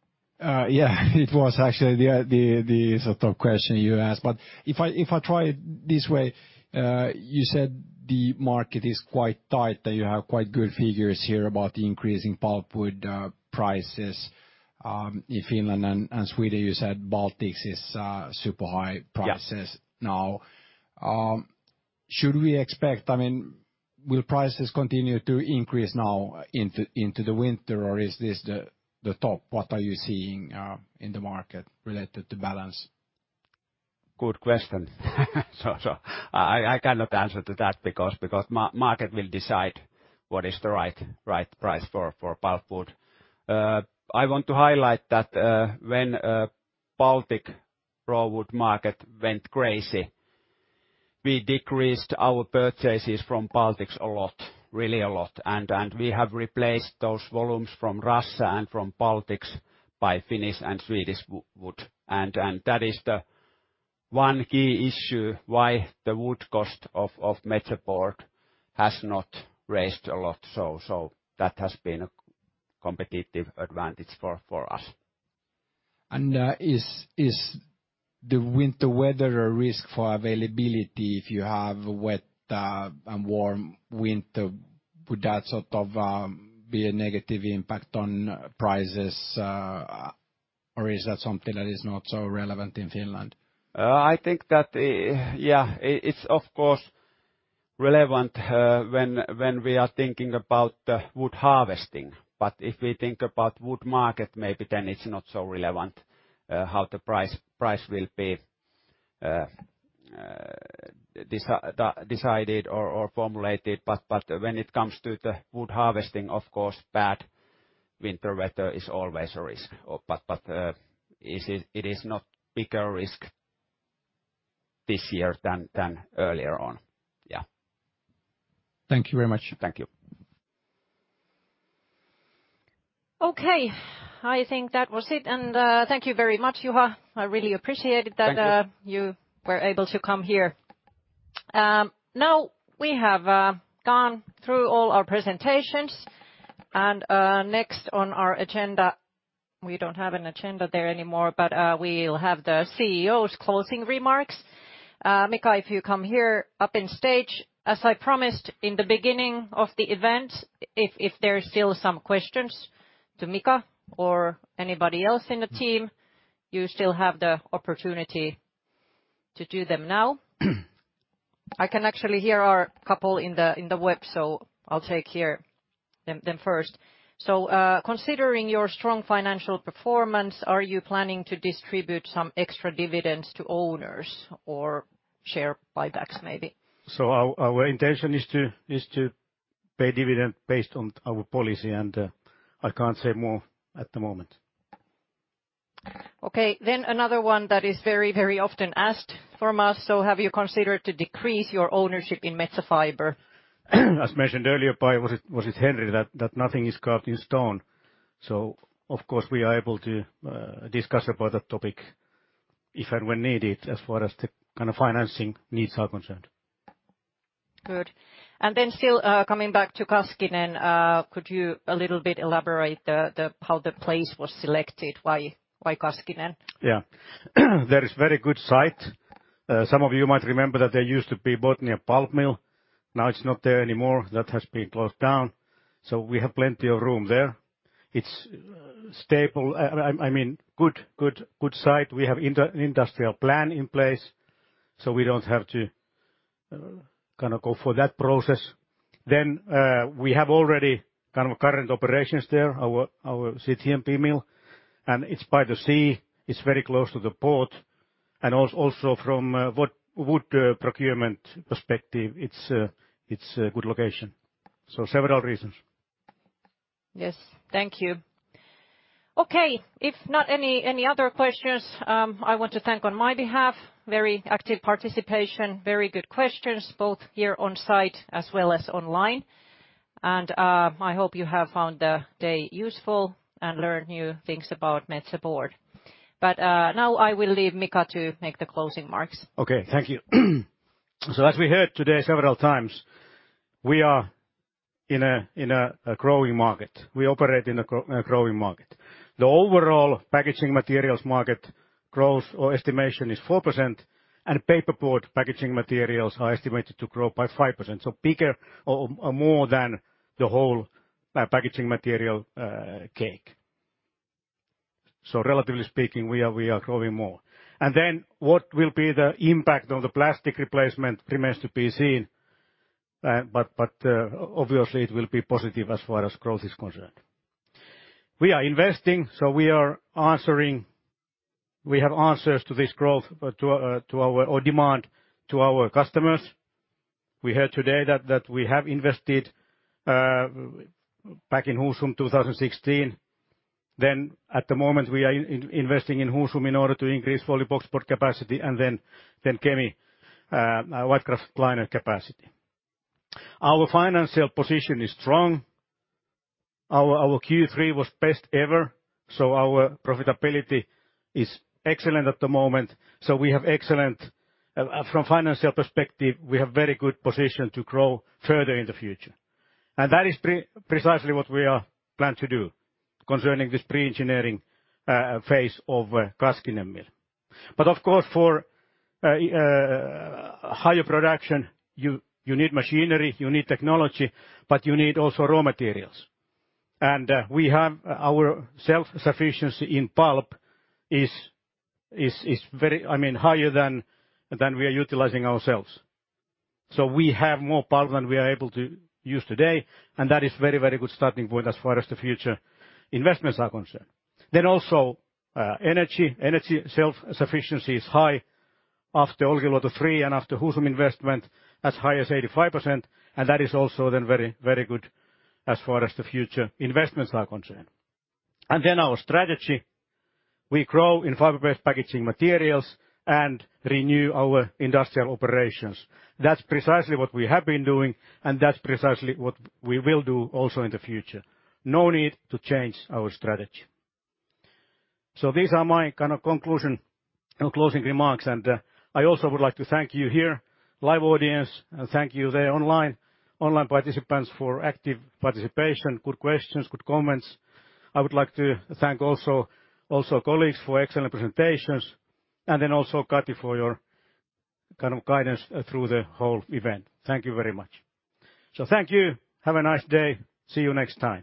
Yeah, it was actually the sort of question you asked, but if I try it this way, you said the market is quite tight, that you have quite good figures here about increasing pulpwood prices in Finland and Sweden. You said Baltics is super high prices now. Should we expect, I mean, will prices continue to increase now into the winter or is this the top? What are you seeing in the market related to balance? Good question, so I cannot answer to that because the market will decide what is the right price for pulpwood. I want to highlight that when the Baltic raw wood market went crazy, we decreased our purchases from Baltics a lot, really a lot, and we have replaced those volumes from Russia and from Baltics by Finnish and Swedish wood. That is the one key issue why the wood cost of Metsä Board has not raised a lot. So that has been a competitive advantage for us. And is the winter weather a risk for availability? If you have a wet and warm winter, would that sort of be a negative impact on prices? Or is that something that is not so relevant in Finland? I think that, yeah, it's of course relevant when we are thinking about wood harvesting. But if we think about the wood market, maybe then it's not so relevant how the price will be decided or formulated. But when it comes to the wood harvesting, of course, bad winter weather is always a risk. But it is not a bigger risk this year than earlier on. Yeah. Thank you very much. Thank you. Okay, I think that was it. Thank you very much, Juha. I really appreciated that you were able to come here. Now we have gone through all our presentations. Next on our agenda, we don't have an agenda there anymore, but we'll have the CEO's closing remarks. Mika, if you come here up on stage, as I promised in the beginning of the event, if there are still some questions to Mika or anybody else in the team, you still have the opportunity to do them now. I can actually hear a couple in the web, so I'll take them first. Considering your strong financial performance, are you planning to distribute some extra dividends to owners or share buybacks maybe? Our intention is to pay dividend based on our policy, and I can't say more at the moment. Okay, then another one that is very, very often asked from us. So have you considered to decrease your ownership in Metsä Fibre? As mentioned earlier, was it Henri that nothing is carved in stone? So of course we are able to discuss about that topic if and when needed as far as the kind of financing needs are concerned. Good. And then still coming back to Kaskinen, could you a little bit elaborate how the place was selected? Why Kaskinen? Yeah, there is a very good site. Some of you might remember that there used to be Botnia pulp mill. Now it's not there anymore. That has been closed down. So we have plenty of room there. It's stable, I mean, good site. We have an industrial plan in place, so we don't have to kind of go for that process. Then we have already kind of current operations there, our CTMP mill. And it's by the sea. It's very close to the port, and also from a wood procurement perspective, it's a good location. So several reasons. Yes, thank you. Okay, if not any other questions, I want to thank on my behalf. Very active participation, very good questions, both here on site as well as online, and I hope you have found the day useful and learned new things about Metsä Board, but now I will leave Mika to make the closing remarks. Okay, thank you, so as we heard today several times, we are in a growing market. We operate in a growing market. The overall packaging materials market growth estimation is 4%, and paperboard packaging materials are estimated to grow by 5%, so bigger or more than the whole packaging material cake, so relatively speaking, we are growing more, and then what will be the impact on the plastic replacement remains to be seen. But obviously, it will be positive as far as growth is concerned. We are investing, so we are answering, we have answers to this growth to our demand to our customers. We heard today that we have invested back in Husum 2016. Then at the moment, we are investing in Husum in order to increase folding boxboard capacity and then Kemi white kraftliner capacity. Our financial position is strong. Our Q3 was best ever, so our profitability is excellent at the moment. So we have excellent from a financial perspective, we have a very good position to grow further in the future. And that is precisely what we are planned to do concerning this pre-engineering phase of Kaskinen mill. But of course, for higher production, you need machinery, you need technology, but you need also raw materials. We have our self-sufficiency in pulp very, I mean, higher than we are utilizing ourselves. We have more pulp than we are able to use today, and that is a very, very good starting point as far as the future investments are concerned. Energy self-sufficiency is high after Olkiluoto 3 and after Husum investment, as high as 85%. That is also very, very good as far as the future investments are concerned. Our strategy, we grow in fiber-based packaging materials and renew our industrial operations. That's precisely what we have been doing, and that's precisely what we will do also in the future. No need to change our strategy. These are my kind of conclusion and closing remarks. I also would like to thank you here, live audience, and thank you there, online participants, for active participation, good questions, good comments. I would like to thank also colleagues for excellent presentations. And then also Katri for your kind of guidance through the whole event. Thank you very much. So thank you, have a nice day. See you next time.